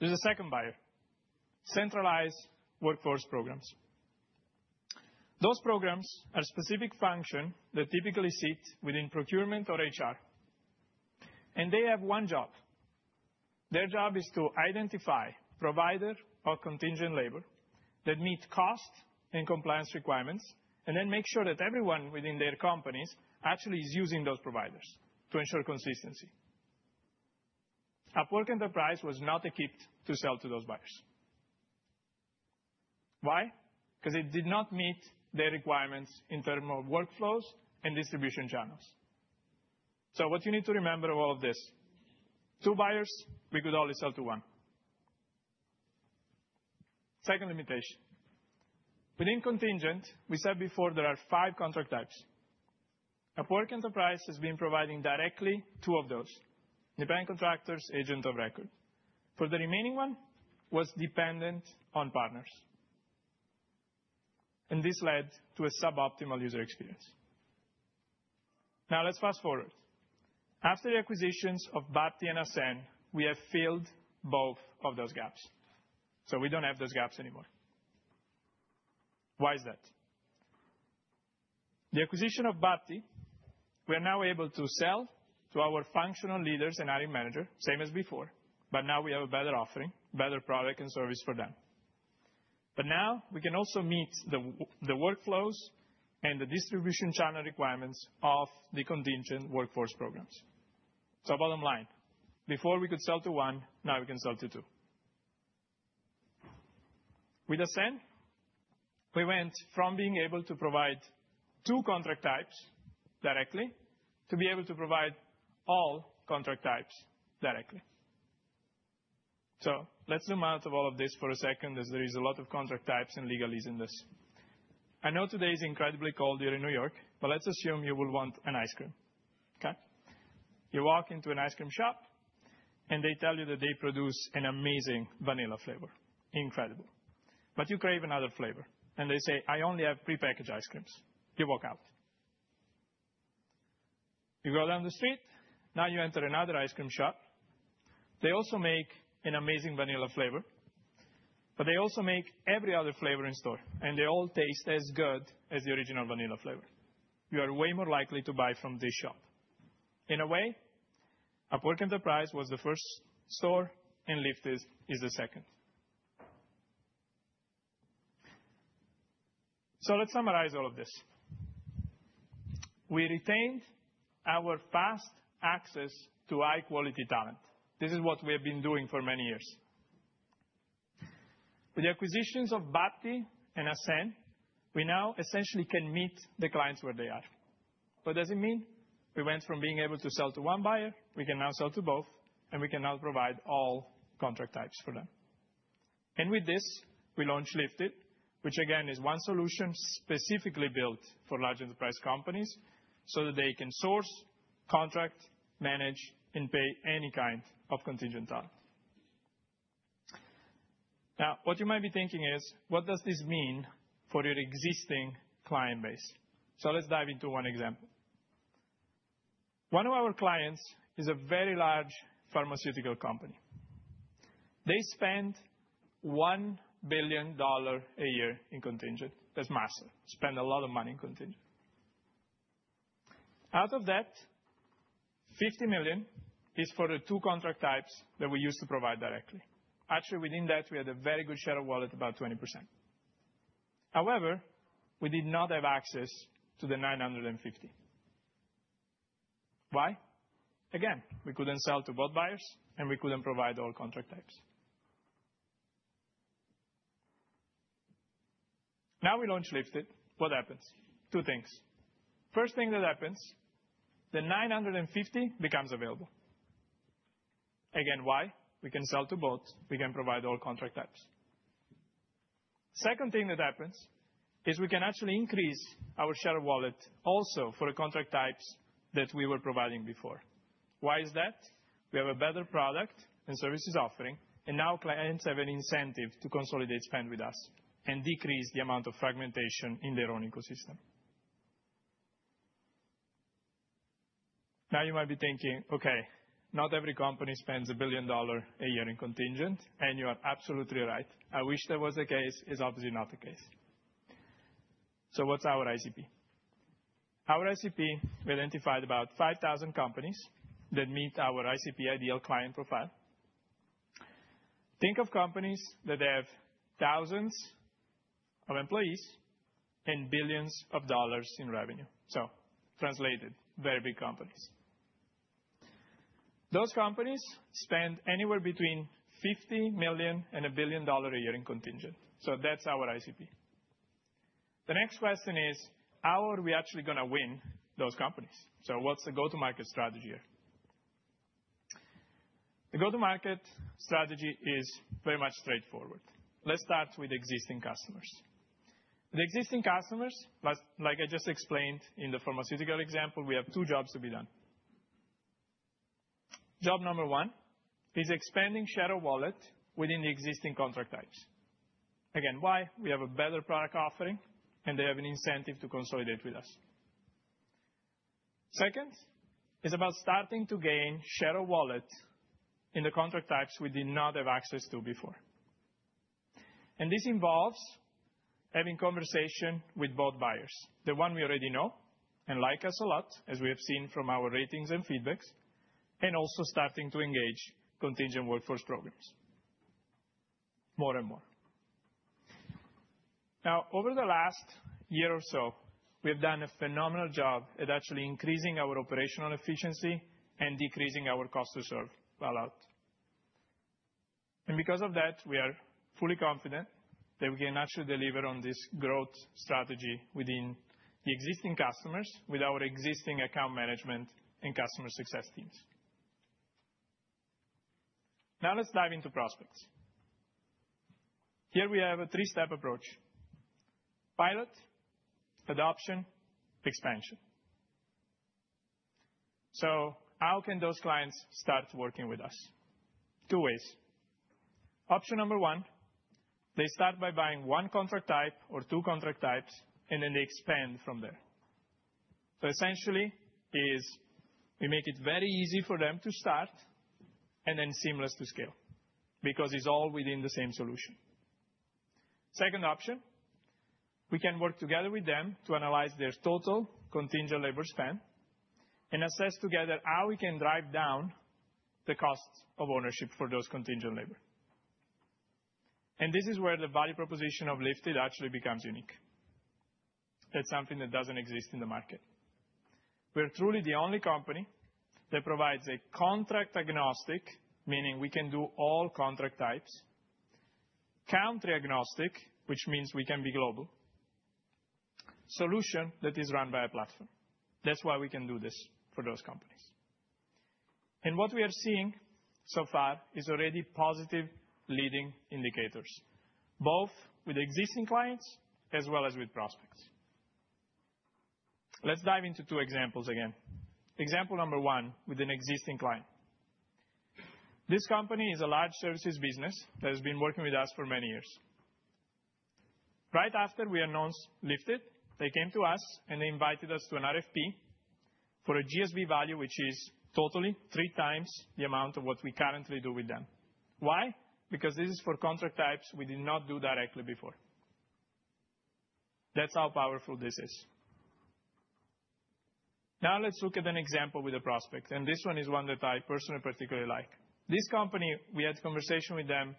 there's a second buyer: centralized workforce programs. Those programs are specific functions that typically sit within procurement or HR. They have one job. Their job is to identify providers of contingent labor that meet cost and compliance requirements and then make sure that everyone within their companies actually is using those providers to ensure consistency. Upwork Enterprise was not equipped to sell to those buyers. Why? Because it did not meet their requirements in terms of workflows and distribution channels. What you need to remember of all of this: two buyers, we could only sell to one. Second limitation: within contingent, we said before there are five contract types. Upwork Enterprise has been providing directly two of those: independent contractors, agent of record. For the remaining one, it was dependent on partners. This led to a suboptimal user experience. Now, let's fast forward. After the acquisitions of Bubty and Ascen, we have filled both of those gaps. We do not have those gaps anymore. Why is that? With the acquisition of Bubty, we are now able to sell to our functional leaders and hiring managers, same as before, but now we have a better offering, better product, and service for them. Now we can also meet the workflows and the distribution channel requirements of the contingent workforce programs. Bottom line, before we could sell to one, now we can sell to two. With Ascen, we went from being able to provide two contract types directly to being able to provide all contract types directly. Let's zoom out of all of this for a second, as there are a lot of contract types and legalese in this. I know today is incredibly cold here in New York, but let's assume you will want an ice cream. You walk into an ice cream shop, and they tell you that they produce an amazing vanilla flavor. Incredible. But you crave another flavor. And they say, "I only have prepackaged ice creams." You walk out. You go down the street. Now you enter another ice cream shop. They also make an amazing vanilla flavor, but they also make every other flavor in store. And they all taste as good as the original vanilla flavor. You are way more likely to buy from this shop. In a way, Upwork Enterprise was the first store, and Lifted is the second. Let's summarize all of this. We retained our fast access to high-quality talent. This is what we have been doing for many years. With the acquisitions of Bubty and Ascen, we now essentially can meet the clients where they are. What does it mean? We went from being able to sell to one buyer. We can now sell to both, and we can now provide all contract types for them. With this, we launched Lifted, which again is one solution specifically built for large enterprise companies so that they can source, contract, manage, and pay any kind of contingent talent. Now, what you might be thinking is, what does this mean for your existing client base? Let's dive into one example. One of our clients is a very large pharmaceutical company. They spend $1 billion a year in contingent. That's massive. Spend a lot of money in contingent. Out of that, $50 million is for the two contract types that we used to provide directly. Actually, within that, we had a very good share of wallet, about 20%. However, we did not have access to the $950 million. Why? Again, we could not sell to both buyers, and we could not provide all contract types. Now we launched Lifted. What happens? Two things. First thing that happens, the $950 million becomes available. Again, why? We can sell to both. We can provide all contract types. Second thing that happens is we can actually increase our share of wallet also for the contract types that we were providing before. Why is that? We have a better product and services offering, and now clients have an incentive to consolidate spend with us and decrease the amount of fragmentation in their own ecosystem. Now you might be thinking, "Okay, not every company spends a billion dollars a year in contingent," and you are absolutely right. I wish that was the case. It's obviously not the case. So what's our ICP? Our ICP, we identified about 5,000 companies that meet our ICP ideal client profile. Think of companies that have thousands of employees and billions of dollars in revenue. So translated, very big companies. Those companies spend anywhere between $50 million and a billion dollars a year in contingent. So that's our ICP. The next question is, how are we actually going to win those companies? So what's the go-to-market strategy here? The go-to-market strategy is very much straightforward. Let's start with existing customers. With existing customers, like I just explained in the pharmaceutical example, we have two jobs to be done. Job number one is expanding share of wallet within the existing contract types. Again, why? We have a better product offering, and they have an incentive to consolidate with us. Second, it is about starting to gain share of wallet in the contract types we did not have access to before. This involves having conversation with both buyers, the ones we already know and like us a lot, as we have seen from our ratings and feedback, and also starting to engage contingent workforce programs more and more. Over the last year or so, we have done a phenomenal job at actually increasing our operational efficiency and decreasing our cost to serve a lot. Because of that, we are fully confident that we can actually deliver on this growth strategy within the existing customers with our existing account management and customer success teams. Now let's dive into prospects. Here we have a three-step approach: pilot, adoption, expansion. How can those clients start working with us? Two ways. Option number one, they start by buying one contract type or two contract types, and then they expand from there. Essentially, we make it very easy for them to start and then seamless to scale because it's all within the same solution. Second option, we can work together with them to analyze their total contingent labor spend and assess together how we can drive down the cost of ownership for those contingent labor. This is where the value proposition of Lifted actually becomes unique. That's something that doesn't exist in the market. We are truly the only company that provides a contract agnostic, meaning we can do all contract types, country agnostic, which means we can be global, a solution that is run by a platform. That's why we can do this for those companies. What we are seeing so far is already positive leading indicators, both with existing clients as well as with prospects. Let's dive into two examples again. Example number one with an existing client. This company is a large services business that has been working with us for many years. Right after we announced Lifted, they came to us, and they invited us to an RFP for a GSV value, which is totally three times the amount of what we currently do with them. Why? Because this is for contract types we did not do directly before. That's how powerful this is. Now let's look at an example with a prospect. This one is one that I personally particularly like. This company, we had a conversation with them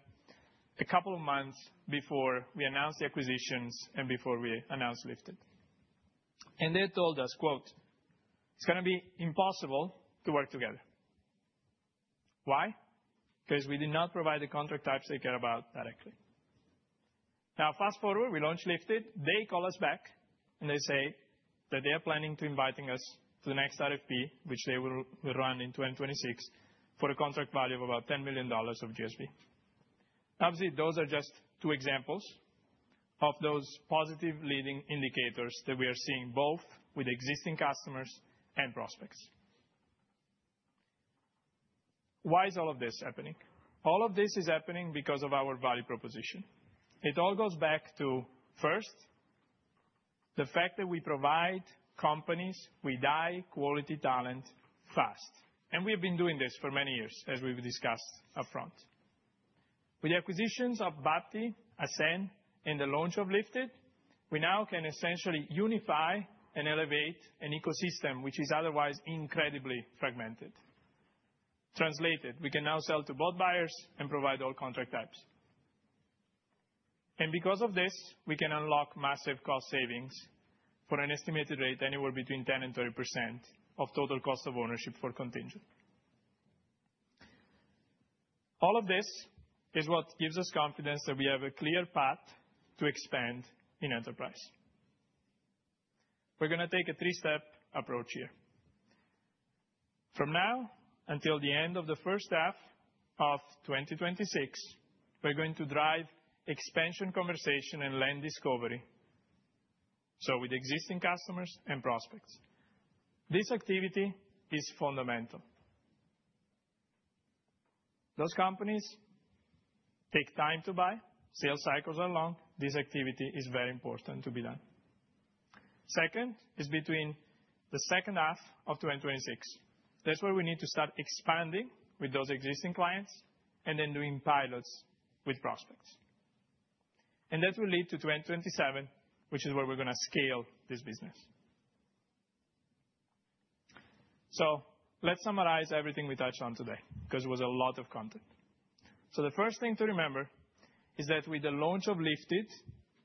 a couple of months before we announced the acquisitions and before we announced Lifted. They told us, "It's going to be impossible to work together." Why? Because we did not provide the contract types they care about directly. Now, fast forward, we launched Lifted. They call us back, and they say that they are planning to invite us to the next RFP, which they will run in 2026 for a contract value of about $10 million of GSV. Obviously, those are just two examples of those positive leading indicators that we are seeing both with existing customers and prospects. Why is all of this happening? All of this is happening because of our value proposition. It all goes back to, first, the fact that we provide companies with high-quality talent fast. We have been doing this for many years, as we've discussed upfront. With the acquisitions of Bubty, Ascen, and the launch of Lifted, we now can essentially unify and elevate an ecosystem which is otherwise incredibly fragmented. Translated, we can now sell to both buyers and provide all contract types. Because of this, we can unlock massive cost savings for an estimated rate anywhere between 10%-30% of total cost of ownership for contingent. All of this is what gives us confidence that we have a clear path to expand in enterprise. We're going to take a three-step approach here. From now until the end of the first half of 2026, we're going to drive expansion conversation and land discovery with existing customers and prospects. This activity is fundamental. Those companies take time to buy. Sales cycles are long. This activity is very important to be done. Second is between the second half of 2026. That's where we need to start expanding with those existing clients and then doing pilots with prospects. That will lead to 2027, which is where we're going to scale this business. Let's summarize everything we touched on today because it was a lot of content. The first thing to remember is that with the launch of Lifted,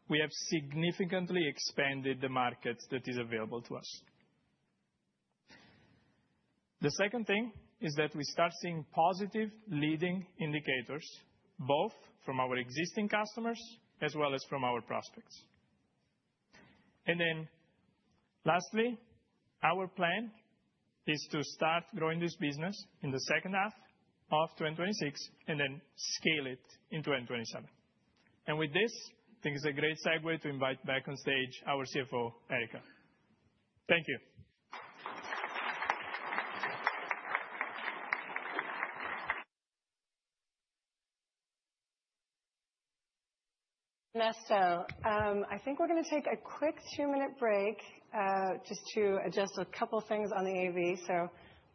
we have significantly expanded the market that is available to us. The second thing is that we start seeing positive leading indicators both from our existing customers as well as from our prospects. Lastly, our plan is to start growing this business in the second half of 2026 and then scale it in 2027. With this, I think it's a great segue to invite back on stage our CFO, Erica. Thank you. I think we're going to take a quick two-minute break just to adjust a couple of things on the AV. I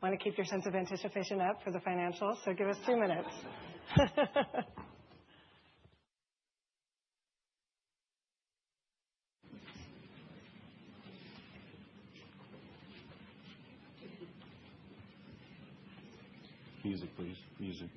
want to keep your sense of anticipation up for the financials. Give us two minutes. Music, please. Music.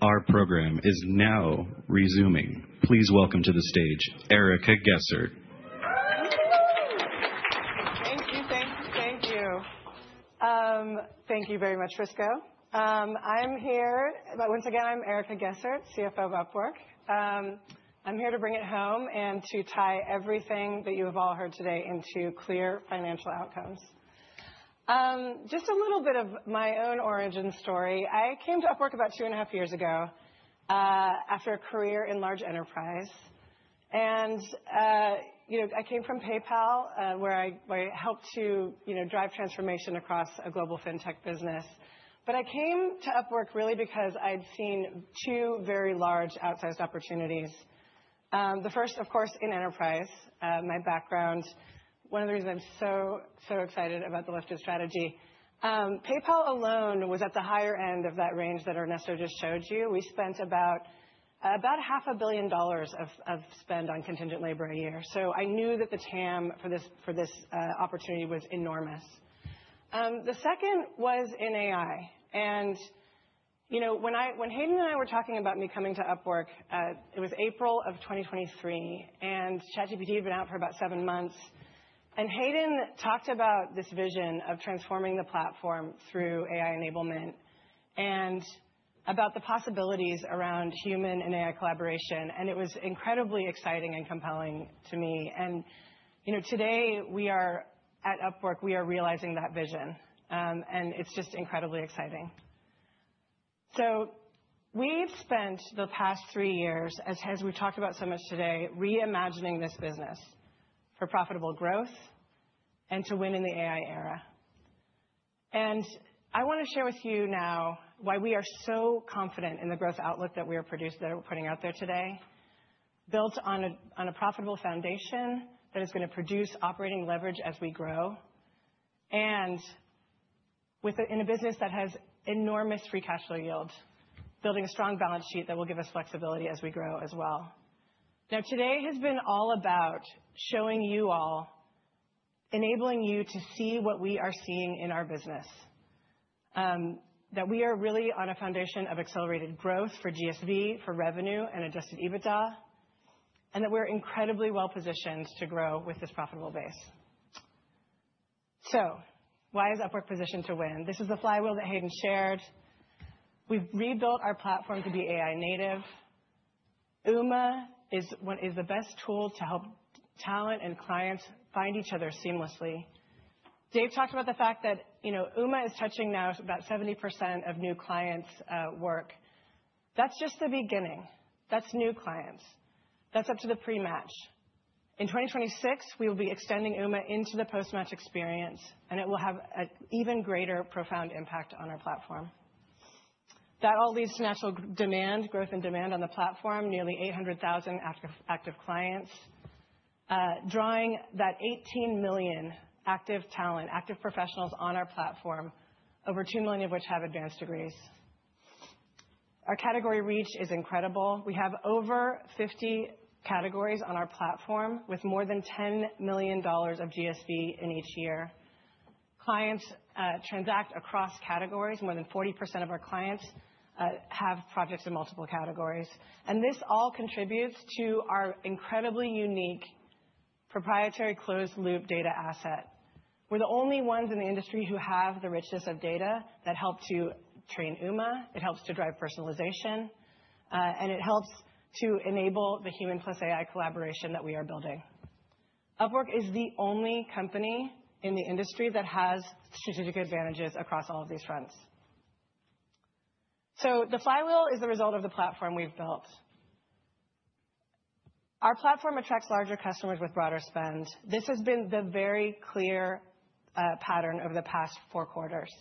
Our program is now resuming. Please welcome to the stage Erica Gessert. Thank you. Thank you. Thank you very much, Frisco. Once again, I'm Erica Gessert, CFO of Upwork. I'm here to bring it home and to tie everything that you have all heard today into clear financial outcomes. Just a little bit of my own origin story. I came to Upwork about two and a half years ago after a career in large enterprise. I came from PayPal, where I helped to drive transformation across a global fintech business. I came to Upwork really because I'd seen two very large outsized opportunities. The first, of course, in enterprise. One of the reasons I'm so, so excited about the Lifted strategy, PayPal alone was at the higher end of that range that Ernesto just showed you. We spent about $500,000,000 of spend on contingent labor a year. I knew that the TAM for this opportunity was enormous. The second was in AI. When Hayden and I were talking about me coming to Upwork, it was April of 2023, and ChatGPT had been out for about seven months. Hayden talked about this vision of transforming the platform through AI enablement and about the possibilities around human and AI collaboration. It was incredibly exciting and compelling to me. Today, at Upwork, we are realizing that vision. It is just incredibly exciting. We have spent the past three years, as we have talked about so much today, reimagining this business for profitable growth and to win in the AI era. I want to share with you now why we are so confident in the growth outlook that we are putting out there today, built on a profitable foundation that is going to produce operating leverage as we grow, and in a business that has enormous free cash flow yields, building a strong balance sheet that will give us flexibility as we grow as well. Today has been all about showing you all, enabling you to see what we are seeing in our business, that we are really on a foundation of accelerated growth for GSV, for revenue and adjusted EBITDA, and that we're incredibly well positioned to grow with this profitable base. Why is Upwork positioned to win? This is the flywheel that Hayden shared. We've rebuilt our platform to be AI native. Uma is the best tool to help talent and clients find each other seamlessly. Dave talked about the fact that Uma is touching now about 70% of new clients' work. That's just the beginning. That's new clients. That's up to the pre-match. In 2026, we will be extending Uma into the post-match experience, and it will have an even greater profound impact on our platform. That all leads to natural demand, growth in demand on the platform, nearly 800,000 active clients, drawing that 18 million active talent, active professionals on our platform, over two million of which have advanced degrees. Our category reach is incredible. We have over 50 categories on our platform with more than $10 million of GSV in each year. Clients transact across categories. More than 40% of our clients have projects in multiple categories. This all contributes to our incredibly unique proprietary closed-loop data asset. We're the only ones in the industry who have the richness of data that helps to train Uma. It helps to drive personalization, and it helps to enable the human plus AI collaboration that we are building. Upwork is the only company in the industry that has strategic advantages across all of these fronts. The flywheel is the result of the platform we've built. Our platform attracts larger customers with broader spend. This has been the very clear pattern over the past four quarters.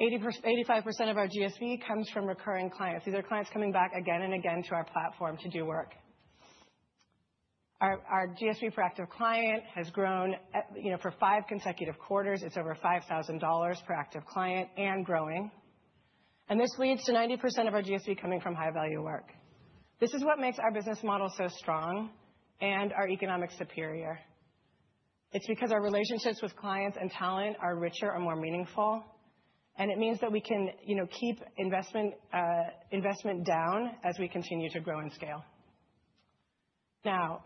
85% of our GSV comes from recurring clients. These are clients coming back again and again to our platform to do work. Our GSV per active client has grown for five consecutive quarters. It's over $5,000 per active client and growing. This leads to 90% of our GSV coming from high-value work. This is what makes our business model so strong and our economics superior. It's because our relationships with clients and talent are richer, are more meaningful, and it means that we can keep investment down as we continue to grow and scale. Now,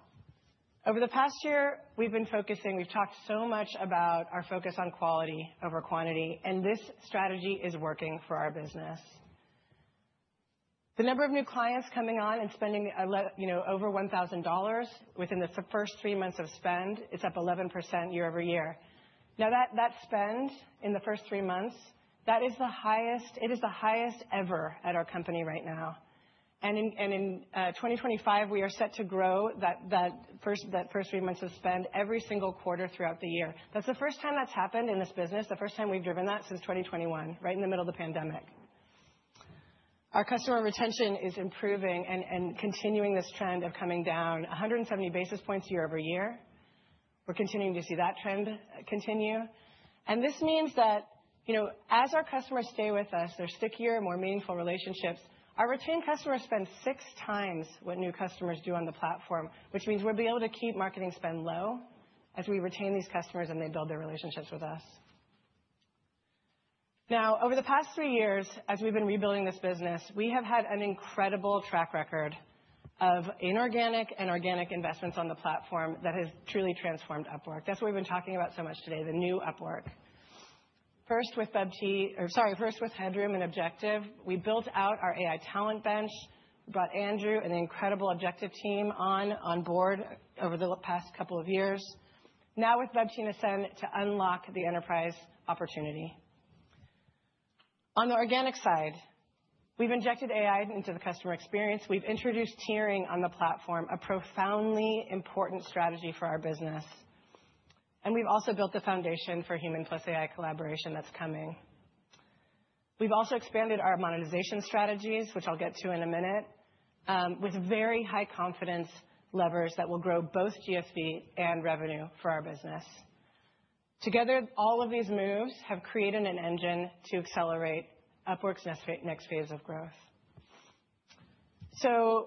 over the past year, we've been focusing. We've talked so much about our focus on quality over quantity, and this strategy is working for our business. The number of new clients coming on and spending over $1,000 within the first three months of spend, it's up 11% year over year. Now, that spend in the first three months, it is the highest ever at our company right now. In 2025, we are set to grow that first three months of spend every single quarter throughout the year. That's the first time that's happened in this business, the first time we've driven that since 2021, right in the middle of the pandemic. Our customer retention is improving and continuing this trend of coming down 170 basis points year over year. We're continuing to see that trend continue. This means that as our customers stay with us, they're stickier, more meaningful relationships. Our retained customers spend six times what new customers do on the platform, which means we'll be able to keep marketing spend low as we retain these customers and they build their relationships with us. Now, over the past three years, as we've been rebuilding this business, we have had an incredible track record of inorganic and organic investments on the platform that has truly transformed Upwork. That's what we've been talking about so much today, the new Upwork. First with Bubty, or sorry, first with Headroom and Objective. We built out our AI talent bench. We brought Andrew and the incredible Objective team on board over the past couple of years. Now with Bubty and Ascen to unlock the enterprise opportunity. On the organic side, we've injected AI into the customer experience. We've introduced tiering on the platform, a profoundly important strategy for our business. We've also built the foundation for human plus AI collaboration that's coming. We've also expanded our monetization strategies, which I'll get to in a minute, with very high confidence levers that will grow both GSV and revenue for our business. Together, all of these moves have created an engine to accelerate Upwork's next phase of growth.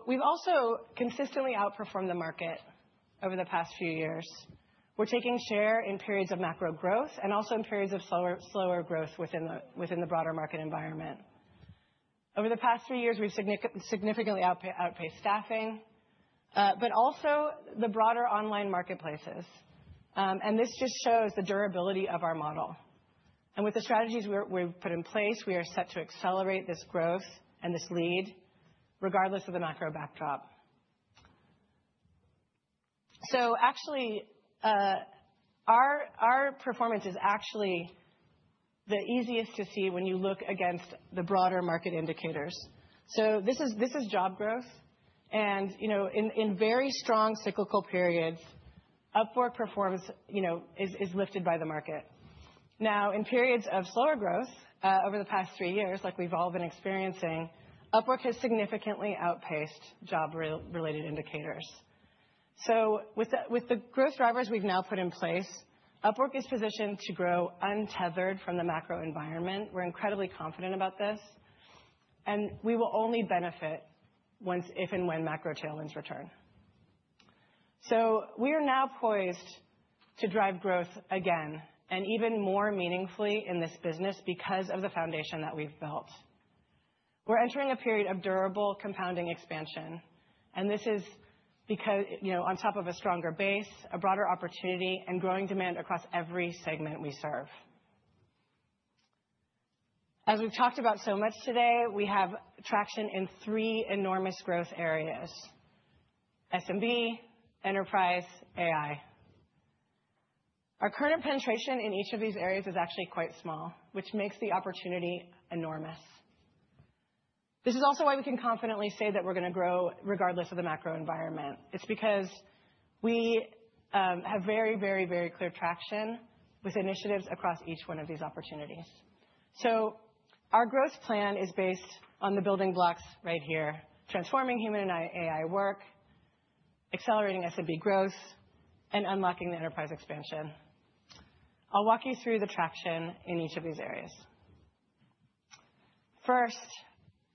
We've also consistently outperformed the market over the past few years. We're taking share in periods of macro growth and also in periods of slower growth within the broader market environment. Over the past three years, we've significantly outpaced staffing, but also the broader online marketplaces. This just shows the durability of our model. With the strategies we've put in place, we are set to accelerate this growth and this lead regardless of the macro backdrop. Our performance is actually the easiest to see when you look against the broader market indicators. This is job growth. In very strong cyclical periods, Upwork is lifted by the market. In periods of slower growth over the past three years, like we've all been experiencing, Upwork has significantly outpaced job-related indicators. With the growth drivers we've now put in place, Upwork is positioned to grow untethered from the macro environment. We're incredibly confident about this. We will only benefit if and when macro tailwinds return. We are now poised to drive growth again and even more meaningfully in this business because of the foundation that we've built. We're entering a period of durable compounding expansion. This is on top of a stronger base, a broader opportunity, and growing demand across every segment we serve. As we've talked about so much today, we have traction in three enormous growth areas: SMB, enterprise, AI. Our current penetration in each of these areas is actually quite small, which makes the opportunity enormous. This is also why we can confidently say that we're going to grow regardless of the macro environment. It's because we have very, very, very clear traction with initiatives across each one of these opportunities. Our growth plan is based on the building blocks right here: transforming human and AI work, accelerating SMB growth, and unlocking the enterprise expansion. I'll walk you through the traction in each of these areas. First,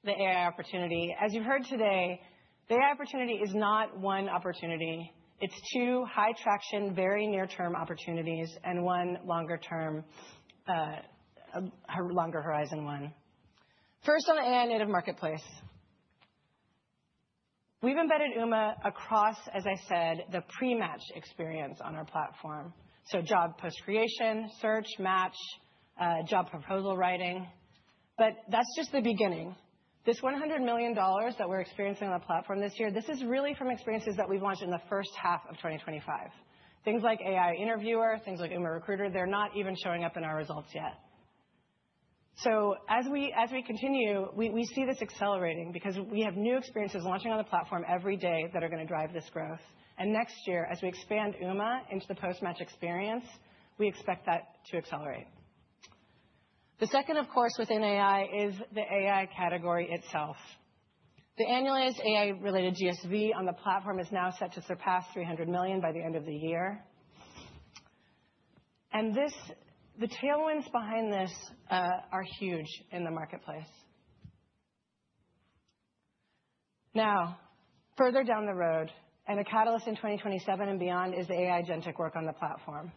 the AI opportunity. As you've heard today, the AI opportunity is not one opportunity. It's two high-traction, very near-term opportunities and one longer horizon one. First, on the AI native marketplace, we've embedded Uma across, as I said, the pre-match experience on our platform. Job post creation, search, match, job proposal writing. That's just the beginning. This $100 million that we're experiencing on the platform this year, this is really from experiences that we've launched in the first half of 2025. Things like AI interviewer, things like Uma recruiter, they're not even showing up in our results yet. As we continue, we see this accelerating because we have new experiences launching on the platform every day that are going to drive this growth. Next year, as we expand Uma into the post-match experience, we expect that to accelerate. The second, of course, within AI is the AI category itself. The annualized AI-related GSV on the platform is now set to surpass $300 million by the end of the year. The tailwinds behind this are huge in the marketplace. Further down the road, and a catalyst in 2027 and beyond, is the AI Agentic work on the platform.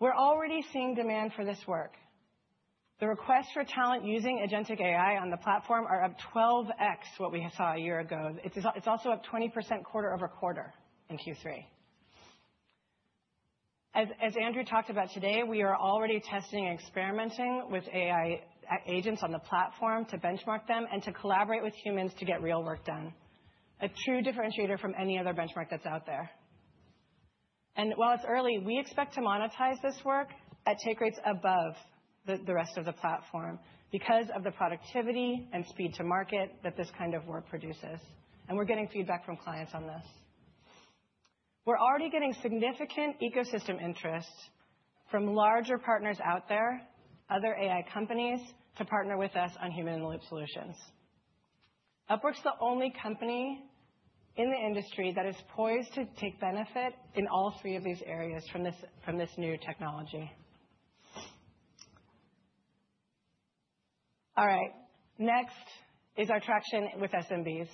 We're already seeing demand for this work. The requests for talent using Agentic AI on the platform are up 12x what we saw a year ago. It's also up 20% quarter over quarter in Q3. As Andrew talked about today, we are already testing and experimenting with AI agents on the platform to benchmark them and to collaborate with humans to get real work done, a true differentiator from any other benchmark that's out there. While it's early, we expect to monetize this work at take rates above the rest of the platform because of the productivity and speed to market that this kind of work produces. We're getting feedback from clients on this. We're already getting significant ecosystem interest from larger partners out there, other AI companies to partner with us on human-in-the-loop solutions. Upwork's the only company in the industry that is poised to take benefit in all three of these areas from this new technology. Next is our traction with SMBs.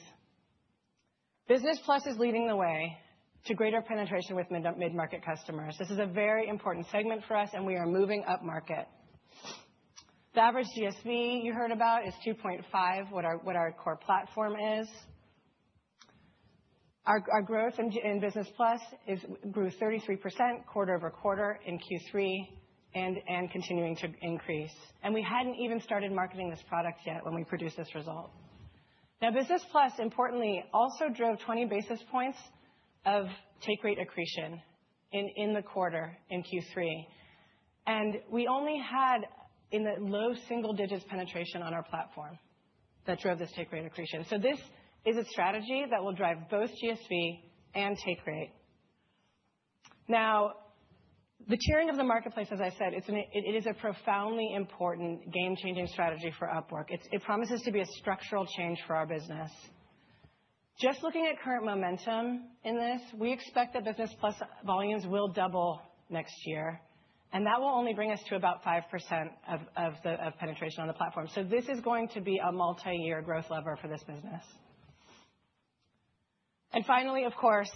Business Plus is leading the way to greater penetration with mid-market customers. This is a very important segment for us, and we are moving up market. The average GSV you heard about is 2.5, what our core platform is. Our growth in Business Plus grew 33% quarter over quarter in Q3 and continuing to increase. We had not even started marketing this product yet when we produced this result. Now, Business Plus, importantly, also drove 20 basis points of take rate accretion in the quarter in Q3. We only had low single digits penetration on our platform that drove this take rate accretion. This is a strategy that will drive both GSV and take rate. The tiering of the marketplace, as I said, it is a profoundly important game-changing strategy for Upwork. It promises to be a structural change for our business. Just looking at current momentum in this, we expect that Business Plus volumes will double next year. That will only bring us to about 5% of penetration on the platform. This is going to be a multi-year growth lever for this business. Finally, of course,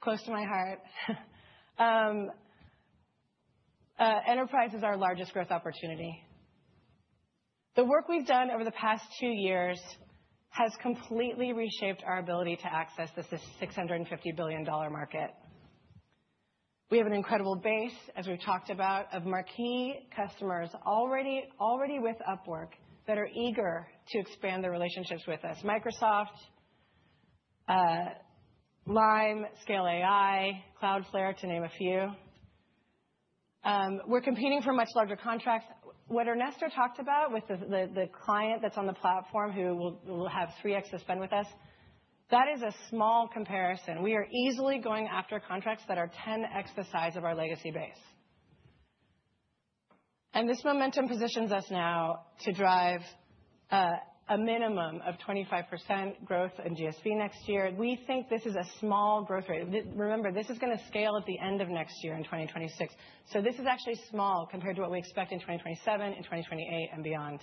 close to my heart, enterprise is our largest growth opportunity. The work we have done over the past two years has completely reshaped our ability to access this $650 billion market. We have an incredible base, as we have talked about, of marquee customers already with Upwork that are eager to expand their relationships with us: Microsoft, Lime, Scale AI, Cloudflare, to name a few. We are competing for much larger contracts. What Ernesto talked about with the client that is on the platform who will have 3x to spend with us, that is a small comparison. We are easily going after contracts that are 10x the size of our legacy base. This momentum positions us now to drive a minimum of 25% growth in GSV next year. We think this is a small growth rate. Remember, this is going to scale at the end of next year in 2026. This is actually small compared to what we expect in 2027, in 2028, and beyond.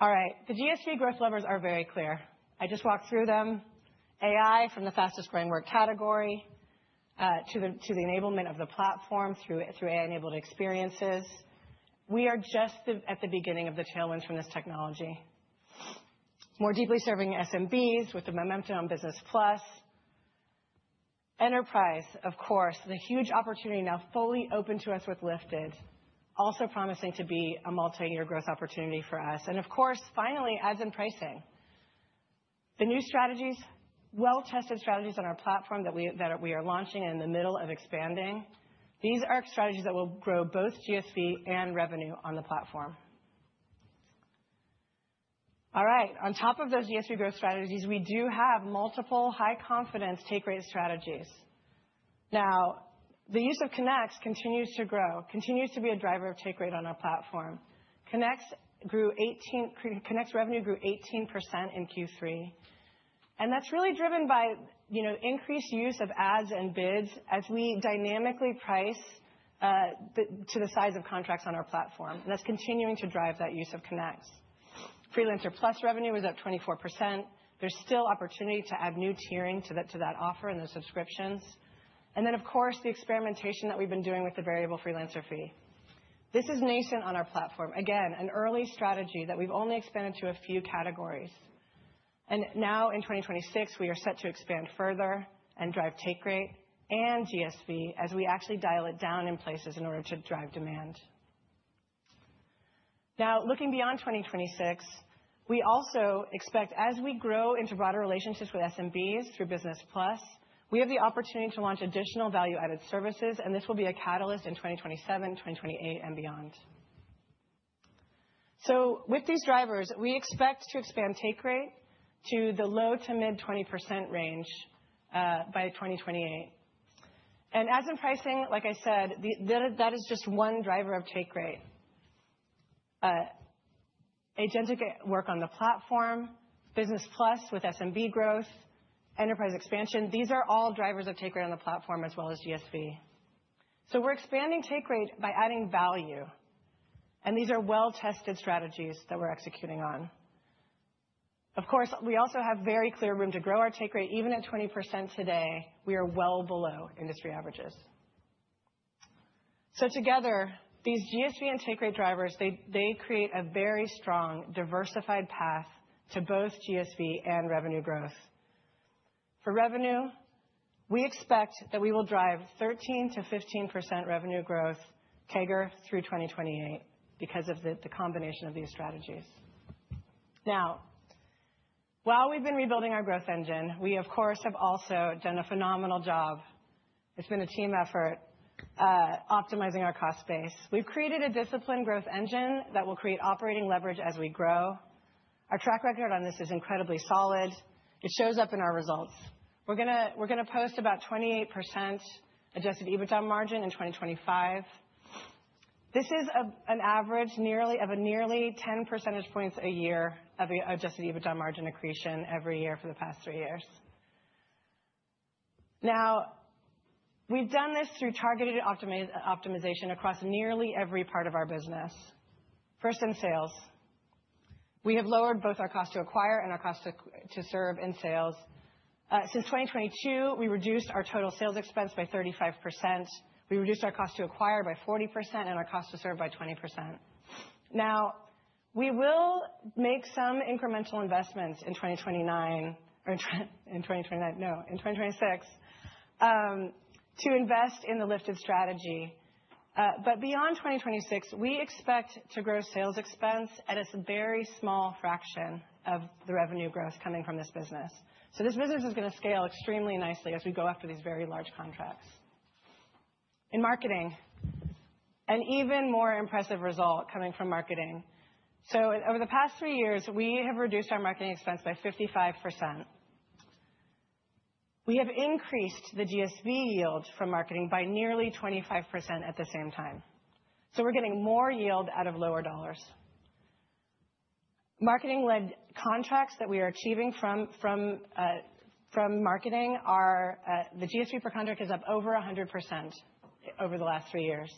The GSV growth levers are very clear. I just walked through them. AI from the fastest growing work category to the enablement of the platform through AI-enabled experiences. We are just at the beginning of the tailwinds from this technology, more deeply serving SMBs with the momentum on Business Plus. Enterprise, of course, the huge opportunity now fully open to us with Lifted, also promising to be a multi-year growth opportunity for us. Finally, ads and pricing. The new strategies, well-tested strategies on our platform that we are launching and in the middle of expanding. These are strategies that will grow both GSV and revenue on the platform. All right, on top of those GSV growth strategies, we do have multiple high-confidence take rate strategies. Now, the use of Connects continues to grow, continues to be a driver of take rate on our platform. Connects revenue grew 18% in Q3. That is really driven by increased use of ads and bids as we dynamically price to the size of contracts on our platform. That is continuing to drive that use of Connects. Freelancer Plus revenue was up 24%. There is still opportunity to add new tiering to that offer and those subscriptions. Of course, the experimentation that we have been doing with the variable freelancer fee. This is nascent on our platform. Again, an early strategy that we've only expanded to a few categories. Now, in 2026, we are set to expand further and drive take rate and GSV as we actually dial it down in places in order to drive demand. Looking beyond 2026, we also expect as we grow into broader relationships with SMBs through Business Plus, we have the opportunity to launch additional value-added services. This will be a catalyst in 2027, 2028, and beyond. With these drivers, we expect to expand take rate to the low to mid 20% range by 2028. As in pricing, like I said, that is just one driver of take rate. Agentic work on the platform, Business Plus with SMB growth, enterprise expansion, these are all drivers of take rate on the platform as well as GSV. We're expanding take rate by adding value. These are well-tested strategies that we're executing on. Of course, we also have very clear room to grow our take rate. Even at 20% today, we are well below industry averages. Together, these GSV and take rate drivers create a very strong, diversified path to both GSV and revenue growth. For revenue, we expect that we will drive 13%-15% revenue growth CAGR through 2028 because of the combination of these strategies. Now, while we've been rebuilding our growth engine, we, of course, have also done a phenomenal job. It's been a team effort optimizing our cost base. We've created a disciplined growth engine that will create operating leverage as we grow. Our track record on this is incredibly solid. It shows up in our results. We're going to post about 28% adjusted EBITDA margin in 2025. This is an average of nearly 10 percentage points a year of adjusted EBITDA margin accretion every year for the past three years. Now, we've done this through targeted optimization across nearly every part of our business, first in sales. We have lowered both our cost to acquire and our cost to serve in sales. Since 2022, we reduced our total sales expense by 35%. We reduced our cost to acquire by 40% and our cost to serve by 20%. Now, we will make some incremental investments in 2029 or in 2029, no, in 2026 to invest in the Lifted strategy. Beyond 2026, we expect to grow sales expense at a very small fraction of the revenue growth coming from this business. This business is going to scale extremely nicely as we go after these very large contracts. In marketing, an even more impressive result coming from marketing. Over the past three years, we have reduced our marketing expense by 55%. We have increased the GSV yield from marketing by nearly 25% at the same time. We're getting more yield out of lower dollars. Marketing-led contracts that we are achieving from marketing, the GSV per contract is up over 100% over the last three years.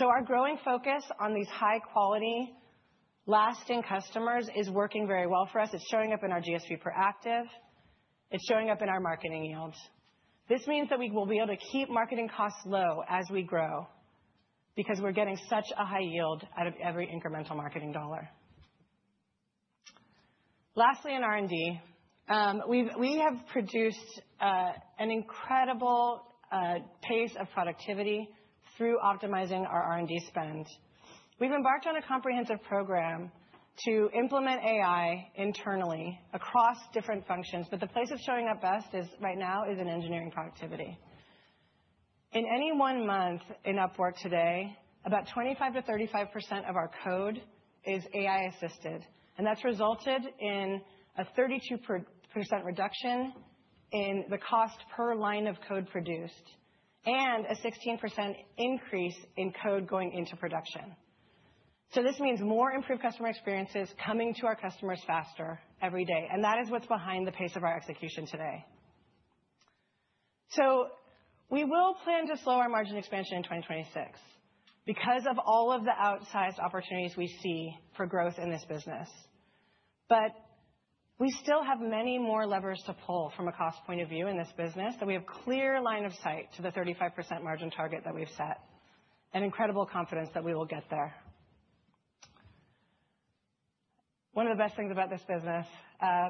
Our growing focus on these high-quality, lasting customers is working very well for us. It's showing up in our GSV per active. It's showing up in our marketing yield. This means that we will be able to keep marketing costs low as we grow because we're getting such a high yield out of every incremental marketing dollar. Lastly, in R&D, we have produced an incredible pace of productivity through optimizing our R&D spend. We've embarked on a comprehensive program to implement AI internally across different functions. The place it's showing up best right now is in engineering productivity. In any one month in Upwork today, about 25%-35% of our code is AI-assisted. That has resulted in a 32% reduction in the cost per line of code produced and a 16% increase in code going into production. This means more improved customer experiences coming to our customers faster every day. That is what's behind the pace of our execution today. We will plan to slow our margin expansion in 2026 because of all of the outsized opportunities we see for growth in this business. We still have many more levers to pull from a cost point of view in this business, and we have clear line of sight to the 35% margin target that we've set and incredible confidence that we will get there. One of the best things about this business,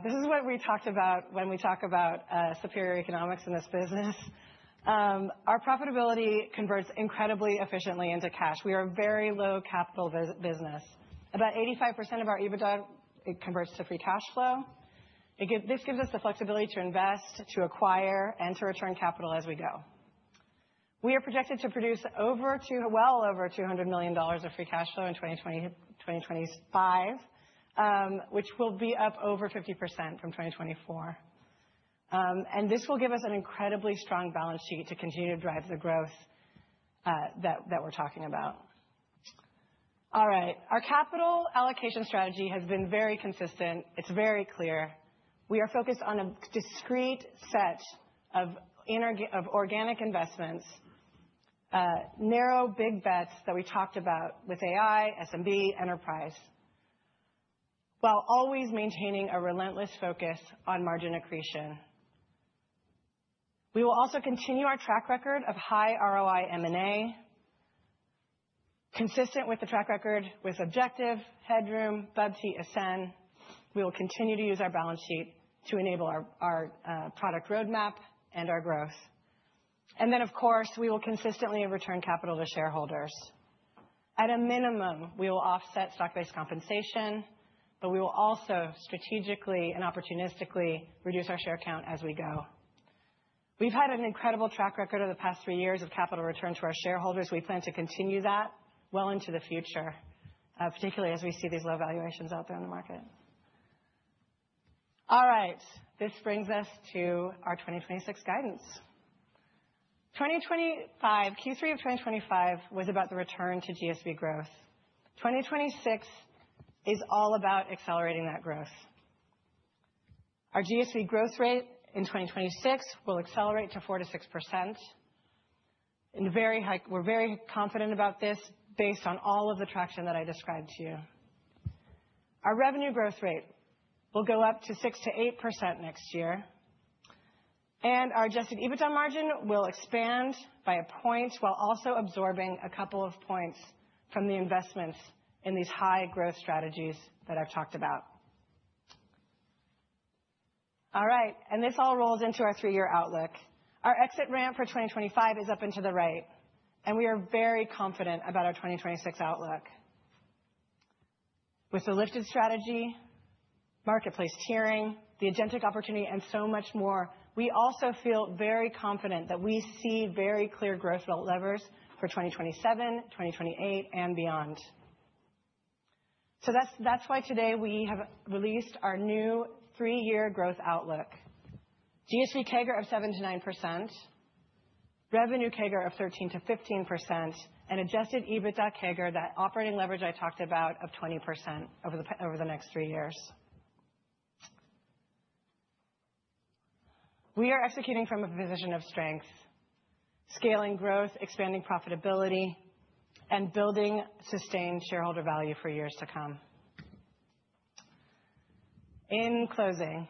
this is what we talked about when we talk about superior economics in this business. Our profitability converts incredibly efficiently into cash. We are a very low-capital business. About 85% of our EBITDA, it converts to free cash flow. This gives us the flexibility to invest, to acquire, and to return capital as we go. We are projected to produce well over $200 million of free cash flow in 2025, which will be up over 50% from 2024. This will give us an incredibly strong balance sheet to continue to drive the growth that we're talking about. All right, our capital allocation strategy has been very consistent. It's very clear. We are focused on a discreet set of organic investments, narrow big bets that we talked about with AI, SMB, enterprise, while always maintaining a relentless focus on margin accretion. We will also continue our track record of high ROI M&A, consistent with the track record with Objective, Headroom, Bubty, Ascen. We will continue to use our balance sheet to enable our product roadmap and our growth. Of course, we will consistently return capital to shareholders. At a minimum, we will offset stock-based compensation, but we will also strategically and opportunistically reduce our share count as we go. We've had an incredible track record over the past three years of capital return to our shareholders. We plan to continue that well into the future, particularly as we see these low valuations out there in the market. All right, this brings us to our 2026 guidance. Q3 of 2025 was about the return to GSV growth. 2026 is all about accelerating that growth. Our GSV growth rate in 2026 will accelerate to 4%-6%. We're very confident about this based on all of the traction that I described to you. Our revenue growth rate will go up to 6%-8% next year. Our adjusted EBITDA margin will expand by a point while also absorbing a couple of points from the investments in these high growth strategies that I've talked about. All right, this all rolls into our three-year outlook. Our exit ramp for 2025 is up and to the right. We are very confident about our 2026 outlook. With the Lifted strategy, marketplace tiering, the agentic opportunity, and so much more, we also feel very confident that we see very clear growth levers for 2027, 2028, and beyond. That's why today we have released our new three-year growth outlook: GSV CAGR of 7%-9%, revenue CAGR of 13%-15%, and adjusted EBITDA CAGR, that operating leverage I talked about, of 20% over the next three years. We are executing from a position of strength, scaling growth, expanding profitability, and building sustained shareholder value for years to come. In closing,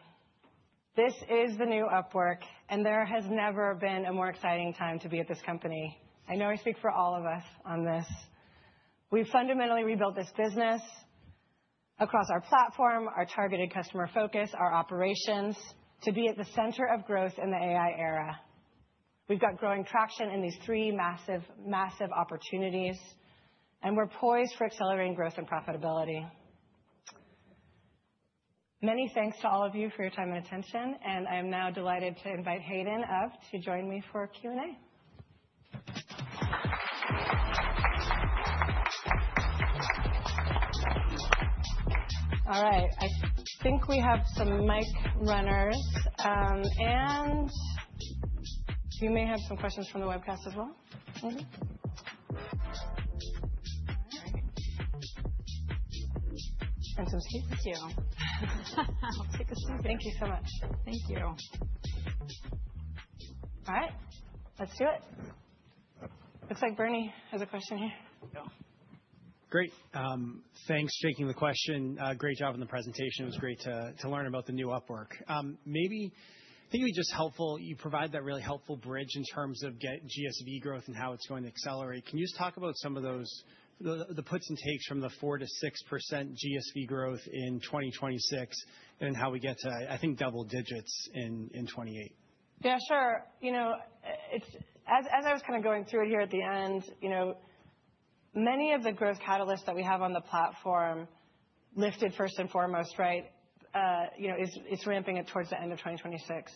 this is the new Upwork, and there has never been a more exciting time to be at this company. I know I speak for all of us on this. We've fundamentally rebuilt this business across our platform, our targeted customer focus, our operations to be at the center of growth in the AI era. We've got growing traction in these three massive opportunities, and we're poised for accelerating growth and profitability. Many thanks to all of you for your time and attention. I am now delighted to invite Hayden up to join me for Q&A.All right, I think we have some mic runners. You may have some questions from the webcast as well. And some seats. Thank you. I'll take a seat. Thank you so much. Thank you. All right, let's do it. Looks like Bernie has a question here. Great. Thanks for taking the question. Great job on the presentation. It was great to learn about the new Upwork. I think it would be just helpful you provide that really helpful bridge in terms of GSV growth and how it's going to accelerate. Can you just talk about some of the puts and takes from the 4%-6% GSV growth in 2026 and how we get to, I think, double digits in 2028? Yeah, sure. As I was kind of going through it here at the end, many of the growth catalysts that we have on the platform, Lifted first and foremost, right, is ramping it towards the end of 2026.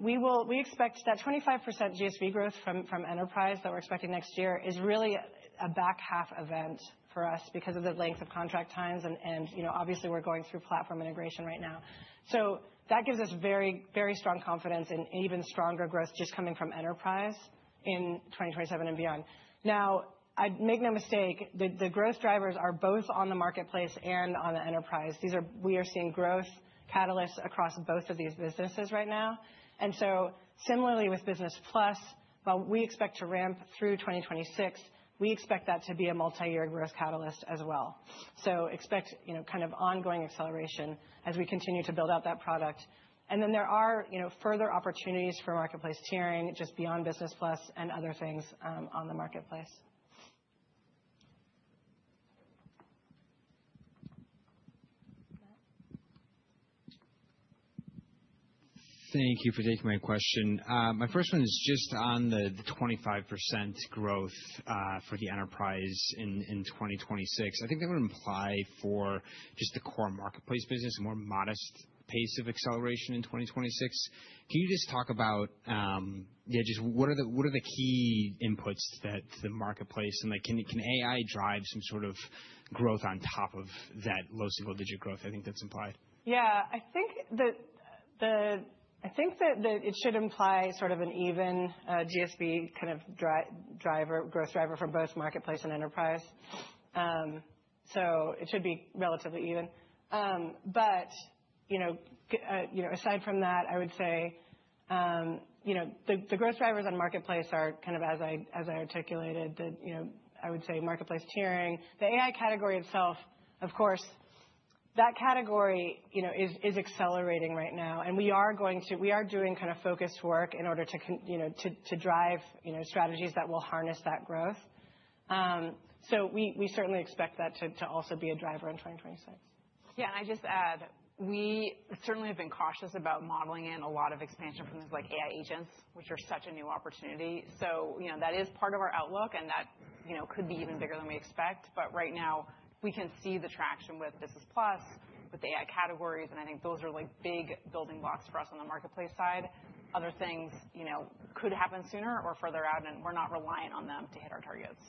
We expect that 25% GSV growth from enterprise that we're expecting next year is really a back half event for us because of the length of contract times. Obviously, we're going through platform integration right now. That gives us very strong confidence in even stronger growth just coming from enterprise in 2027 and beyond. Make no mistake, the growth drivers are both on the marketplace and on the enterprise. We are seeing growth catalysts across both of these businesses right now. Similarly with Business Plus, while we expect to ramp through 2026, we expect that to be a multi-year growth catalyst as well. Expect kind of ongoing acceleration as we continue to build out that product. There are further opportunities for marketplace tiering just beyond Business Plus and other things on the marketplace. Thank you for taking my question. My first one is just on the 25% growth for the enterprise in 2026. I think that would imply for just the core marketplace business, a more modest pace of acceleration in 2026. Can you just talk about, yeah, just what are the key inputs to the marketplace? Can AI drive some sort of growth on top of that low single-digit growth? I think that's implied. Yeah, I think that it should imply sort of an even GSV kind of growth driver from both marketplace and enterprise. It should be relatively even. Aside from that, I would say the growth drivers on marketplace are kind of, as I articulated, I would say marketplace tiering. The AI category itself, of course, that category is accelerating right now. We are doing kind of focused work in order to drive strategies that will harness that growth. We certainly expect that to also be a driver in 2026. Yeah, and I just add, we certainly have been cautious about modeling in a lot of expansion from things like AI agents, which are such a new opportunity. That is part of our outlook, and that could be even bigger than we expect. Right now, we can see the traction with Business Plus, with the AI categories. I think those are big building blocks for us on the marketplace side. Other things could happen sooner or further out, and we're not reliant on them to hit our targets.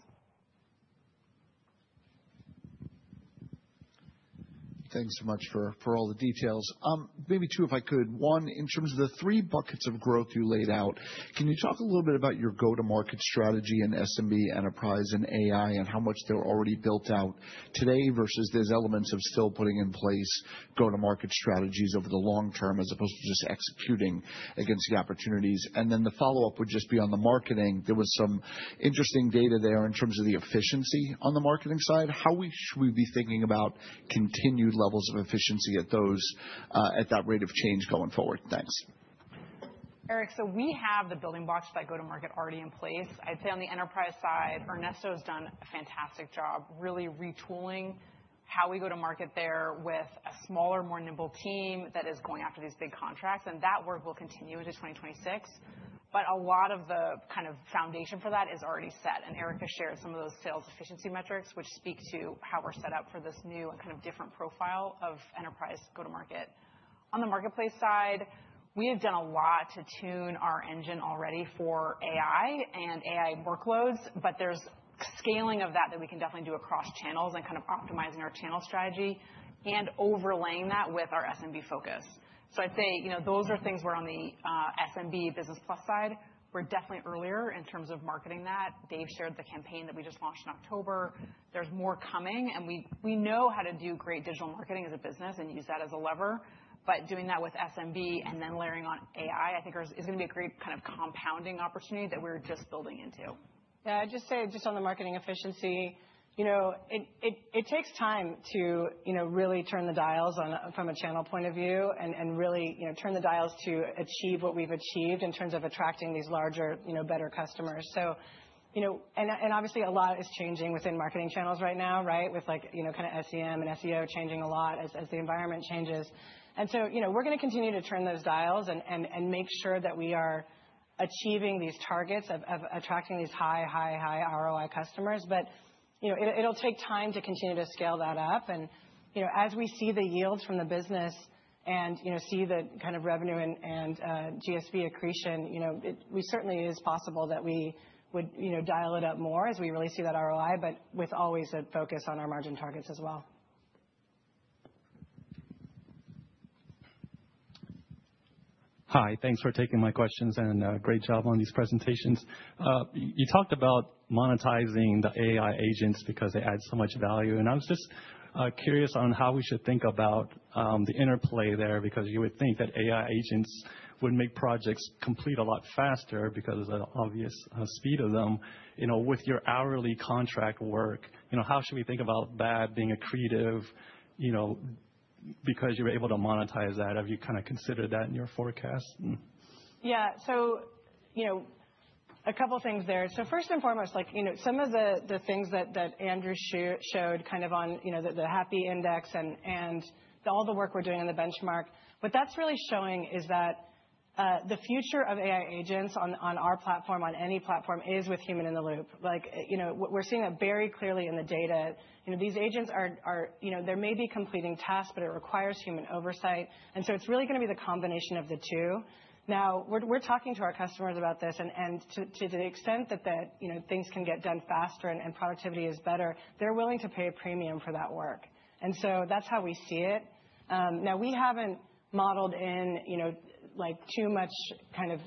Thanks so much for all the details. Maybe two, if I could. One, in terms of the three buckets of growth you laid out, can you talk a little bit about your go-to-market strategy in SMB, enterprise, and AI, and how much they're already built out today versus there's elements of still putting in place go-to-market strategies over the long term as opposed to just executing against the opportunities? The follow-up would just be on the marketing. There was some interesting data there in terms of the efficiency on the marketing side. How should we be thinking about continued levels of efficiency at that rate of change going forward? Thanks. Eric, so we have the building blocks for that go-to-market already in place. I'd say on the enterprise side, Ernesto has done a fantastic job really retooling how we go to market there with a smaller, more nimble team that is going after these big contracts. That work will continue into 2026. A lot of the kind of foundation for that is already set. Erica shared some of those sales efficiency metrics, which speak to how we're set up for this new and kind of different profile of enterprise go-to-market. On the marketplace side, we have done a lot to tune our engine already for AI and AI workloads. There's scaling of that that we can definitely do across channels and kind of optimizing our channel strategy and overlaying that with our SMB focus. I'd say those are things where on the SMB, Business Plus side, we're definitely earlier in terms of marketing that. Dave shared the campaign that we just launched in October. There's more coming. We know how to do great digital marketing as a business and use that as a lever. Doing that with SMB and then layering on AI, I think, is going to be a great kind of compounding opportunity that we're just building into. Yeah, I'd just say just on the marketing efficiency, it takes time to really turn the dials from a channel point of view and really turn the dials to achieve what we've achieved in terms of attracting these larger, better customers. Obviously, a lot is changing within marketing channels right now, right, with kind of SEM and SEO changing a lot as the environment changes. We are going to continue to turn those dials and make sure that we are achieving these targets of attracting these high, high, high ROI customers. It will take time to continue to scale that up. As we see the yields from the business and see the kind of revenue and GSV accretion, it certainly is possible that we would dial it up more as we really see that ROI, always with a focus on our margin targets as well. Hi, thanks for taking my questions and great job on these presentations. You talked about monetizing the AI agents because they add so much value. I was just curious on how we should think about the interplay there because you would think that AI agents would make projects complete a lot faster because of the obvious speed of them. With your hourly contract work, how should we think about that being accretive because you're able to monetize that? Have you kind of considered that in your forecast? Yeah, so a couple of things there. First and foremost, some of the things that Andrew showed on the HAPI index and all the work we're doing on the benchmark, what that's really showing is that the future of AI agents on our platform, on any platform, is with human in the loop. We're seeing that very clearly in the data. These agents, they may be completing tasks, but it requires human oversight. It is really going to be the combination of the two. Now, we're talking to our customers about this. To the extent that things can get done faster and productivity is better, they're willing to pay a premium for that work. That is how we see it. Now, we have not modeled in too much kind of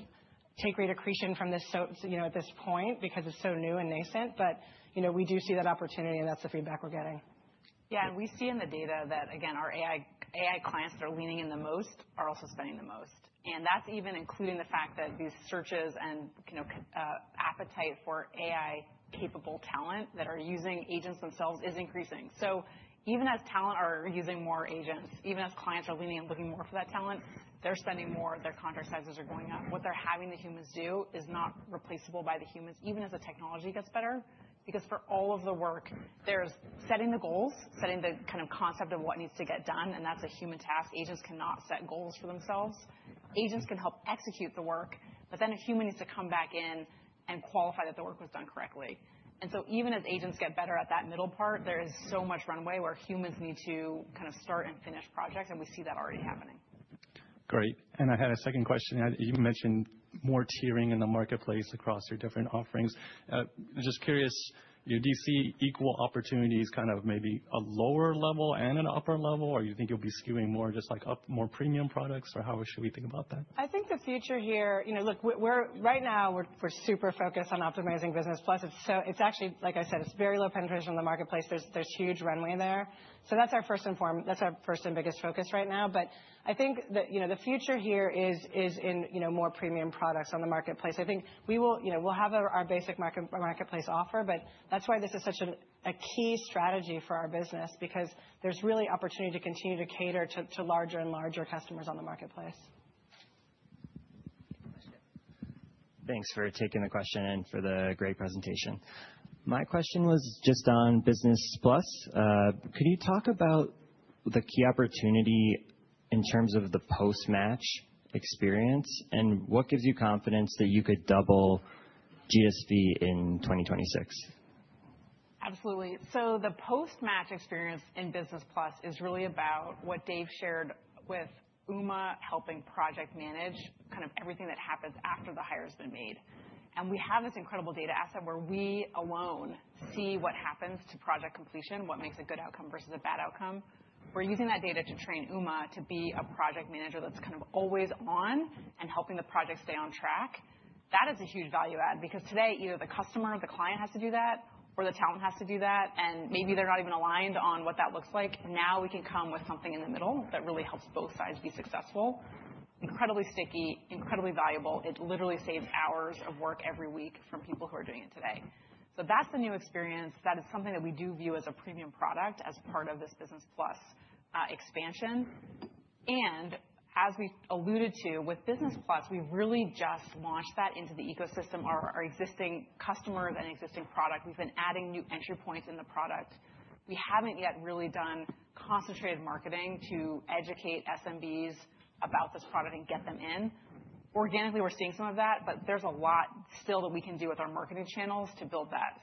take rate accretion from this at this point because it is so new and nascent. We do see that opportunity, and that is the feedback we are getting. Yeah, and we see in the data that, again, our AI clients that are leaning in the most are also spending the most. That is even including the fact that these searches and appetite for AI-capable talent that are using agents themselves is increasing. Even as talent are using more agents, even as clients are leaning and looking more for that talent, they are spending more. Their contract sizes are going up. What they are having the humans do is not replaceable by the humans, even as the technology gets better. Because for all of the work, there's setting the goals, setting the kind of concept of what needs to get done. And that's a human task. Agents cannot set goals for themselves. Agents can help execute the work, but then a human needs to come back in and qualify that the work was done correctly. And so even as agents get better at that middle part, there is so much runway where humans need to kind of start and finish projects. We see that already happening. Great. I had a second question. You mentioned more tiering in the marketplace across your different offerings. Just curious, do you see equal opportunities kind of maybe a lower level and an upper level? Or do you think you'll be skewing more just like up more premium products? Or how should we think about that? I think the future here, look, right now, we're super focused on optimizing Business Plus. It's actually, like I said, it's very low penetration on the marketplace. There's huge runway there. That is our first and biggest focus right now. I think the future here is in more premium products on the marketplace. I think we'll have our basic marketplace offer. That is why this is such a key strategy for our business because there's really opportunity to continue to cater to larger and larger customers on the marketplace. Thanks for taking the question and for the great presentation. My question was just on Business Plus. Could you talk about the key opportunity in terms of the post-match experience? What gives you confidence that you could double GSV in 2026? Absolutely. The post-match experience in Business Plus is really about what Dave shared with UMA, helping project manage kind of everything that happens after the hire has been made. We have this incredible data asset where we alone see what happens to project completion, what makes a good outcome versus a bad outcome. We're using that data to train Uma to be a project manager that's kind of always on and helping the project stay on track. That is a huge value add because today, either the customer or the client has to do that, or the talent has to do that. Maybe they're not even aligned on what that looks like. Now we can come with something in the middle that really helps both sides be successful. Incredibly sticky, incredibly valuable. It literally saves hours of work every week from people who are doing it today. That's the new experience. That is something that we do view as a premium product as part of this Business Plus expansion. As we alluded to, with Business Plus, we've really just launched that into the ecosystem, our existing customers and existing product. We've been adding new entry points in the product. We haven't yet really done concentrated marketing to educate SMBs about this product and get them in. Organically, we're seeing some of that, but there's a lot still that we can do with our marketing channels to build that.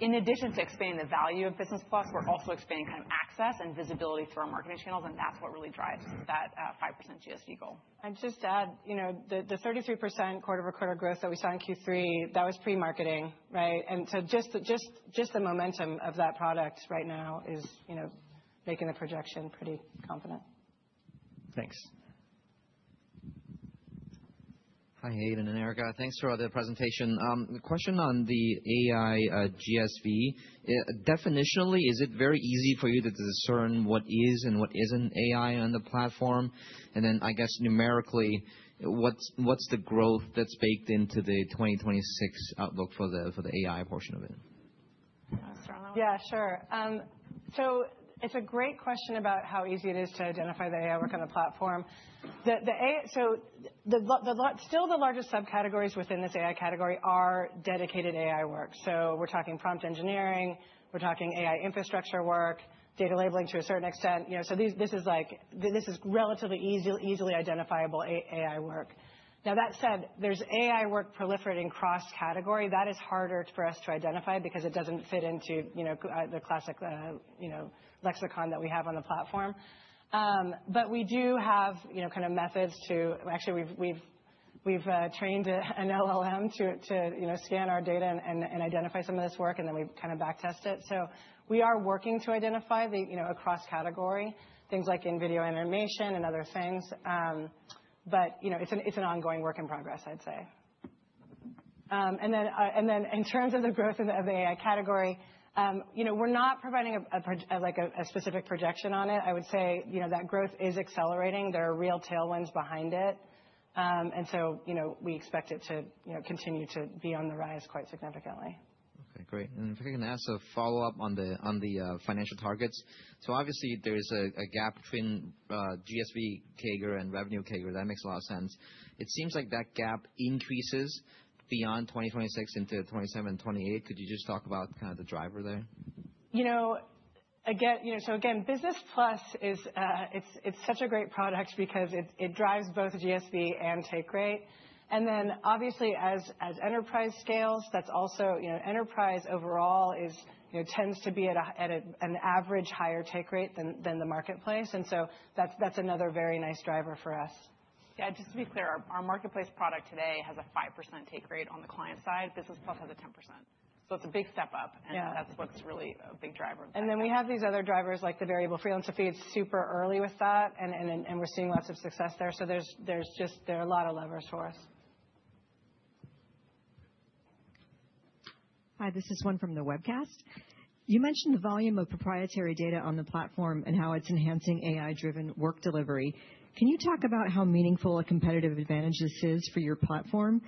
In addition to expanding the value of Business Plus, we're also expanding kind of access and visibility through our marketing channels. That's what really drives that 5% GSV goal. I'd just add the 33% quarter-over-quarter growth that we saw in Q3, that was pre-marketing, right? And so just the momentum of that product right now is making the projection pretty confident. Thanks. Hi, Hayden and Erica. Thanks for the presentation. Question on the AI GSV. Definitionally, is it very easy for you to discern what is and what isn't AI on the platform? I guess numerically, what's the growth that's baked into the 2026 outlook for the AI portion of it? Yeah, sure. It's a great question about how easy it is to identify the AI work on the platform. Still the largest subcategories within this AI category are dedicated AI work. We're talking prompt engineering. We're talking AI infrastructure work, data labeling to a certain extent. This is relatively easily identifiable AI work. That said, there's AI work proliferating cross-category. That is harder for us to identify because it doesn't fit into the classic lexicon that we have on the platform. We do have kind of methods to actually, we've trained an LLM to scan our data and identify some of this work. Then we've kind of backtested it. We are working to identify across category, things like in video animation and other things. It's an ongoing work in progress, I'd say. In terms of the growth of the AI category, we're not providing a specific projection on it. I would say that growth is accelerating. There are real tailwinds behind it. We expect it to continue to be on the rise quite significantly. Okay, great. If I can ask a follow-up on the financial targets. Obviously, there is a gap between GSV CAGR and revenue CAGR. That makes a lot of sense. It seems like that gap increases beyond 2026 into 2027, 2028. Could you just talk about kind of the driver there? Again, Business Plus, it's such a great product because it drives both GSV and take rate. Obviously, as enterprise scales, that's also enterprise overall tends to be at an average higher take rate than the marketplace. That's another very nice driver for us. Just to be clear, our marketplace product today has a 5% take rate on the client side. Business Plus has a 10%. It's a big step up. That's what's really a big driver of that. We have these other drivers like the variable freelancer fee is super early with that. We're seeing lots of success there. There's just a lot of levers for us. Hi, this is one from the webcast. You mentioned the volume of proprietary data on the platform and how it's enhancing AI-driven work delivery. Can you talk about how meaningful a competitive advantage this is for your platform?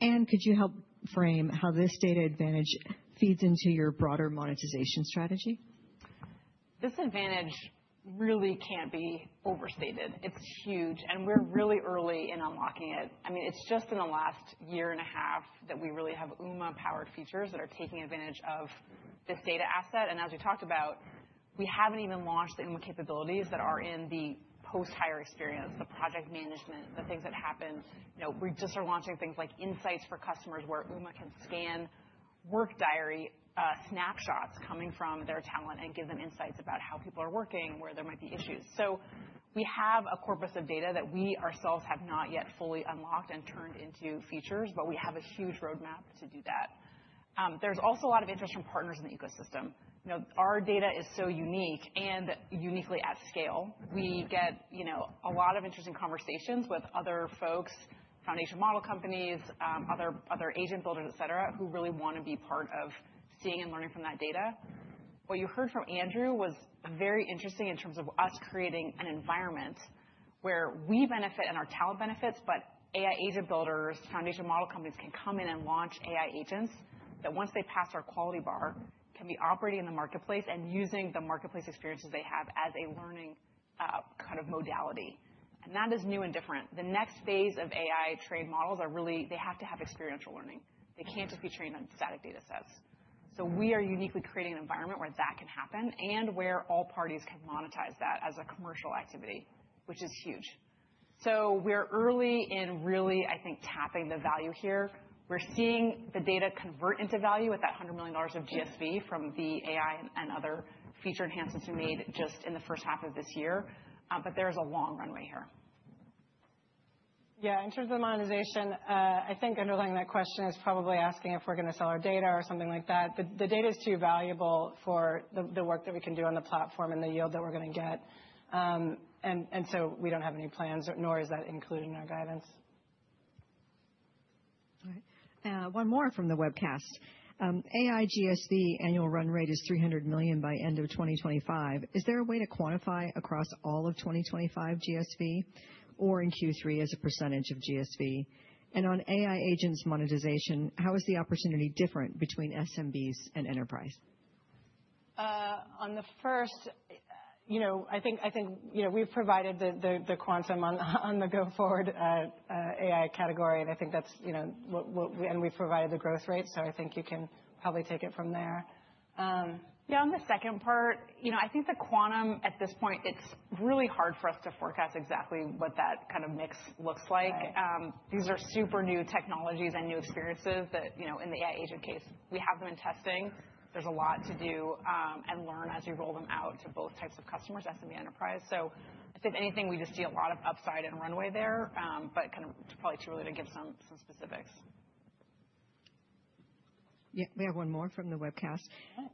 And could you help frame how this data advantage feeds into your broader monetization strategy? This advantage really can't be overstated. It's huge. And we're really early in unlocking it. I mean, it's just in the last year and a half that we really have Uma-powered features that are taking advantage of this data asset. As we talked about, we haven't even launched the Uma capabilities that are in the post-hire experience, the project management, the things that happen. We just are launching things like insights for customers where Uma can scan work diary snapshots coming from their talent and give them insights about how people are working, where there might be issues. We have a corpus of data that we ourselves have not yet fully unlocked and turned into features, but we have a huge roadmap to do that. There is also a lot of interest from partners in the ecosystem. Our data is so unique and uniquely at scale. We get a lot of interesting conversations with other folks, foundation model companies, other agent builders, etc., who really want to be part of seeing and learning from that data. What you heard from Andrew was very interesting in terms of us creating an environment where we benefit and our talent benefits, but AI agent builders, foundation model companies can come in and launch AI agents that once they pass our quality bar can be operating in the marketplace and using the marketplace experiences they have as a learning kind of modality. That is new and different. The next phase of AI-trained models are really they have to have experiential learning. They can't just be trained on static data sets. We are uniquely creating an environment where that can happen and where all parties can monetize that as a commercial activity, which is huge. We're early in really, I think, tapping the value here. We're seeing the data convert into value with that $100 million of GSV from the AI and other feature enhancements we made just in the first half of this year. There is a long runway here. Yeah, in terms of monetization, I think underlying that question is probably asking if we're going to sell our data or something like that. The data is too valuable for the work that we can do on the platform and the yield that we're going to get. We don't have any plans, nor is that included in our guidance. All right. One more from the webcast. AI GSV annual run rate is $300 million by end of 2025. Is there a way to quantify across all of 2025 GSV or in Q3 as a percentage of GSV? On AI agents monetization, how is the opportunity different between SMBs and enterprise? On the first, I think we've provided the quantum on the go-forward AI category. I think that's what we, and we've provided the growth rate. I think you can probably take it from there. Yeah, on the second part, I think the quantum at this point, it's really hard for us to forecast exactly what that kind of mix looks like. These are super new technologies and new experiences that in the AI agent case, we have them in testing. There's a lot to do and learn as we roll them out to both types of customers, SMB and enterprise. If there's anything, we just see a lot of upside and runway there, but kind of probably too early to give some specifics. Yeah, we have one more from the webcast.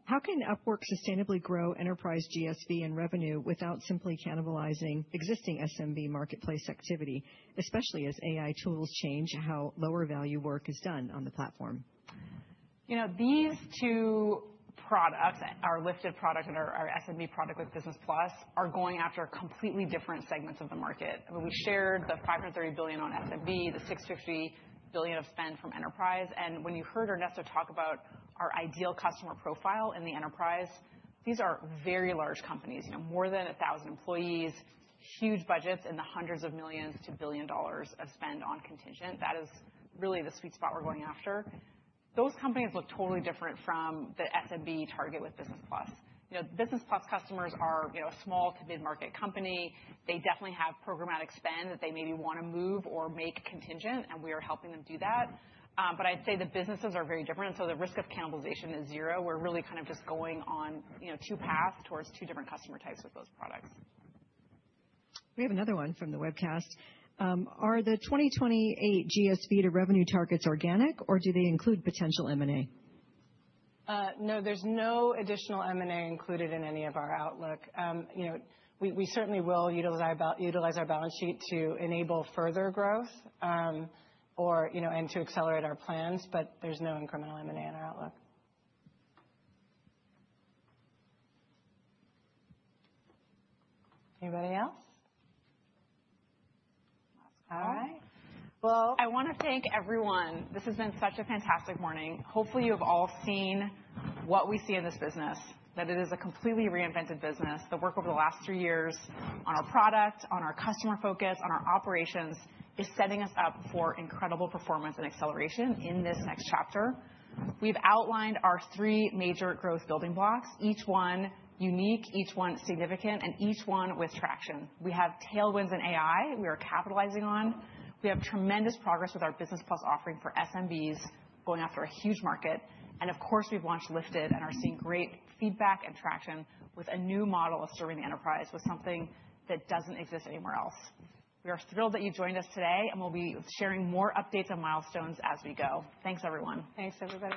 How can Upwork sustainably grow enterprise GSV and revenue without simply cannibalizing existing SMB marketplace activity, especially as AI tools change how lower value work is done on the platform? These two products, our Lifted product and our SMB product with Business Plus, are going after completely different segments of the market. I mean, we've shared the $530 billion on SMB, the $650 billion of spend from enterprise. When you heard Ernesto talk about our ideal customer profile in the enterprise, these are very large companies, more than 1,000 employees, huge budgets, and the hundreds of millions to billion dollars of spend on contingent. That is really the sweet spot we're going after. Those companies look totally different from the SMB target with Business Plus. Business Plus customers are a small to mid-market company. They definitely have programmatic spend that they maybe want to move or make contingent. We are helping them do that. I'd say the businesses are very different, so the risk of cannibalization is zero. We're really kind of just going on two paths towards two different customer types with those products. We have another one from the webcast. Are the 2028 GSV to revenue targets organic, or do they include potential M&A? No, there's no additional M&A included in any of our outlook. We certainly will utilize our balance sheet to enable further growth and to accelerate our plans, but there's no incremental M&A in our outlook. Anybody else? All right I want to thank everyone. This has been such a fantastic morning. Hopefully, you have all seen what we see in this business, that it is a completely reinvented business. The work over the last three years on our product, on our customer focus, on our operations is setting us up for incredible performance and acceleration in this next chapter. We've outlined our three major growth building blocks, each one unique, each one significant, and each one with traction. We have tailwinds in AI we are capitalizing on. We have tremendous progress with our Business Plus offering for SMBs going after a huge market. Of course, we've launched Lifted and are seeing great feedback and traction with a new model of serving the enterprise with something that doesn't exist anywhere else. We are thrilled that you've joined us today. We'll be sharing more updates and milestones as we go. Thanks, everyone. Thanks, everybody.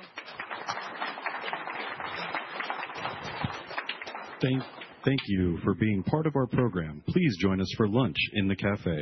Thank you for being part of our program. Please join us for lunch in the café.